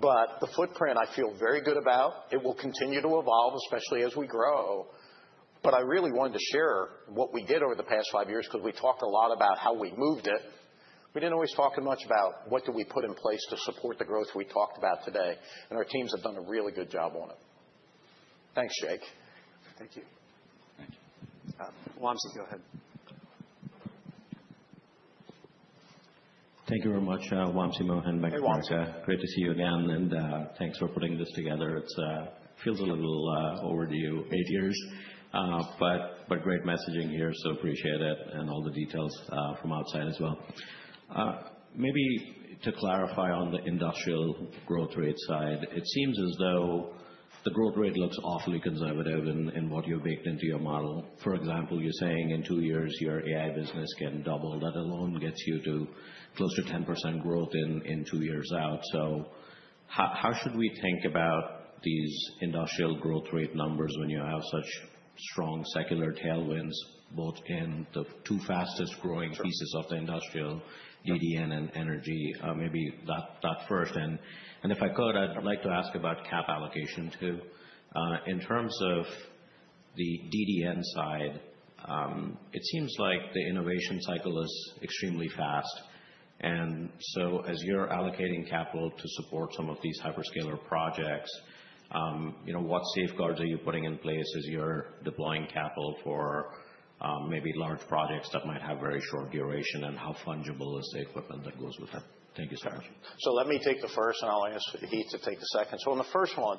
The footprint I feel very good about, it will continue to evolve, especially as we grow. I really wanted to share what we did over the past five years because we talked a lot about how we moved it. We didn't always talk as much about what do we put in place to support the growth we talked about today. Our teams have done a really good job on it. Thanks, Jake. Thank you. Thank you. Wamsi, go ahead. Thank you very much, Wamsi Mohan. Hey, Wamsi. Great to see you again. Thanks for putting this together. It feels a little overdue, eight years. Great messaging here, so appreciate it. All the details from outside as well. Maybe to clarify on the industrial growth rate side, it seems as though the growth rate looks awfully conservative in what you've baked into your model. For example, you're saying in two years your AI business can double. That alone gets you to close to 10% growth in two years out. How should we think about these industrial growth rate numbers when you have such strong secular tailwinds both in the two fastest growing pieces of the industrial, DDN and energy? Maybe that first. If I could, I'd like to ask about cap allocation too. In terms of the DDN side, it seems like the innovation cycle is extremely fast. As you're allocating capital to support some of these hyperscaler projects, what safeguards are you putting in place as you're deploying capital for maybe large projects that might have very short duration? How fungible is the equipment that goes with it? Thank you so much. Let me take the first, and I'll ask Heath to take the second. On the first one,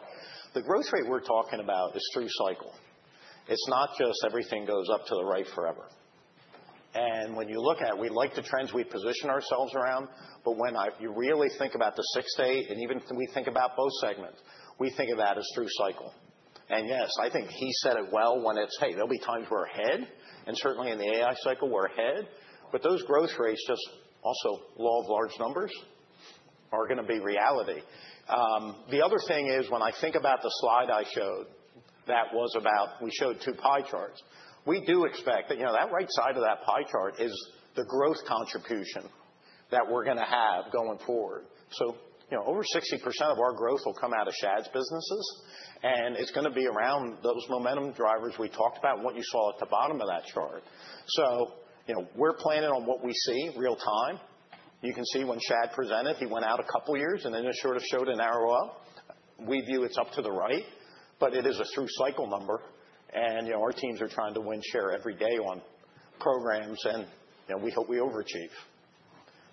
the growth rate we're talking about is through cycle. It's not just everything goes up to the right forever. When you look at it, we like the trends we position ourselves around. When you really think about the six-day, and even we think about both segments, we think of that as through cycle. Yes, I think Heath said it well when it's, hey, there'll be times we're ahead. Certainly in the AI cycle, we're ahead. Those growth rates just also law of large numbers are going to be reality. The other thing is when I think about the slide I showed that was about we showed two pie charts. We do expect that that right side of that pie chart is the growth contribution that we're going to have going forward. Over 60% of our growth will come out of Shad's businesses. It is going to be around those momentum drivers we talked about and what you saw at the bottom of that chart. We are planning on what we see real time. You can see when Shad presented, he went out a couple of years, and then it sort of showed an arrow up. We view it's up to the right. It is a through cycle number. Our teams are trying to win share every day on programs. We hope we overachieve.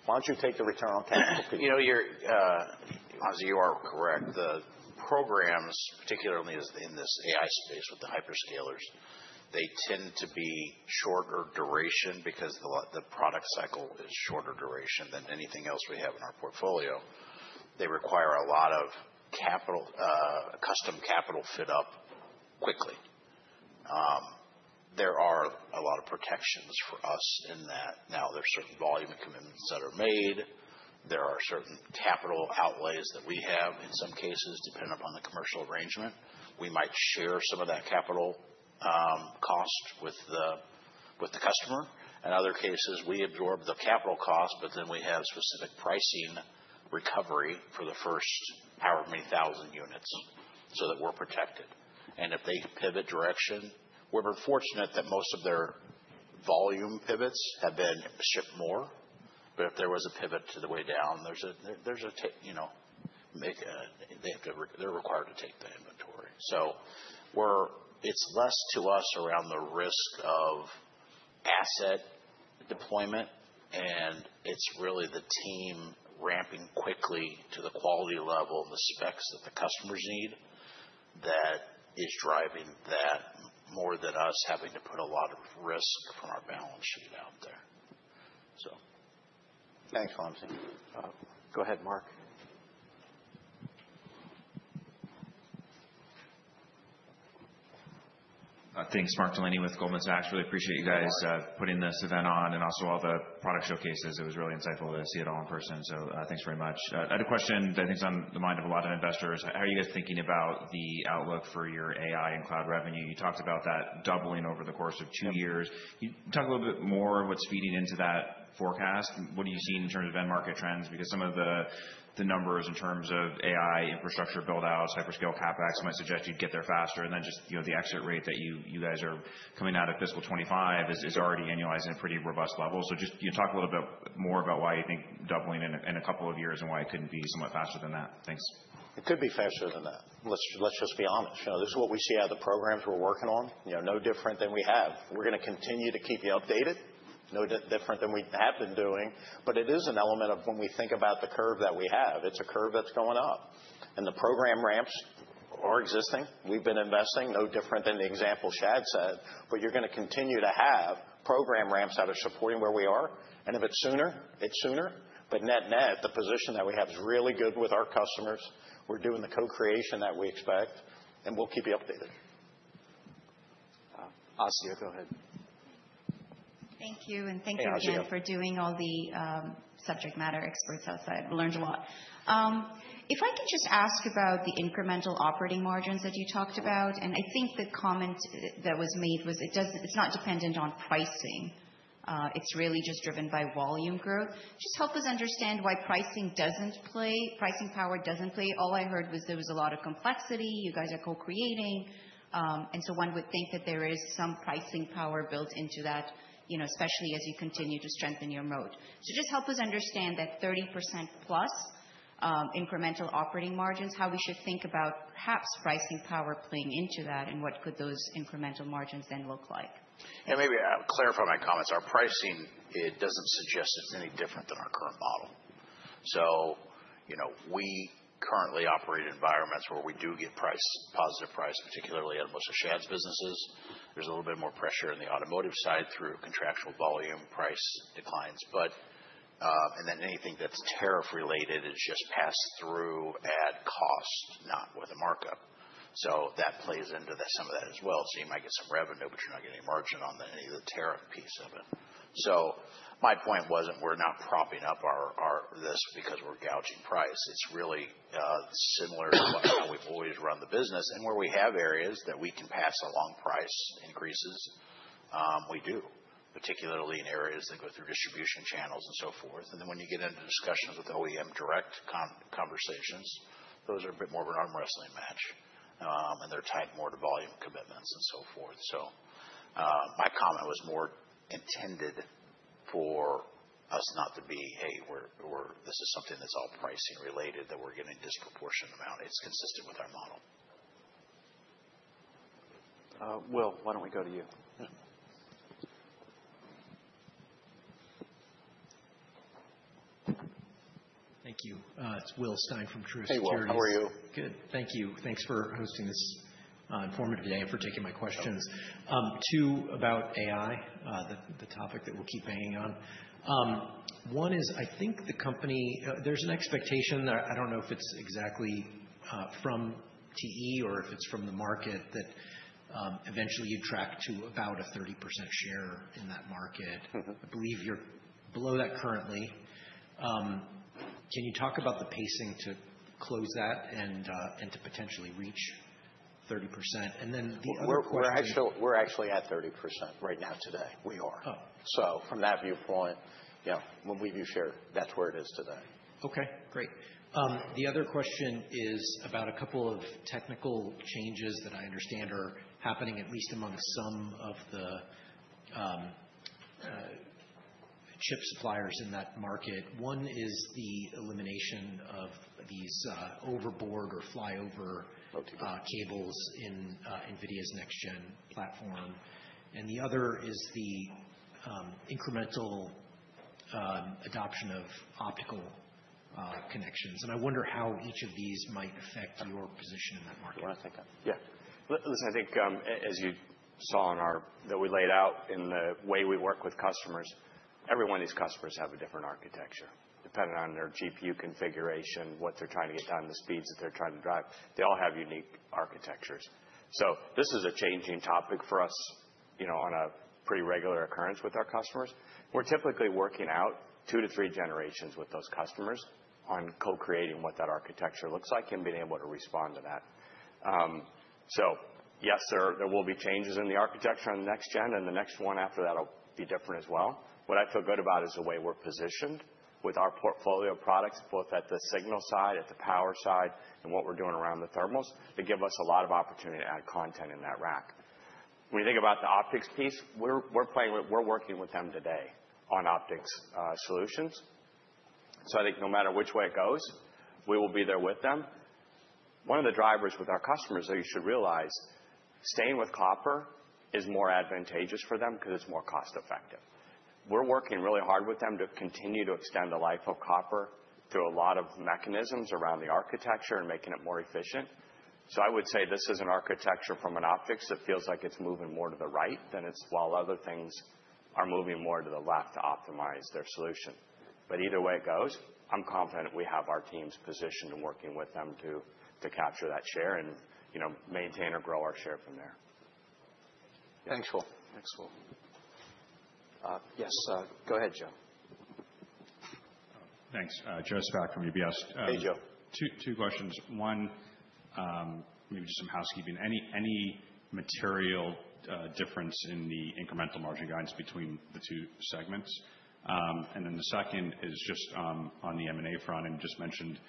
Why don't you take the return on capital piece? Wamsi, you are correct. The programs, particularly in this AI space with the hyperscalers, they tend to be shorter duration because the product cycle is shorter duration than anything else we have in our portfolio. They require a lot of custom capital fit-up quickly. There are a lot of protections for us in that. Now, there are certain volume commitments that are made. There are certain capital outlays that we have in some cases depending upon the commercial arrangement. We might share some of that capital cost with the customer. In other cases, we absorb the capital cost, but then we have specific pricing recovery for the first however many thousand units so that we're protected. If they pivot direction, we're fortunate that most of their volume pivots have been shipped more. If there was a pivot to the way down, they are required to take the inventory. It is less to us around the risk of asset deployment. It is really the team ramping quickly to the quality level and the specs that the customers need that is driving that more than us having to put a lot of risk from our balance sheet out there. Thanks, Wamsi. Go ahead, Mark. Thanks, Mark Delaney with Goldman Sachs. Really appreciate you guys putting this event on and also all the product showcases. It was really insightful to see it all in person. Thanks very much. I had a question that I think is on the mind of a lot of investors. How are you guys thinking about the outlook for your AI and cloud revenue? You talked about that doubling over the course of two years. Talk a little bit more of what's feeding into that forecast. What are you seeing in terms of end market trends? Because some of the numbers in terms of AI infrastructure build-outs, hyperscale CapEx might suggest you'd get there faster. The exit rate that you guys are coming out of fiscal 2025 is already annualizing at a pretty robust level. Just talk a little bit more about why you think doubling in a couple of years and why it couldn't be somewhat faster than that. Thanks. It could be faster than that. Let's just be honest. This is what we see out of the programs we're working on, no different than we have. We're going to continue to keep you updated, no different than we have been doing. It is an element of when we think about the curve that we have. It's a curve that's going up. The program ramps are existing. We've been investing, no different than the example Shad said. You're going to continue to have program ramps that are supporting where we are. If it's sooner, it's sooner. Net-net, the position that we have is really good with our customers. We're doing the co-creation that we expect. We'll keep you updated. Asiya, go ahead. Thank you. Thank you, Jake, for doing all the subject matter experts outside. Learned a lot. If I could just ask about the incremental operating margins that you talked about. I think the comment that was made was it's not dependent on pricing. It's really just driven by volume growth. Just help us understand why pricing power doesn't play. All I heard was there was a lot of complexity. You guys are co-creating. One would think that there is some pricing power built into that, especially as you continue to strengthen your moat. Just help us understand that 30%+ incremental operating margins, how we should think about perhaps pricing power playing into that and what could those incremental margins then look like. Yeah, maybe I'll clarify my comments. Our pricing, it doesn't suggest it's any different than our current model. We currently operate in environments where we do get positive price, particularly at most of Shad's businesses. There's a little bit more pressure on the automotive side through contractual volume, price declines. Anything that's tariff-related is just passed through at cost, not with a markup. That plays into some of that as well. You might get some revenue, but you're not getting any margin on any of the tariff piece of it. My point wasn't we're not propping up this because we're gouging price. It's really similar to how we've always run the business. Where we have areas that we can pass along price increases, we do, particularly in areas that go through distribution channels and so forth. When you get into discussions with OEM direct conversations, those are a bit more of an arm wrestling match. They're tied more to volume commitments and so forth. My comment was more intended for us not to be, hey, this is something that's all pricing related that we're getting a disproportionate amount. It's consistent with our model. Will, why don't we go to you? Thank you. It's William Stein from Truist Securities. Hey, Will. How are you? Good. Thank you. Thanks for hosting this informative day and for taking my questions. Two, about AI, the topic that we'll keep banging on. One is, I think the company there's an expectation. I don't know if it's exactly from TE or if it's from the market that eventually you'd track to about a 30% share in that market. I believe you're below that currently. Can you talk about the pacing to close that and to potentially reach 30%? And then the other question. We're actually at 30% right now today. We are. From that viewpoint, when we view share, that's where it is today. Okay. Great. The other question is about a couple of technical changes that I understand are happening at least among some of the chip suppliers in that market. One is the elimination of these overboard or flyover cables in NVIDIA's next-gen platform. The other is the incremental adoption of optical connections. I wonder how each of these might affect your position in that market. You want to take that? Yeah. Listen, I think as you saw in our that we laid out in the way we work with customers, every one of these customers have a different architecture depending on their GPU configuration, what they're trying to get done, the speeds that they're trying to drive. They all have unique architectures. This is a changing topic for us on a pretty regular occurrence with our customers. We're typically working out two to three generations with those customers on co-creating what that architecture looks like and being able to respond to that. Yes, there will be changes in the architecture on the next gen. The next one after that will be different as well. What I feel good about is the way we're positioned with our portfolio products, both at the signal side, at the power side, and what we're doing around the thermals that give us a lot of opportunity to add content in that rack. When you think about the optics piece, we're working with them today on optics solutions. I think no matter which way it goes, we will be there with them. One of the drivers with our customers that you should realize, staying with copper is more advantageous for them because it's more cost-effective. We're working really hard with them to continue to extend the life of copper through a lot of mechanisms around the architecture and making it more efficient. I would say this is an architecture from an optics that feels like it's moving more to the right than it's while other things are moving more to the left to optimize their solution. Either way it goes, I'm confident we have our teams positioned and working with them to capture that share and maintain or grow our share from there. Thanks, Will. Thanks, Will. Yes, go ahead, Joe. Thanks. Joe Spak from UBS. Hey, Joe. Two questions. One, maybe just some housekeeping. Any material difference in the incremental margin guidance between the two segments? The second is just on the M&A front. You just mentioned,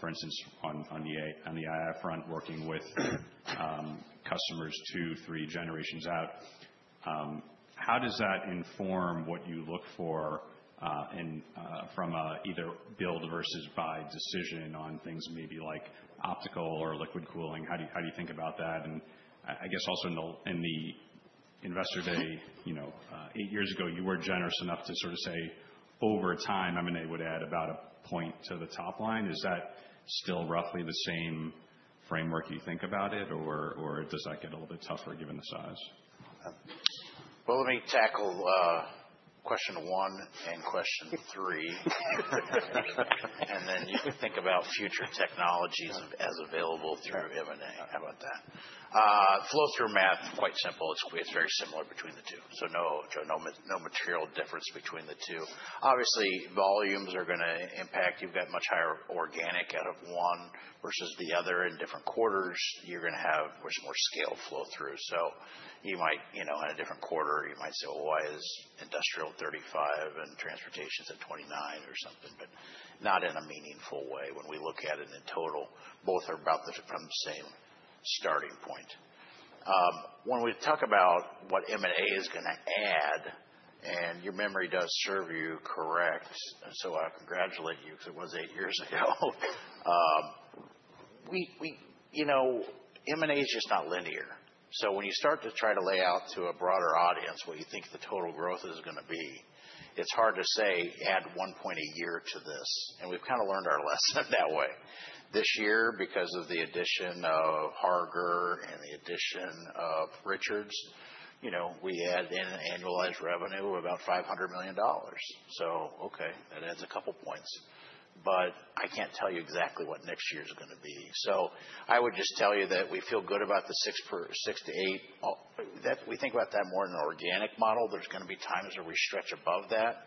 for instance, on the II front, working with customers two, three generations out. How does that inform what you look for from either build versus buy decision on things maybe like optical or liquid cooling? How do you think about that? I guess also in the investor day, eight years ago, you were generous enough to sort of say over time, M&A would add about a point to the top line. Is that still roughly the same framework you think about it? Or does that get a little bit tougher given the size? Let me tackle question one and question three. You can think about future technologies as available through M&A. How about that? Flow-through math, quite simple. It is very similar between the two. No material difference between the two. Obviously, volumes are going to impact. You have much higher organic out of one versus the other in different quarters. You are going to have much more scale flow-through. You might, in a different quarter, say, why is industrial 35 and transportation at 29 or something? Not in a meaningful way when we look at it in total. Both are about from the same starting point. When we talk about what M&A is going to add, and your memory does serve you correct, I congratulate you because it was eight years ago. M&A is just not linear. When you start to try to lay out to a broader audience what you think the total growth is going to be, it's hard to say, add one point a year to this. We've kind of learned our lesson that way. This year, because of the addition of Harger and the addition of Richards, we add an annualized revenue of about $500 million. That adds a couple of points. I can't tell you exactly what next year is going to be. I would just tell you that we feel good about the 6%-8%. We think about that more in an organic model. There's going to be times where we stretch above that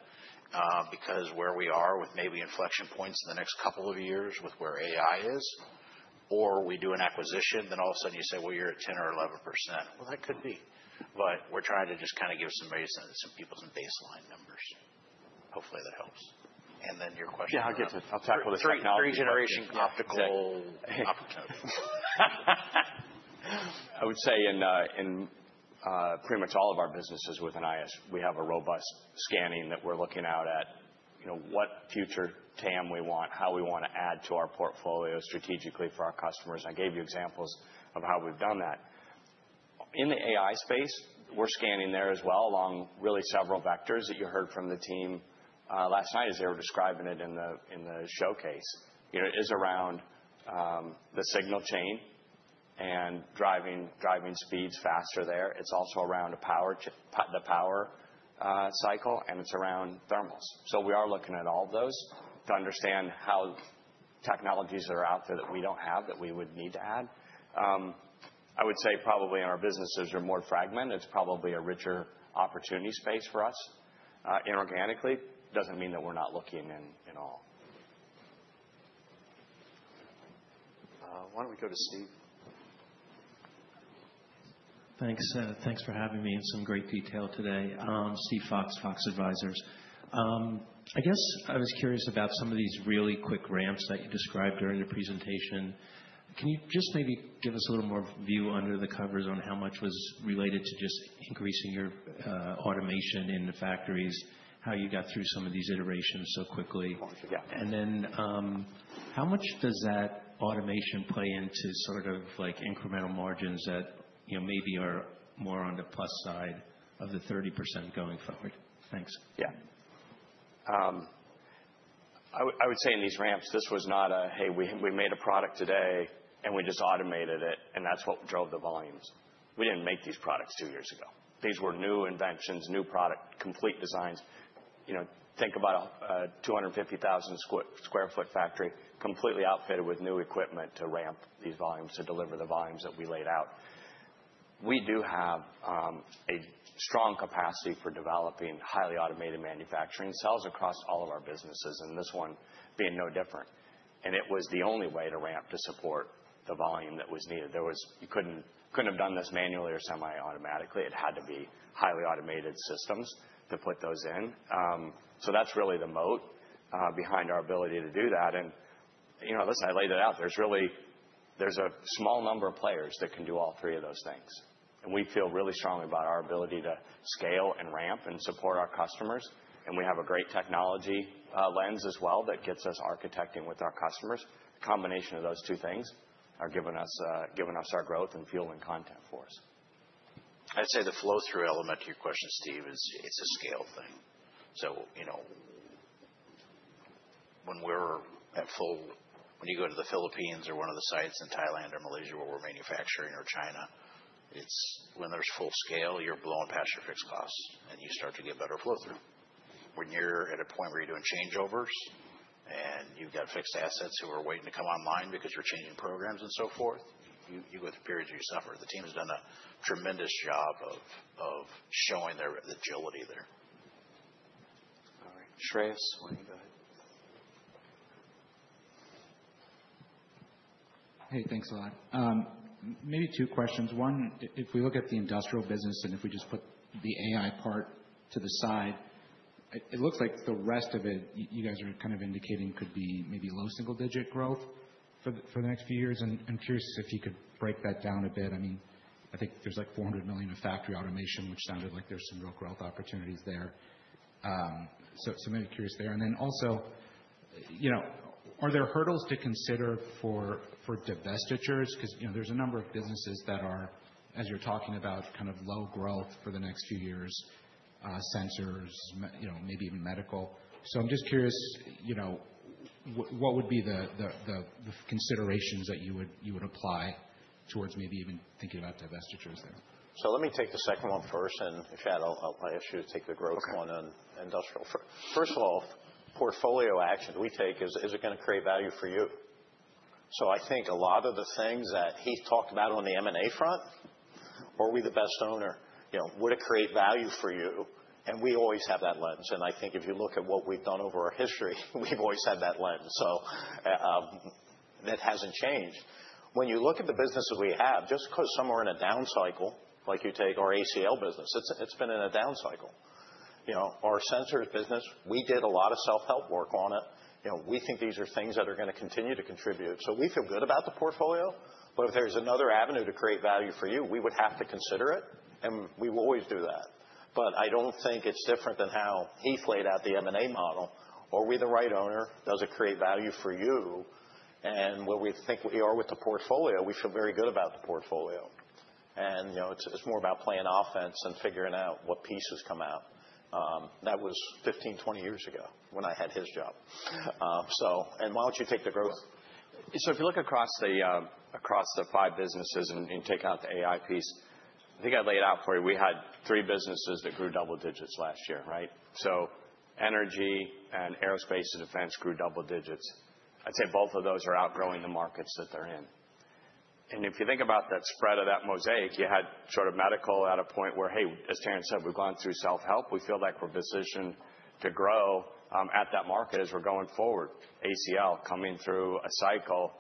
because where we are with maybe inflection points in the next couple of years with where AI is, or we do an acquisition, then all of a sudden you say, well, you're at 10 or 11%. That could be. We're trying to just kind of give some people some baseline numbers. Hopefully, that helps. And then your question. Yeah, I'll get to it. I would say in pretty much all of our businesses within IIS, we have a robust scanning that we're looking out at what future TAM we want, how we want to add to our portfolio strategically for our customers. I gave you examples of how we've done that. In the AI space, we're scanning there as well along really several vectors that you heard from the team last night as they were describing it in the showcase. It is around the signal chain and driving speeds faster there. It's also around the power cycle. It's around thermals. We are looking at all of those to understand how technologies that are out there that we don't have that we would need to add. I would say probably in our businesses that are more fragmented, it's probably a richer opportunity space for us. Inorganically, it doesn't mean that we're not looking in all. Why don't we go to Steve? Thanks for having me in some great detail today. Steve Fox, Fox Advisors. I guess I was curious about some of these really quick ramps that you described during the presentation. Can you just maybe give us a little more view under the covers on how much was related to just increasing your automation in the factories, how you got through some of these iterations so quickly? Can you just maybe give us a little more view under the covers on how much was related to just increasing your automation in the factories, how you got through some of these iterations so quickly? And then how much does that automation play into sort of incremental margins that maybe are more on the plus side of the 30% going forward? Thanks. Yeah. I would say in these ramps, this was not a, hey, we made a product today and we just automated it. That's what drove the volumes. We didn't make these products two years ago. These were new inventions, new product, complete designs. Think about a 250,000 sq ft factory completely outfitted with new equipment to ramp these volumes to deliver the volumes that we laid out. We do have a strong capacity for developing highly automated manufacturing cells across all of our businesses, and this one being no different. It was the only way to ramp to support the volume that was needed. You couldn't have done this manually or semi-automatically. It had to be highly automated systems to put those in. That's really the moat behind our ability to do that. Listen, I laid it out. is a small number of players that can do all three of those things. We feel really strongly about our ability to scale and ramp and support our customers. We have a great technology lens as well that gets us architecting with our customers. The combination of those two things are giving us our growth and fuel and content for us. I'd say the flow-through element to your question, Steve, is it's a scale thing. When you go to the Philippines or one of the sites in Thailand or Malaysia where we're manufacturing or China, when there's full scale, you're blowing past your fixed costs and you start to get better flow-through. When you're at a point where you're doing changeovers and you've got fixed assets who are waiting to come online because you're changing programs and so forth, you go through periods where you suffer. The team has done a tremendous job of showing the agility there. All right. Shreyas, why don't you go ahead? Hey, thanks a lot. Maybe two questions. One, if we look at the industrial business and if we just put the AI part to the side, it looks like the rest of it you guys are kind of indicating could be maybe low single-digit growth for the next few years. I am curious if you could break that down a bit. I mean, I think there is like $400 million of factory automation, which sounded like there are some real growth opportunities there. I am curious there. Also, are there hurdles to consider for divestitures? Because there is a number of businesses that are, as you are talking about, kind of low growth for the next few years, sensors, maybe even medical. I am just curious, what would be the considerations that you would apply towards maybe even thinking about divestitures there? Let me take the second one first. If you had, I'll ask you to take the growth one on industrial. First of all, portfolio action that we take, is it going to create value for you? I think a lot of the things that he's talked about on the M&A front, are we the best owner? Would it create value for you? We always have that lens. I think if you look at what we've done over our history, we've always had that lens. That hasn't changed. When you look at the businesses we have, just because some are in a down cycle, like you take our ACL business, it's been in a down cycle. Our sensors business, we did a lot of self-help work on it. We think these are things that are going to continue to contribute. We feel good about the portfolio. If there's another avenue to create value for you, we would have to consider it. We will always do that. I don't think it's different than how he's laid out the M&A model. Are we the right owner? Does it create value for you? Where we think we are with the portfolio, we feel very good about the portfolio. It's more about playing offense and figuring out what pieces come out. That was 15-20 years ago when I had his job. Why don't you take the growth? If you look across the five businesses and you take out the AI piece, I think I laid out for you, we had three businesses that grew double digits last year, right? Energy and aerospace and defense grew double digits. I'd say both of those are outgrowing the markets that they're in. If you think about that spread of that mosaic, you had sort of medical at a point where, hey, as Terrence said, we've gone through self-help. We feel like we're positioned to grow at that market as we're going forward. ACL coming through a cycle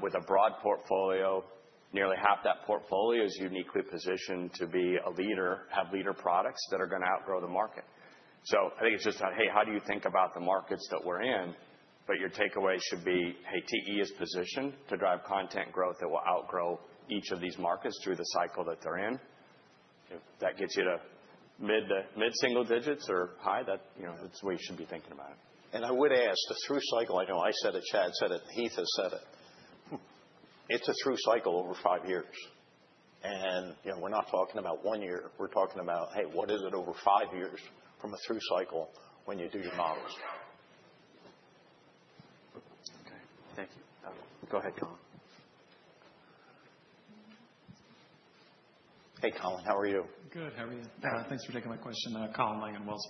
with a broad portfolio. Nearly half that portfolio is uniquely positioned to be a leader, have leader products that are going to outgrow the market. I think it's just about, hey, how do you think about the markets that we're in? Your takeaway should be, hey, TE is positioned to drive content growth that will outgrow each of these markets through the cycle that they're in. If that gets you to mid-single digits or high, that's the way you should be thinking about it. I would ask, the through cycle, I know I said it, Shad said it, Heath has said it. It is a through cycle over five years. We are not talking about one year. We are talking about, hey, what is it over five years from a through cycle when you do your models? Okay. Thank you. Go ahead, Colin. Hey, Colin, how are you? Good. How are you? Thanks for taking my question. Colin Langan Wells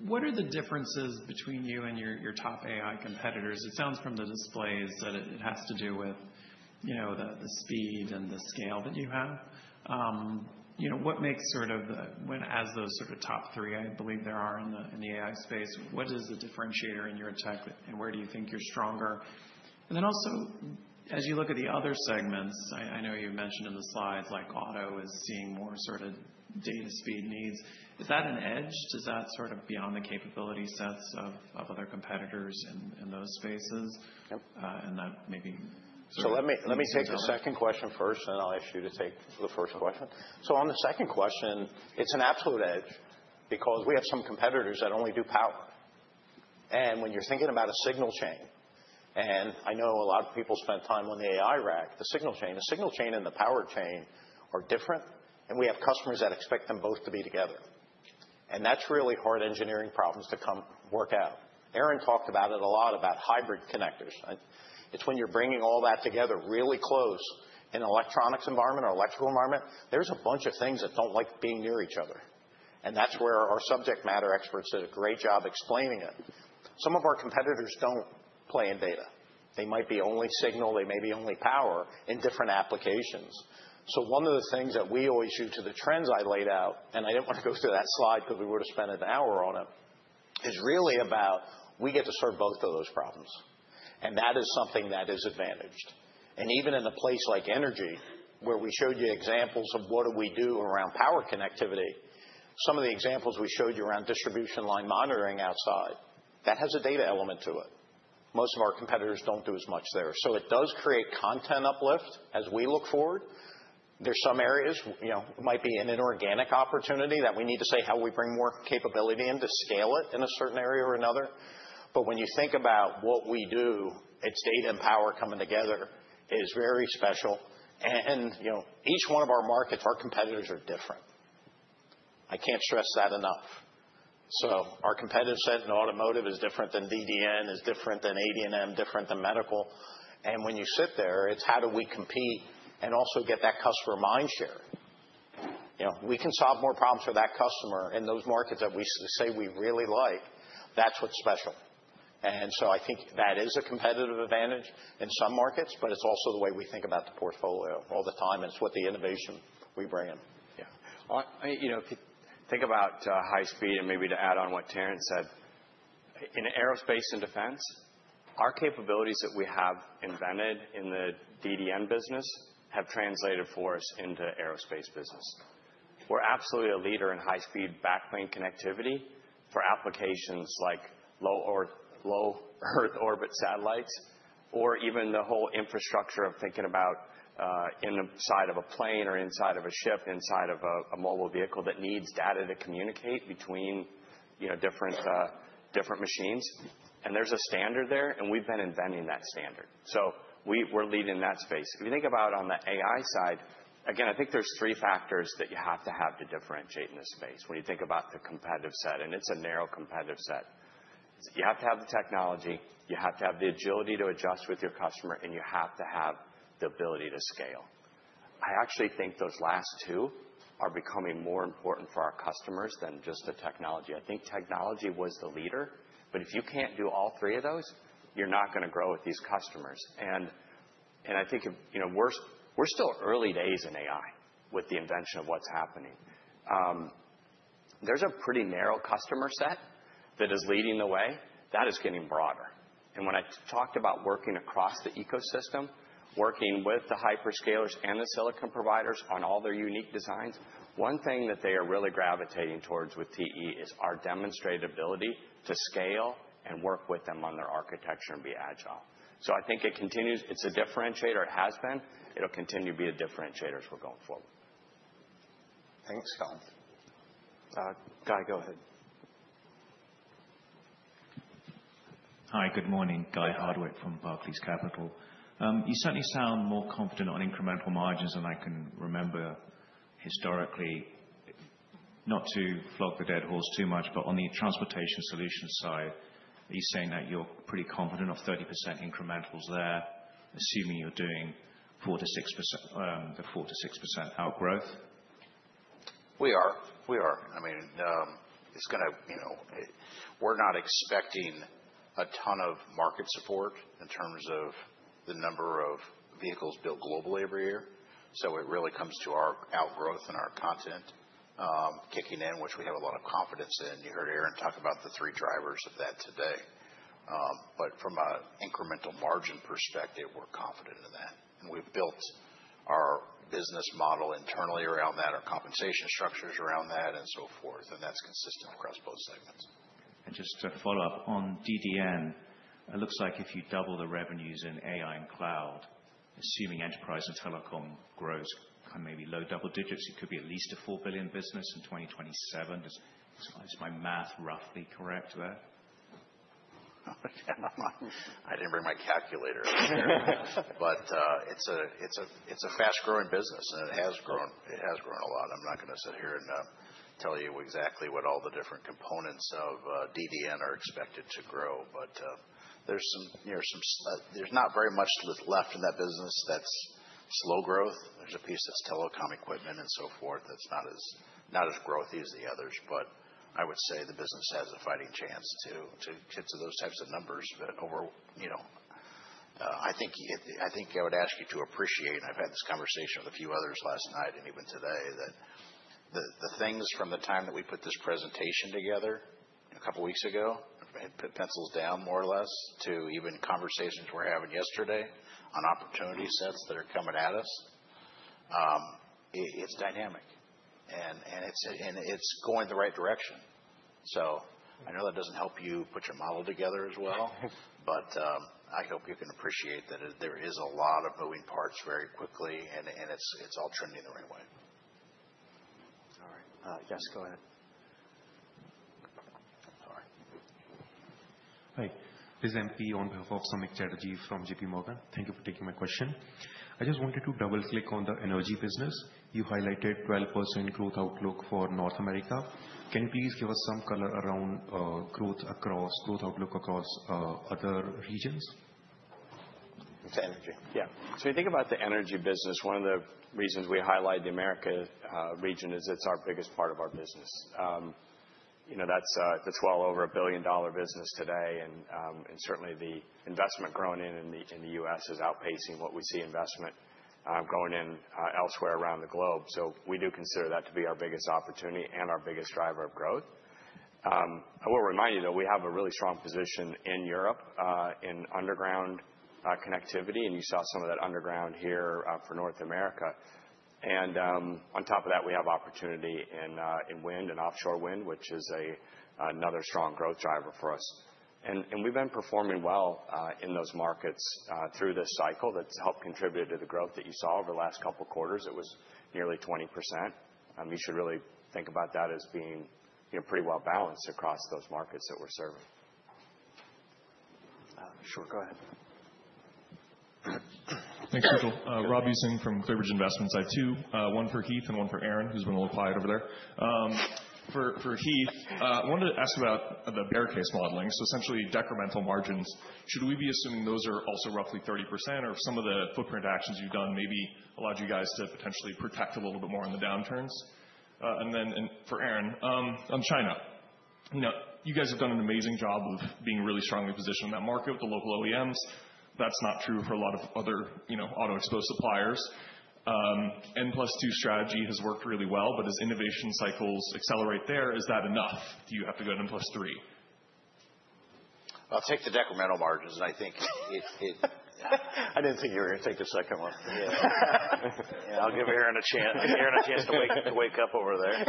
Fargo. What are the differences between you and your top AI competitors? It sounds from the displays that it has to do with the speed and the scale that you have. What makes sort of, as those sort of top three, I believe there are in the AI space, what is the differentiator in your tech and where do you think you're stronger? Also, as you look at the other segments, I know you mentioned in the slides, like auto is seeing more sort of data speed needs. Is that an edge? Does that sort of go beyond the capability sets of other competitors in those spaces? That maybe. Let me take the second question first, and then I'll ask you to take the first question. On the second question, it's an absolute edge because we have some competitors that only do power. When you're thinking about a signal chain, and I know a lot of people spent time on the AI rack, the signal chain and the power chain are different. We have customers that expect them both to be together. That's really hard engineering problems to come work out. Aaron talked about it a lot, about hybrid connectors. It's when you're bringing all that together really close in an electronics environment or electrical environment, there's a bunch of things that don't like being near each other. That's where our subject matter experts did a great job explaining it. Some of our competitors don't play in data. They might be only signal. They may be only power in different applications. One of the things that we always do to the trends I laid out, and I did not want to go through that slide because we would have spent an hour on it, is really about we get to serve both of those problems. That is something that is advantaged. Even in a place like energy, where we showed you examples of what do we do around power connectivity, some of the examples we showed you around distribution line monitoring outside, that has a data element to it. Most of our competitors do not do as much there. It does create content uplift as we look forward. There's some areas it might be an inorganic opportunity that we need to say how we bring more capability in to scale it in a certain area or another. When you think about what we do, it's data and power coming together is very special. Each one of our markets, our competitors are different. I can't stress that enough. Our competitors in automotive are different than DDN, different than AD&M, different than medical. When you sit there, it's how do we compete and also get that customer mind share. We can solve more problems for that customer in those markets that we say we really like. That's what's special. I think that is a competitive advantage in some markets, but it's also the way we think about the portfolio all the time. It's what the innovation we bring in. Yeah. Think about high speed and maybe to add on what Terrence said. In aerospace and defense, our capabilities that we have invented in the DDN business have translated for us into aerospace business. We're absolutely a leader in high speed backplane connectivity for applications like low Earth orbit satellites or even the whole infrastructure of thinking about inside of a plane or inside of a ship, inside of a mobile vehicle that needs data to communicate between different machines. There is a standard there, and we've been inventing that standard. We are leading in that space. If you think about on the AI side, again, I think there are three factors that you have to have to differentiate in this space when you think about the competitive set. It is a narrow competitive set. You have to have the technology. You have to have the agility to adjust with your customer. You have to have the ability to scale. I actually think those last two are becoming more important for our customers than just the technology. I think technology was the leader. If you can't do all three of those, you're not going to grow with these customers. I think we're still early days in AI with the invention of what's happening. There's a pretty narrow customer set that is leading the way. That is getting broader. When I talked about working across the ecosystem, working with the hyperscalers and the silicon providers on all their unique designs, one thing that they are really gravitating towards with TE is our demonstrated ability to scale and work with them on their architecture and be agile. I think it continues. It's a differentiator. It has been. It'll continue to be a differentiator as we're going forward. Thanks, Colin. Guy, go ahead. Hi, good morning. Guy Hardwick from Barclays Capital. You certainly sound more confident on incremental margins than I can remember historically. Not to flog the dead horse too much, but on the transportation solution side, are you saying that you're pretty confident of 30% incrementals there, assuming you're doing the 4%-6% outgrowth? We are. We are. I mean, it's going to we're not expecting a ton of market support in terms of the number of vehicles built globally every year. It really comes to our outgrowth and our content kicking in, which we have a lot of confidence in. You heard Aaron talk about the three drivers of that today. From an incremental margin perspective, we're confident in that. We've built our business model internally around that, our compensation structures around that, and so forth. That's consistent across both segments. Just to follow up on DDN, it looks like if you double the revenues in AI and cloud, assuming enterprise and telecom grows maybe low double digits, it could be at least a $4 billion business in 2027. Is my math roughly correct there? I didn't bring my calculator. But it's a fast-growing business. And it has grown a lot. I'm not going to sit here and tell you exactly what all the different components of DDN are expected to grow. But there's not very much left in that business that's slow growth. There's a piece that's telecom equipment and so forth that's not as growthy as the others. But I would say the business has a fighting chance to get to those types of numbers. But I think I would ask you to appreciate, and I've had this conversation with a few others last night and even today, that the things from the time that we put this presentation together a couple of weeks ago, pencils down more or less, to even conversations we're having yesterday on opportunity sets that are coming at us, it's dynamic. And it's going the right direction. I know that does not help you put your model together as well. I hope you can appreciate that there is a lot of moving parts very quickly. It is all trending the right way. All right. Yes, go ahead. Hi. This is MP on behalf of Summit Strategy from JP Morgan. Thank you for taking my question. I just wanted to double-click on the energy business. You highlighted 12% growth outlook for North America. Can you please give us some color around growth outlook across other regions? It's energy. Yeah. You think about the energy business, one of the reasons we highlight the America region is it's our biggest part of our business. That's well over a $1 billion business today. Certainly, the investment grown in the U.S. is outpacing what we see investment going in elsewhere around the globe. We do consider that to be our biggest opportunity and our biggest driver of growth. I will remind you, though, we have a really strong position in Europe in underground connectivity. You saw some of that underground here for North America. On top of that, we have opportunity in wind and offshore wind, which is another strong growth driver for us. We have been performing well in those markets through this cycle that's helped contribute to the growth that you saw over the last couple of quarters. It was nearly 20%. You should really think about that as being pretty well balanced across those markets that we're serving. Sure. Go ahead. Thanks, Sujal. Rob Buesing from ClearBridge Investments, I too. One for Heath and one for Aaron, who's been a little quiet over there. For Heath, I wanted to ask about the bear case modeling. Essentially, decremental margins. Should we be assuming those are also roughly 30%, or if some of the footprint actions you've done maybe allowed you guys to potentially protect a little bit more on the downturns? For Aaron on China, you guys have done an amazing job of being really strongly positioned in that market with the local OEMs. That's not true for a lot of other auto exposed suppliers. N+2 strategy has worked really well. As innovation cycles accelerate there, is that enough? Do you have to go to N+3? I'll take the decremental margins. I think it. I didn't think you were going to take a second one. I'll give Aaron a chance to wake up over there.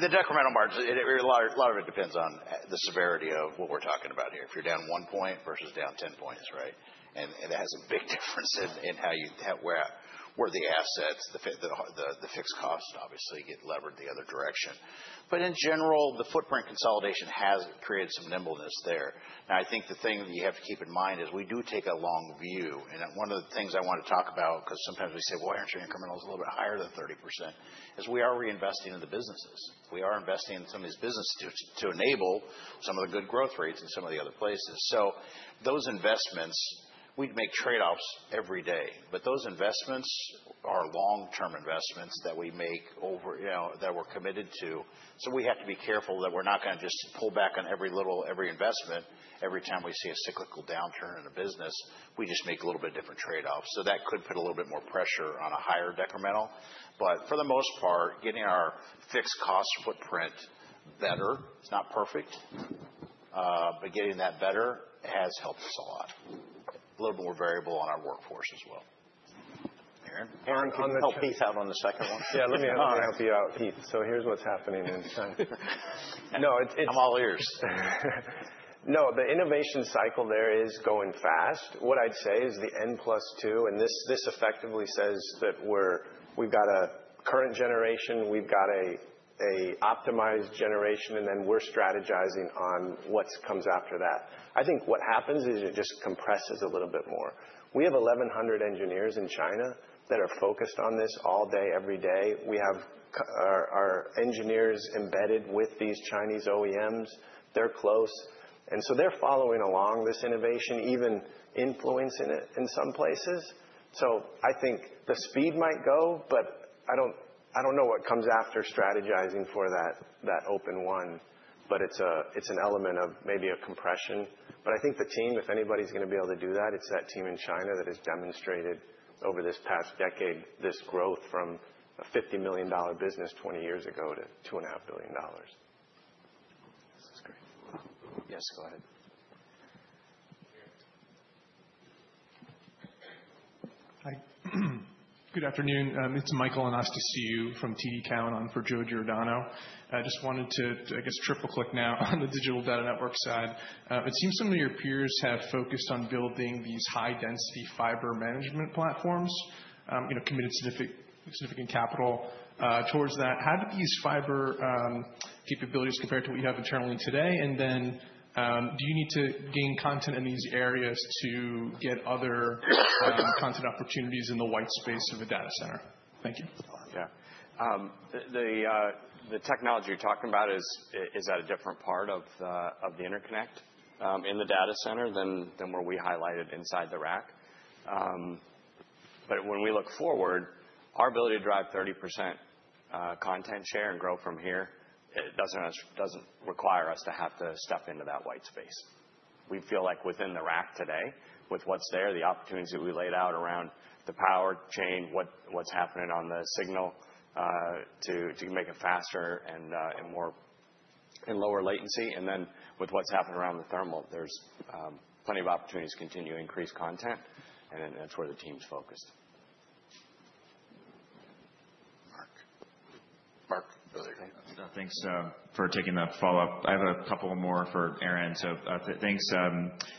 The decremental margins, a lot of it depends on the severity of what we're talking about here. If you're down 1 point versus down 10 points, right? That has a big difference in where the assets, the fixed cost, obviously, get levered the other direction. In general, the footprint consolidation has created some nimbleness there. I think the thing that you have to keep in mind is we do take a long view. One of the things I want to talk about, because sometimes we say, you know, aren't your incrementals a little bit higher than 30%, is we are reinvesting in the businesses. We are investing in some of these businesses to enable some of the good growth rates in some of the other places. Those investments, we'd make trade-offs every day. Those investments are long-term investments that we make over that we're committed to. We have to be careful that we're not going to just pull back on every little, every investment every time we see a cyclical downturn in a business. We just make a little bit different trade-offs. That could put a little bit more pressure on a higher decremental. For the most part, getting our fixed cost footprint better, it's not perfect. Getting that better has helped us a lot. A little bit more variable on our workforce as well. Aaron, can you help Heath out on the second one? Yeah, let me help you out, Heath. Here's what's happening in China. No, it's. I'm all ears. No, the innovation cycle there is going fast. What I'd say is the N+2, and this effectively says that we've got a current generation. We've got an optimized generation. And then we're strategizing on what comes after that. I think what happens is it just compresses a little bit more. We have 1,100 engineers in China that are focused on this all day, every day. We have our engineers embedded with these Chinese OEMs. They're close. They're following along this innovation, even influencing it in some places. I think the speed might go. I don't know what comes after strategizing for that open one. It is an element of maybe a compression. I think the team, if anybody's going to be able to do that, it's that team in China that has demonstrated over this past decade this growth from a $50 million business 20 years ago to $2.5 billion. This is great. Yes, go ahead. Hi. Good afternoon. It's Michael Anastasiou from TD Cowen on for Joe Giordano. I just wanted to, I guess, triple-click now on the digital data network side. It seems some of your peers have focused on building these high-density fiber management platforms, committed significant capital towards that. How do these fiber capabilities compare to what you have internally today? Do you need to gain content in these areas to get other content opportunities in the white space of a data center? Thank you. Yeah. The technology you're talking about is at a different part of the interconnect in the data center than where we highlighted inside the rack. When we look forward, our ability to drive 30% content share and grow from here doesn't require us to have to step into that white space. We feel like within the rack today, with what's there, the opportunities that we laid out around the power chain, what's happening on the signal to make it faster and lower latency. With what's happened around the thermal, there's plenty of opportunities to continue to increase content. That's where the team's focused. Mark. Mark, go there. Thanks for taking the follow-up. I have a couple more for Aaron. Thanks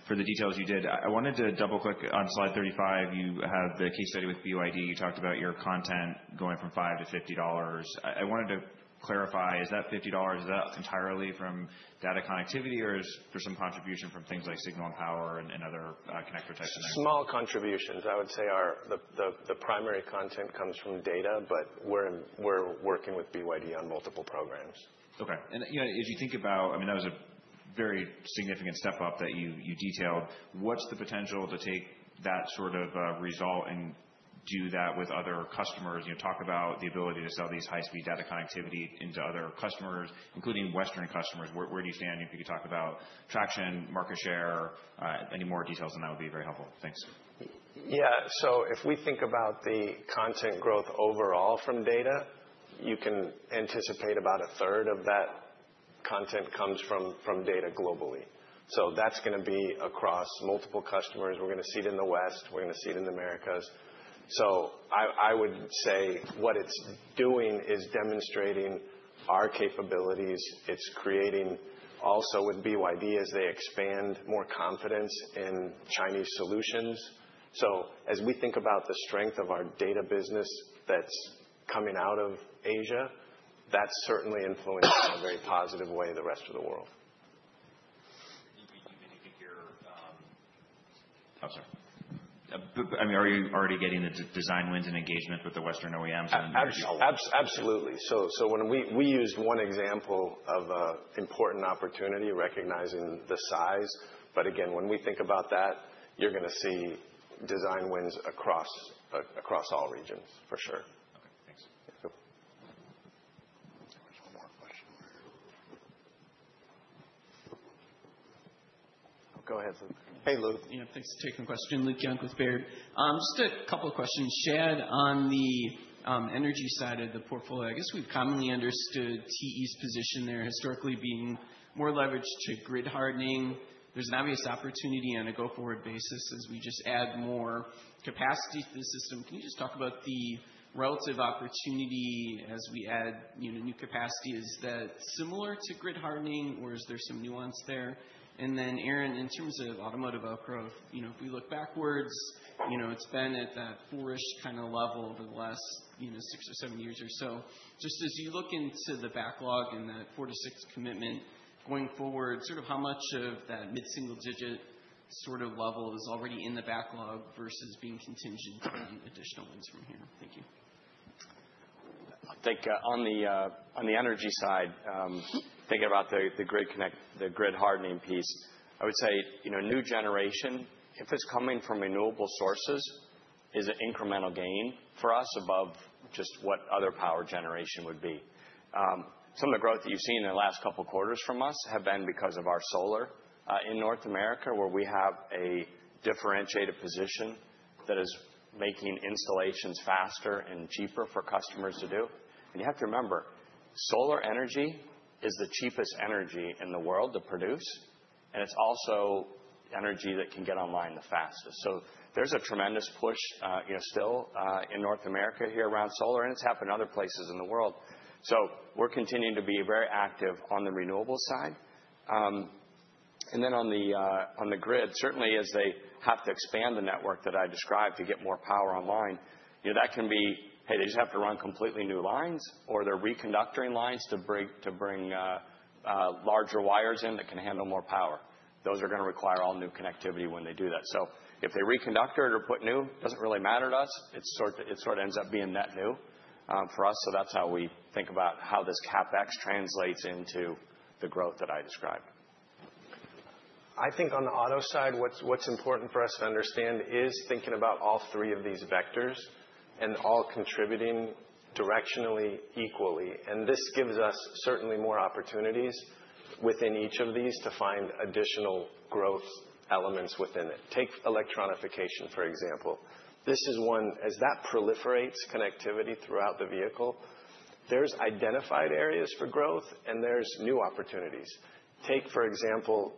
for the details you did. I wanted to double-click on slide 35. You have the case study with BYD. You talked about your content going from $5 to $50. I wanted to clarify, is that $50, is that entirely from data connectivity, or is there some contribution from things like signal and power and other connector types of things? Small contributions. I would say the primary content comes from data. We're working with BYD on multiple programs. OK. As you think about, I mean, that was a very significant step up that you detailed. What's the potential to take that sort of result and do that with other customers? Talk about the ability to sell these high-speed data connectivity into other customers, including Western customers. Where do you stand? If you could talk about traction, market share, any more details on that would be very helpful. Thanks. Yeah. If we think about the content growth overall from data, you can anticipate about a third of that content comes from data globally. That is going to be across multiple customers. We are going to see it in the West. We are going to see it in the Americas. I would say what it is doing is demonstrating our capabilities. It is creating also with BYD as they expand more confidence in Chinese solutions. As we think about the strength of our data business that is coming out of Asia, that has certainly influenced in a very positive way the rest of the world. I mean, are you already getting the design wins and engagement with the Western OEMs? Absolutely. We used one example of an important opportunity, recognizing the size. Again, when we think about that, you're going to see design wins across all regions, for sure. OK. Thanks. There was one more question here. Go ahead, Luke. Hey, Luke. Thanks for taking the question. Luke Young with Baird. Just a couple of questions. Shad, on the energy side of the portfolio, I guess we've commonly understood TE's position there historically being more leveraged to grid hardening. There's an obvious opportunity on a go-forward basis as we just add more capacity to the system. Can you just talk about the relative opportunity as we add new capacity? Is that similar to grid hardening, or is there some nuance there? Aaron, in terms of automotive outgrowth, if we look backwards, it's been at that 4-ish kind of level over the last six or seven years or so. Just as you look into the backlog and that 4%-6% commitment going forward, sort of how much of that mid-single digit sort of level is already in the backlog versus being contingent on additional wins from here? Thank you. I think on the energy side, thinking about the grid hardening piece, I would say new generation, if it's coming from renewable sources, is an incremental gain for us above just what other power generation would be. Some of the growth that you've seen in the last couple of quarters from us have been because of our solar in North America, where we have a differentiated position that is making installations faster and cheaper for customers to do. You have to remember, solar energy is the cheapest energy in the world to produce. It's also energy that can get online the fastest. There is a tremendous push still in North America here around solar. It has happened in other places in the world. We are continuing to be very active on the renewable side. On the grid, certainly as they have to expand the network that I described to get more power online, that can be, hey, they just have to run completely new lines, or they're reconductoring lines to bring larger wires in that can handle more power. Those are going to require all new connectivity when they do that. If they reconductor it or put new, it doesn't really matter to us. It sort of ends up being net new for us. That's how we think about how this CapEx translates into the growth that I described. I think on the auto side, what's important for us to understand is thinking about all three of these vectors and all contributing directionally equally. This gives us certainly more opportunities within each of these to find additional growth elements within it. Take electronification, for example. This is one, as that proliferates connectivity throughout the vehicle, there's identified areas for growth, and there's new opportunities. Take, for example,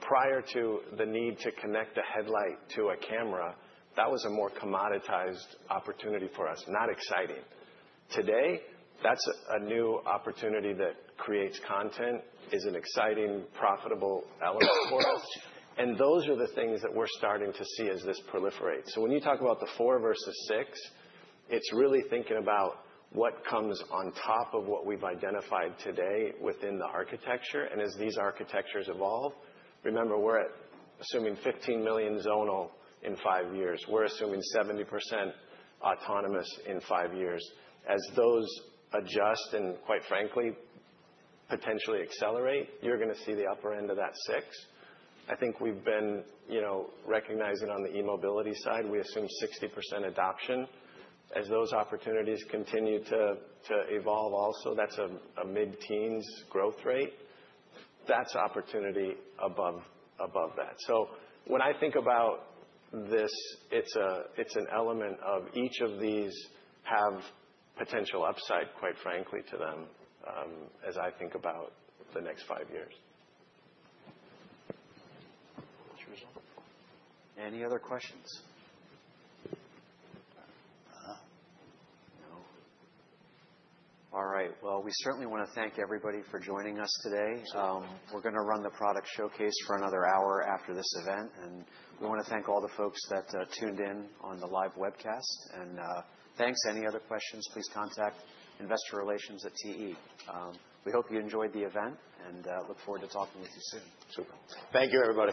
prior to the need to connect a headlight to a camera, that was a more commoditized opportunity for us, not exciting. Today, that's a new opportunity that creates content, is an exciting, profitable element for us. Those are the things that we're starting to see as this proliferates. When you talk about the 4 versus 6, it's really thinking about what comes on top of what we've identified today within the architecture. As these architectures evolve, remember, we're assuming 15 million zonal in five years. We're assuming 70% autonomous in five years. As those adjust and, quite frankly, potentially accelerate, you're going to see the upper end of that 6. I think we've been recognizing on the e-mobility side, we assume 60% adoption. As those opportunities continue to evolve also, that's a mid-teens growth rate. That is opportunity above that. When I think about this, it's an element of each of these have potential upside, quite frankly, to them as I think about the next five years. Any other questions? No. All right. We certainly want to thank everybody for joining us today. We're going to run the product showcase for another hour after this event. We want to thank all the folks that tuned in on the live webcast. Thanks. Any other questions, please contact investor relations at TE. We hope you enjoyed the event and look forward to talking with you soon. Super. Thank you, everybody.